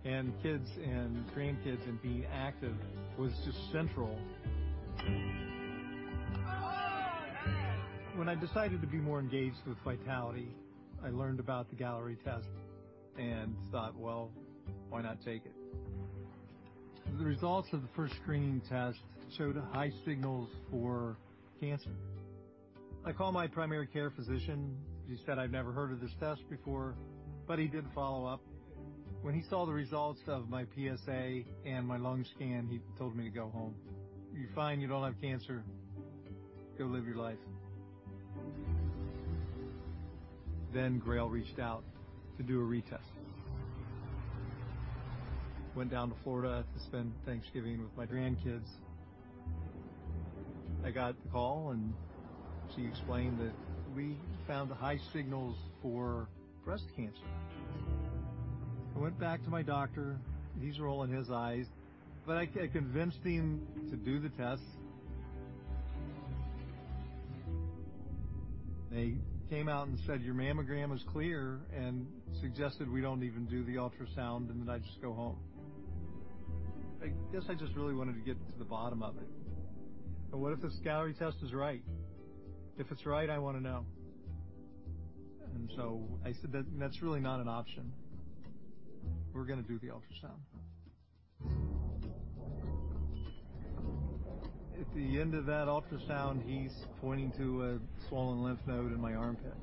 S11: and kids and grandkids, and being active was just central. When I decided to be more engaged with vitality, I learned about the Galleri test and thought, "Well, why not take it?" The results of the first screening test showed high signals for cancer. I called my primary care physician. He said, "I've never heard of this test before," but he did a follow-up. When he saw the results of my PSA and my lung scan, he told me to go home. "You're fine. You don't have cancer. Go live your life." Then Grail reached out to do a retest. Went down to Florida to spend Thanksgiving with my grandkids. I got the call, and she explained that, "We found high signals for breast cancer." I went back to my doctor. He's rolling his eyes, but I, I convinced him to do the test. They came out and said, "Your mammogram is clear," and suggested we don't even do the ultrasound, and that I just go home. I guess I just really wanted to get to the bottom of it. But what if this Galleri test is right? If it's right, I wanna know. And so I said, "That, that's really not an option. We're gonna do the ultrasound." At the end of that ultrasound, he's pointing to a swollen lymph node in my armpit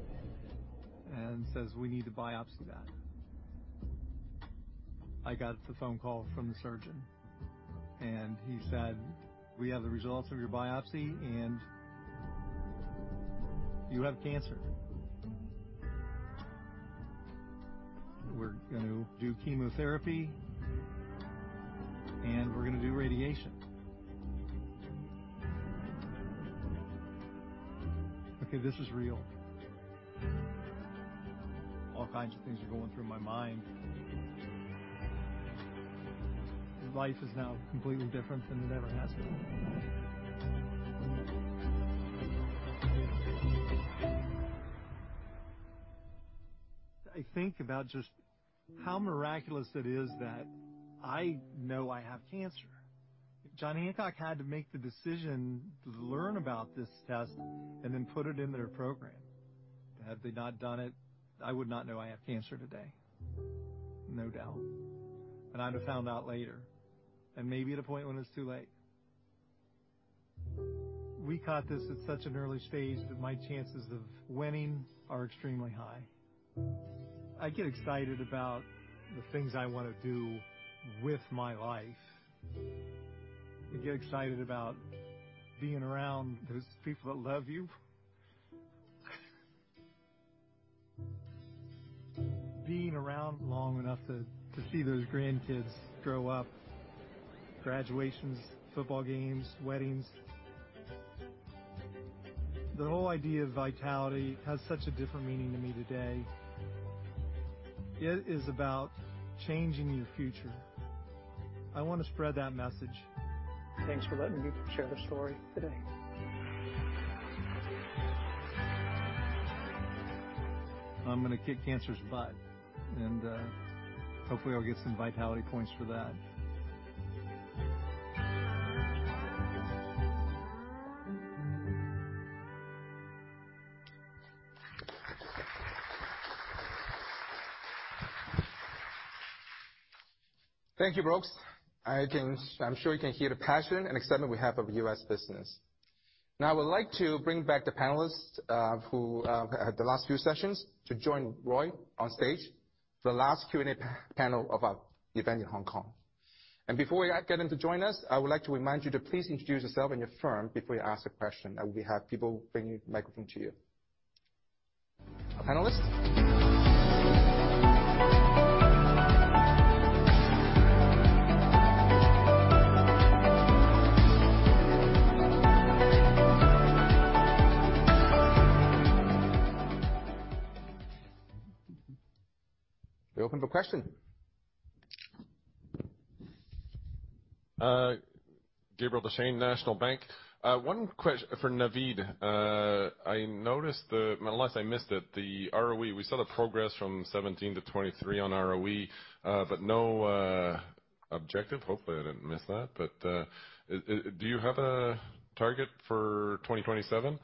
S11: and says, "We need to biopsy that." I got the phone call from the surgeon, and he said, "We have the results of your biopsy, and you have cancer. We're gonna do chemotherapy, and we're gonna do radiation." Okay, this is real. All kinds of things are going through my mind. Life is now completely different than it ever has been. I think about just how miraculous it is that I know I have cancer. John Hancock had to make the decision to learn about this test and then put it in their program. Had they not done it, I would not know I have cancer today, no doubt, and I'd have found out later, and maybe at a point when it's too late. We caught this at such an early stage that my chances of winning are extremely high. I get excited about the things I wanna do with my life. You get excited about being around those people that love you. Being around long enough to see those grandkids grow up, graduations, football games, weddings. The whole idea of Vitality has such a different meaning to me today. It is about changing your future. I wanna spread that message. Thanks for letting me share the story today. I'm gonna kick cancer's butt, and hopefully, I'll get some Vitality points for that.
S13: Thank you, Brooks. I can... I'm sure you can hear the passion and excitement we have of U.S. business. Now, I would like to bring back the panelists, who at the last few sessions, to join Roy on stage for the last Q&A panel of our event in Hong Kong. Before we get them to join us, I would like to remind you to please introduce yourself and your firm before you ask a question, and we have people bringing the microphone to you. Panelists? We open for question.
S14: Gabriel Dechaine, National Bank. One question for Naveed. I noticed that, unless I missed it, the ROE, we saw the progress from 17 to 23 on ROE, but no objective. Hopefully, I didn't miss that. But, do you have a target for 2027?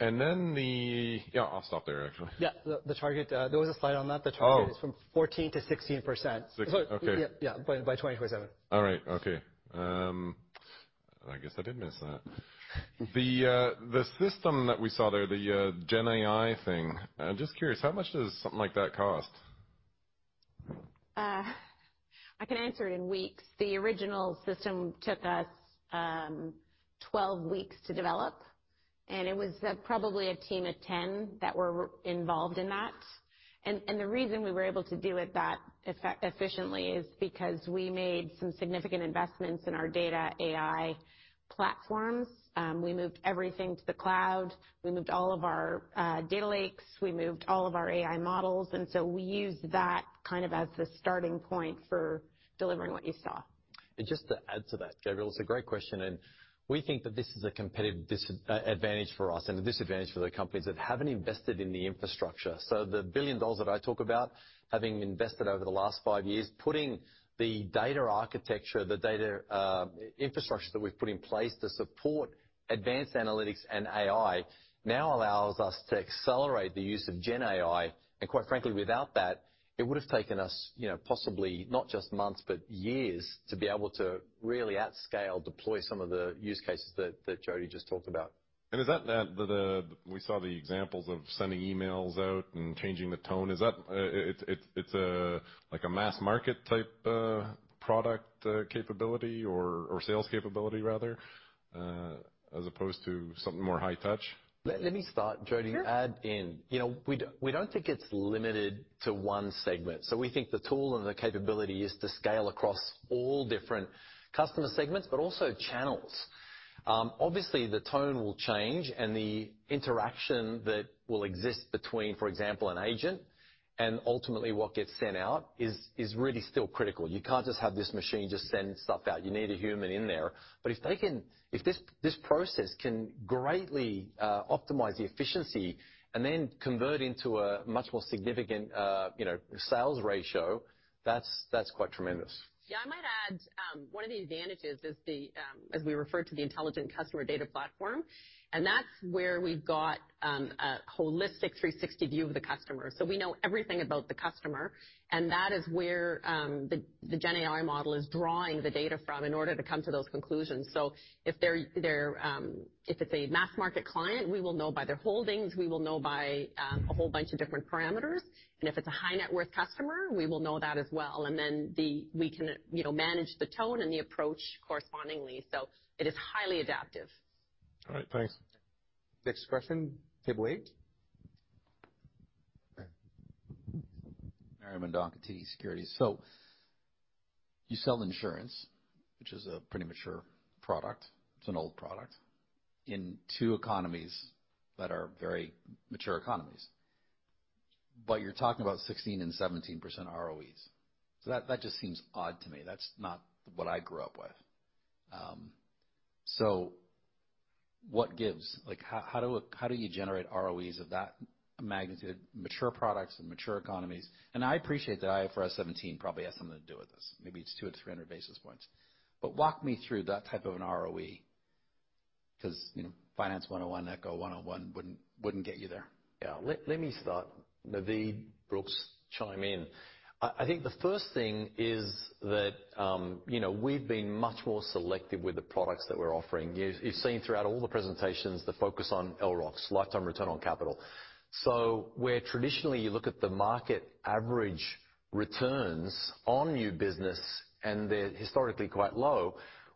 S14: And then the-- yeah, I'll stop there, actually.
S10: Yeah, the target, there was a slide on that.
S14: Oh.
S10: The target is from 14%-16%.
S14: Six, okay.
S10: Yeah, yeah, by 2027.
S14: All right. Okay. I guess I did miss that. The system that we saw there, the Gen AI thing, I'm just curious, how much does something like that cost?
S8: I can answer in weeks. The original system took us 12 weeks to develop, and it was probably a team of 10 that were involved in that. The reason we were able to do it that efficiently is because we made some significant investments in our data AI platforms. We moved everything to the cloud. We moved all of our data lakes. We moved all of our AI models, and so we used that kind of as the starting point for delivering what you saw.
S2: Just to add to that, Gabriel, it's a great question, and we think that this is a competitive advantage for us and a disadvantage for the companies that haven't invested in the infrastructure. So the billion dollars that I talk about, having invested over the last five years, putting the data architecture, the data infrastructure that we've put in place to support advanced analytics and AI, now allows us to accelerate the use of Gen AI. And quite frankly, without that, it would have taken us, you know, possibly not just months, but years, to be able to really at scale deploy some of the use cases that Jody just talked about.
S14: Is that we saw the examples of sending emails out and changing the tone? Is it a like a mass market type product capability or sales capability rather as opposed to something more high touch?
S2: Let me start, Jody-
S9: Sure.
S2: You know, we, we don't think it's limited to one segment. So we think the tool and the capability is to scale across all different customer segments, but also channels. Obviously, the tone will change, and the interaction that will exist between, for example, an agent and ultimately what gets sent out is, is really still critical. You can't just have this machine just send stuff out. You need a human in there. But if this, this process can greatly optimize the efficiency and then convert into a much more significant, you know, sales ratio, that's, that's quite tremendous.
S8: Yeah, I might add, one of the advantages is the, as we refer to the intelligent customer data platform, and that's where we've got, a holistic 360 view of the customer. So we know everything about the customer, and that is where, the Gen AI model is drawing the data from in order to come to those conclusions. So if it's a mass market client, we will know by their holdings, we will know by, a whole bunch of different parameters. And if it's a high net worth customer, we will know that as well, and then we can, you know, manage the tone and the approach correspondingly. So it is highly adaptive.
S14: All right, thanks.
S13: Next question, table 8.
S15: Mendonca, TD Securities. So you sell insurance, which is a pretty mature product. It's an old product in two economies that are very mature economies. But you're talking about 16% and 17% ROEs. So that, that just seems odd to me. That's not what I grew up with. So what gives? Like, how, how do, how do you generate ROEs of that magnitude, mature products and mature economies? And I appreciate that IFRS 17 probably has something to do with this. Maybe it's 200-300 basis points. But walk me through that type of an ROE, 'cause, you know, Finance 101, Econ 101 wouldn't, wouldn't get you there.
S2: Yeah, let me start. Naveed, Brooks, chime in. I think the first thing is that, you know, we've been much more selective with the products that we're offering. You've seen throughout all the presentations the focus on LROCs, lifetime return on capital. So where traditionally you look at the market average returns on new business, and they're historically quite low,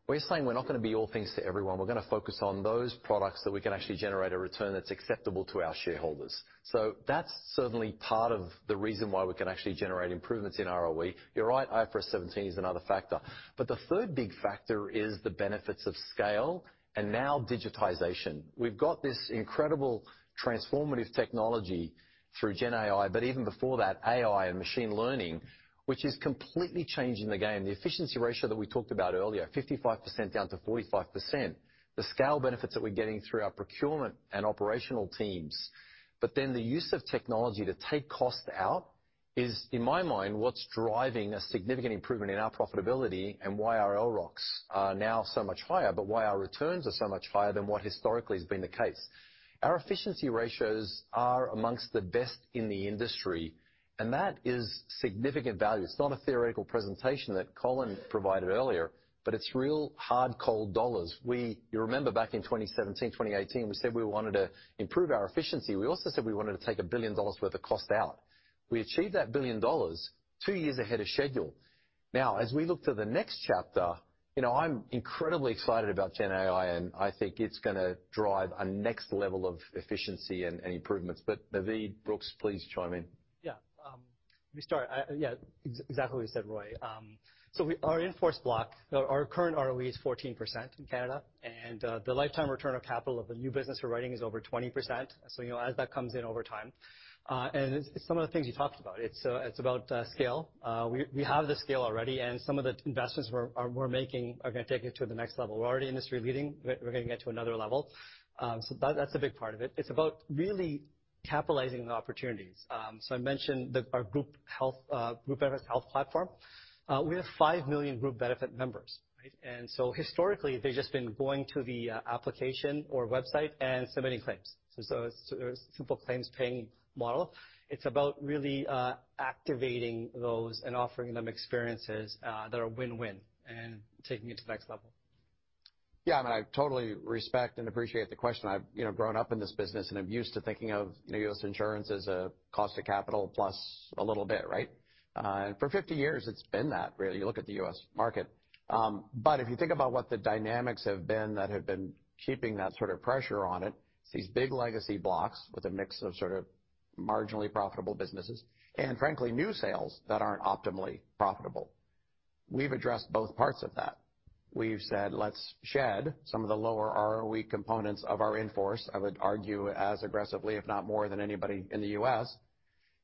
S2: we're saying we're not going to be all things to everyone. We're going to focus on those products that we can actually generate a return that's acceptable to our shareholders. So that's certainly part of the reason why we can actually generate improvements in ROE. You're right, IFRS 17 is another factor. But the third big factor is the benefits of scale and now digitization. We've got this incredible transformative technology through GenAI, but even before that, AI and machine learning, which is completely changing the game. The efficiency ratio that we talked about earlier, 55%, down to 45%. The scale benefits that we're getting through our procurement and operational teams, but then the use of technology to take cost out is, in my mind, what's driving a significant improvement in our profitability and why our LROCs are now so much higher, but why our returns are so much higher than what historically has been the case. Our efficiency ratios are among the best in the industry, and that is significant value. It's not a theoretical presentation that Colin provided earlier, but it's real hard cold dollars. We. You remember back in 2017, 2018, we said we wanted to improve our efficiency. We also said we wanted to take $1 billion worth of cost out. We achieved that $1 billion two years ahead of schedule. Now, as we look to the next chapter, you know, I'm incredibly excited about GenAI, and I think it's gonna drive a next level of efficiency and, and improvements. But Naveed, Brooks, please chime in. ...
S10: Let me start. I, yeah, exactly what you said, Roy. So we, our in-force block, our current ROE is 14% in Canada, and the lifetime return on capital of the new business we're writing is over 20%. So, you know, as that comes in over time, and it's some of the things you talked about. It's about scale. We have the scale already, and some of the investments we're making are gonna take it to the next level. We're already industry leading. We're gonna get to another level. So that's a big part of it. It's about really capitalizing the opportunities. So I mentioned that our group health, group benefit health platform, we have 5 million group benefit members, right? Historically, they've just been going to the application or website and submitting claims. So it's a simple claims paying model. It's about really activating those and offering them experiences that are win-win and taking it to the next level.
S11: Yeah, and I totally respect and appreciate the question. I've, you know, grown up in this business, and I'm used to thinking of, you know, U.S. insurance as a cost of capital plus a little bit, right? And for 50 years, it's been that, really, you look at the U.S. market. But if you think about what the dynamics have been that have been keeping that sort of pressure on it, it's these big legacy blocks with a mix of sort of marginally profitable businesses and, frankly, new sales that aren't optimally profitable. We've addressed both parts of that. We've said, "Let's shed some of the lower ROE components of our in-force," I would argue as aggressively, if not more than anybody in the U.S.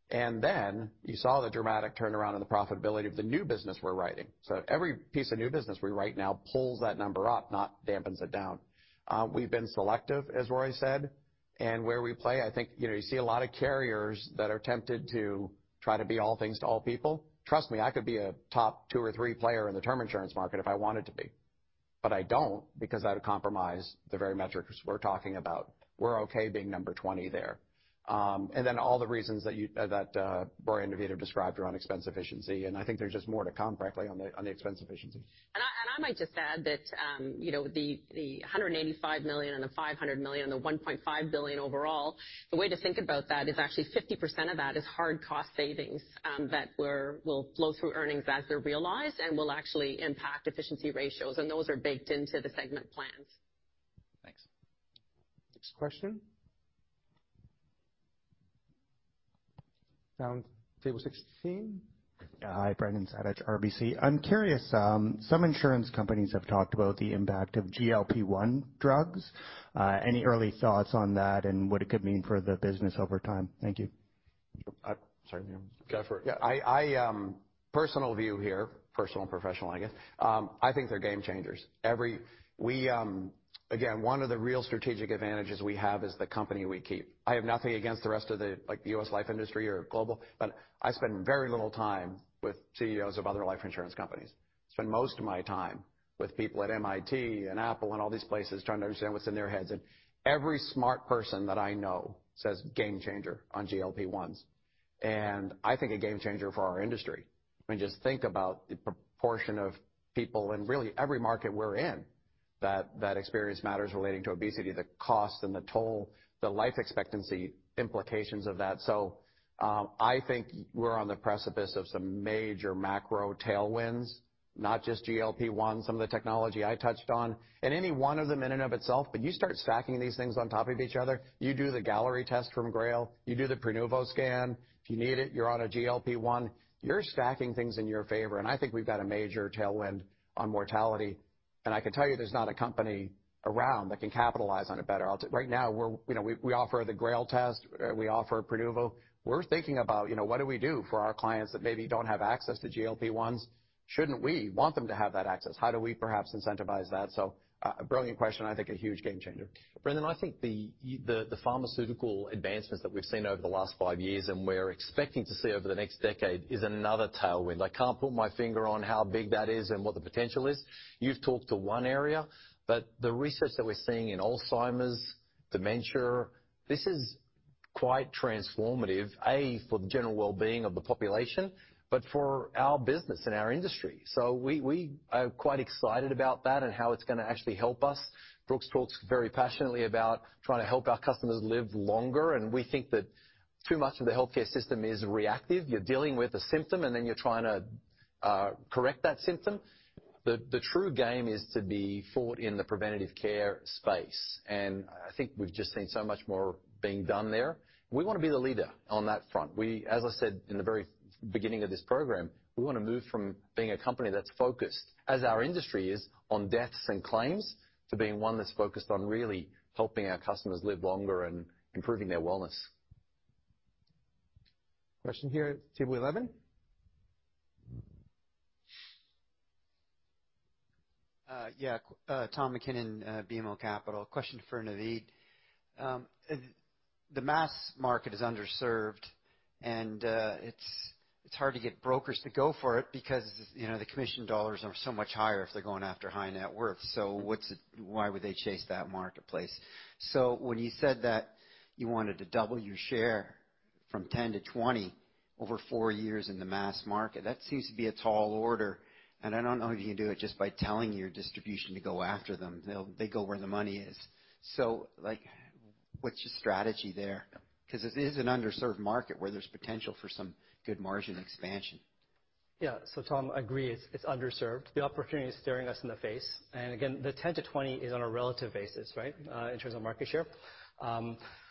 S11: And then you saw the dramatic turnaround in the profitability of the new business we're writing. So every piece of new business we write now pulls that number up, not dampens it down. We've been selective, as Roy said, and where we play, I think, you know, you see a lot of carriers that are tempted to try to be all things to all people. Trust me, I could be a top 2 or 3 player in the term insurance market if I wanted to be, but I don't because that would compromise the very metrics we're talking about. We're okay being number 20 there. And then all the reasons that Roy and Naveed have described around expense efficiency, and I think there's just more to come, frankly, on the expense efficiency.
S8: I might just add that, you know, the 185 million and the 500 million and the 1.5 billion overall, the way to think about that is actually 50% of that is hard cost savings that will flow through earnings as they're realized and will actually impact efficiency ratios, and those are baked into the segment plans.
S15: Thanks.
S13: Next question. Down Table 16.
S16: Hi, Brendan Sammut, RBC. I'm curious, some insurance companies have talked about the impact of GLP-1 drugs. Any early thoughts on that and what it could mean for the business over time? Thank you.
S11: Sorry, go for it. Yeah, I, I, personal view here, personal and professional, I guess. I think they're game changers. We... Again, one of the real strategic advantages we have is the company we keep. I have nothing against the rest of the, like, the US life industry or global, but I spend very little time with CEOs of other life insurance companies. I spend most of my time with people at MIT and Apple and all these places, trying to understand what's in their heads. And every smart person that I know says, "Game changer on GLP-1s," and I think a game changer for our industry. I mean, just think about the proportion of people in really every market we're in, that experience matters relating to obesity, the cost and the toll, the life expectancy implications of that. So, I think we're on the precipice of some major macro tailwinds, not just GLP-1, some of the technology I touched on, and any one of them in and of itself, but you start stacking these things on top of each other, you do the Galleri test from Grail, you do the Prenuvo scan. If you need it, you're on a GLP-1. You're stacking things in your favor, and I think we've got a major tailwind on mortality. And I can tell you there's not a company around that can capitalize on it better. Right now, we're, you know, we, we offer the Galleri test, we offer Prenuvo. We're thinking about, you know, what do we do for our clients that maybe don't have access to GLP-1s? Shouldn't we want them to have that access? How do we perhaps incentivize that? A brilliant question, I think a huge game changer.
S2: Brendan, I think the pharmaceutical advancements that we've seen over the last five years and we're expecting to see over the next decade is another tailwind. I can't put my finger on how big that is and what the potential is. You've talked to one area, but the research that we're seeing in Alzheimer's, dementia, this is quite transformative, for the general well-being of the population, but for our business and our industry. So we are quite excited about that and how it's gonna actually help us. Brooks talks very passionately about trying to help our customers live longer, and we think that too much of the healthcare system is reactive. You're dealing with a symptom, and then you're trying to correct that symptom. The true game is to be fought in the preventative care space, and I think we've just seen so much more being done there. We want to be the leader on that front. We, as I said in the very beginning of this program, want to move from being a company that's focused, as our industry is, on deaths and claims, to being one that's focused on really helping our customers live longer and improving their wellness.
S13: Question here, Table 11.
S5: Yeah. Tom MacKinnon, BMO Capital. Question for Naveed. The mass market is underserved, and it's hard to get brokers to go for it because, you know, the commission dollars are so much higher if they're going after high net worth. So, what's the why would they chase that marketplace? So when you said that you wanted to double your share from 10 to 20 over four years in the mass market, that seems to be a tall order, and I don't know if you can do it just by telling your distribution to go after them. They'll, they go where the money is. So, like, what's your strategy there? Because it is an underserved market where there's potential for some good margin expansion....
S10: Yeah, so Tom, I agree, it's underserved. The opportunity is staring us in the face. And again, the 10%-20% is on a relative basis, right? In terms of market share.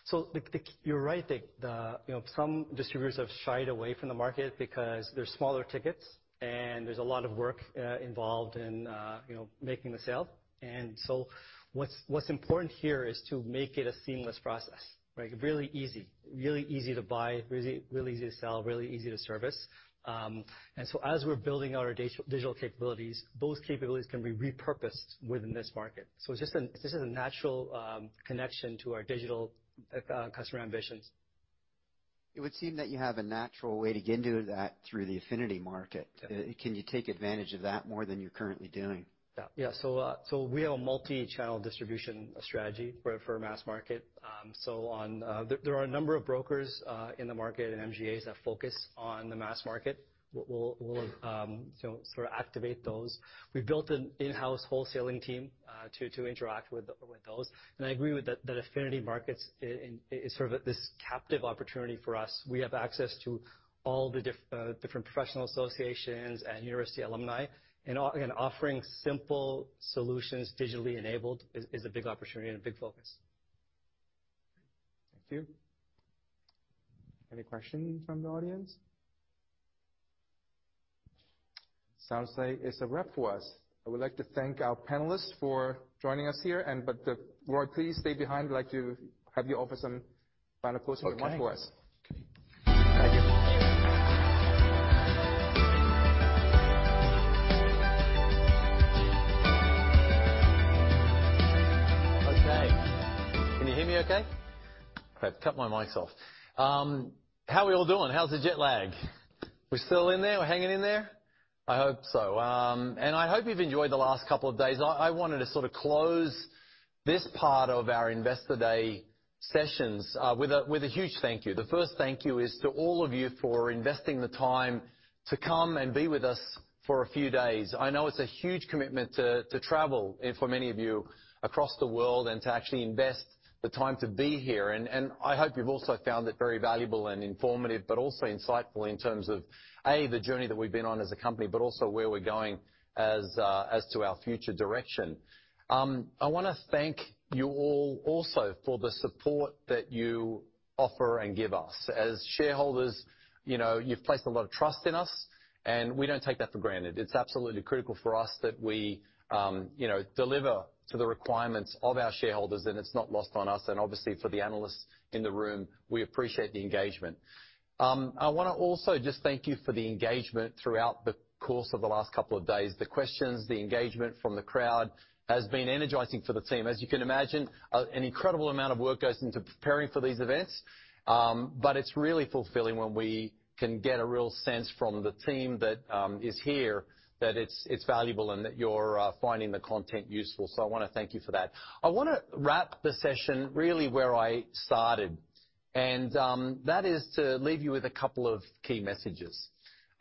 S10: So the—you're right that, you know, some distributors have shied away from the market because they're smaller tickets, and there's a lot of work involved in, you know, making the sale. And so what's important here is to make it a seamless process, right? Really easy. Really easy to buy, really, really easy to sell, really easy to service. And so as we're building out our digital capabilities, those capabilities can be repurposed within this market. So it's just an—this is a natural connection to our digital customer ambitions.
S5: It would seem that you have a natural way to get into that through the affinity market.
S10: Yeah.
S5: Can you take advantage of that more than you're currently doing?
S10: Yeah. So we have a multi-channel distribution strategy for our mass market. There are a number of brokers in the market and MGAs that focus on the mass market. We'll sort of activate those. We've built an in-house wholesaling team to interact with those. And I agree with that affinity markets is sort of this captive opportunity for us. We have access to all the different professional associations and university alumni, and offering simple solutions, digitally enabled, is a big opportunity and a big focus.
S13: Thank you. Any questions from the audience? Sounds like it's a wrap for us. I would like to thank our panelists for joining us here, and but, Roy, please stay behind. I'd like to have you offer some final closing remarks for us.
S2: Okay.
S5: Thank you.
S2: Okay. Can you hear me okay? I've cut my mics off. How are we all doing? How's the jet lag? We're still in there? We're hanging in there? I hope so. And I hope you've enjoyed the last couple of days. I wanted to sort of close this part of our Investor Day sessions with a huge thank you. The first thank you is to all of you for investing the time to come and be with us for a few days. I know it's a huge commitment to travel, and for many of you, across the world, and to actually invest the time to be here. I hope you've also found it very valuable and informative, but also insightful in terms of a, the journey that we've been on as a company, but also where we're going as to our future direction. I want to thank you all also for the support that you offer and give us. As shareholders, you know, you've placed a lot of trust in us, and we don't take that for granted. It's absolutely critical for us that we, you know, deliver to the requirements of our shareholders, and it's not lost on us. And obviously, for the analysts in the room, we appreciate the engagement. I want to also just thank you for the engagement throughout the course of the last couple of days. The questions, the engagement from the crowd has been energizing for the team. As you can imagine, an incredible amount of work goes into preparing for these events, but it's really fulfilling when we can get a real sense from the team that is here, that it's valuable and that you're finding the content useful, so I want to thank you for that. I want to wrap the session really where I started, and that is to leave you with a couple of key messages.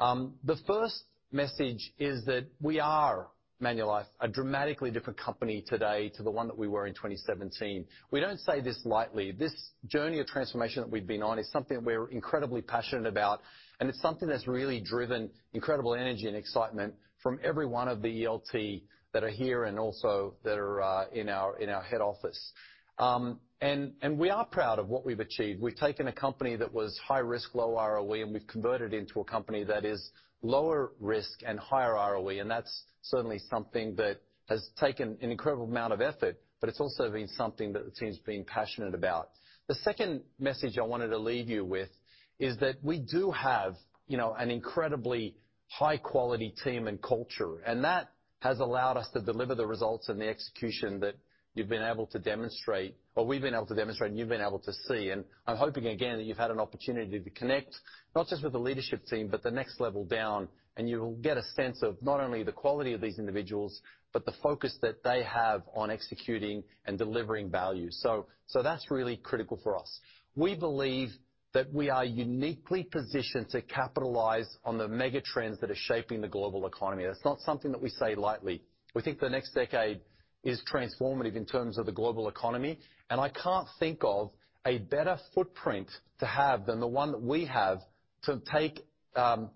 S2: The first message is that we are Manulife, a dramatically different company today to the one that we were in 2017. We don't say this lightly. This journey of transformation that we've been on is something we're incredibly passionate about, and it's something that's really driven incredible energy and excitement from every one of the ELT that are here and also that are in our head office. And we are proud of what we've achieved. We've taken a company that was high risk, low ROE, and we've converted into a company that is lower risk and higher ROE, and that's certainly something that has taken an incredible amount of effort, but it's also been something that the team's been passionate about. The second message I wanted to leave you with is that we do have, you know, an incredibly high quality team and culture, and that has allowed us to deliver the results and the execution that you've been able to demonstrate, or we've been able to demonstrate and you've been able to see. I'm hoping again, that you've had an opportunity to connect, not just with the leadership team, but the next level down, and you'll get a sense of not only the quality of these individuals, but the focus that they have on executing and delivering value. So that's really critical for us. We believe that we are uniquely positioned to capitalize on the mega trends that are shaping the global economy. That's not something that we say lightly. We think the next decade is transformative in terms of the global economy, and I can't think of a better footprint to have than the one that we have to take the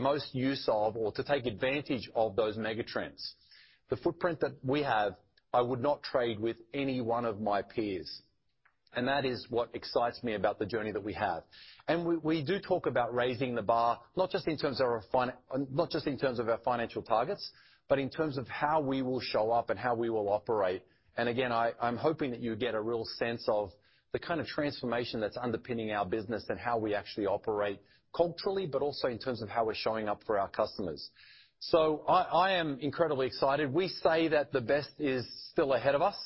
S2: most use of or to take advantage of those mega trends. The footprint that we have, I would not trade with any one of my peers, and that is what excites me about the journey that we have. And we, we do talk about raising the bar, not just in terms of our fin- not just in terms of our financial targets, but in terms of how we will show up and how we will operate. And again, I, I'm hoping that you get a real sense of the kind of transformation that's underpinning our business and how we actually operate culturally, but also in terms of how we're showing up for our customers. So I, I am incredibly excited. We say that the best is still ahead of us,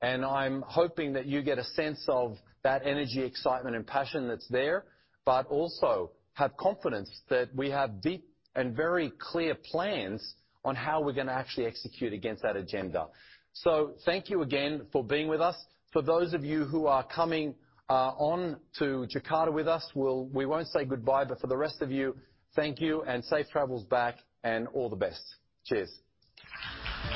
S2: and I'm hoping that you get a sense of that energy, excitement, and passion that's there, but also have confidence that we have deep and very clear plans on how we're going to actually execute against that agenda. So thank you again for being with us. For those of you who are coming on to Jakarta with us, we'll, we won't say goodbye, but for the rest of you, thank you and safe travels back, and all the best. Cheers!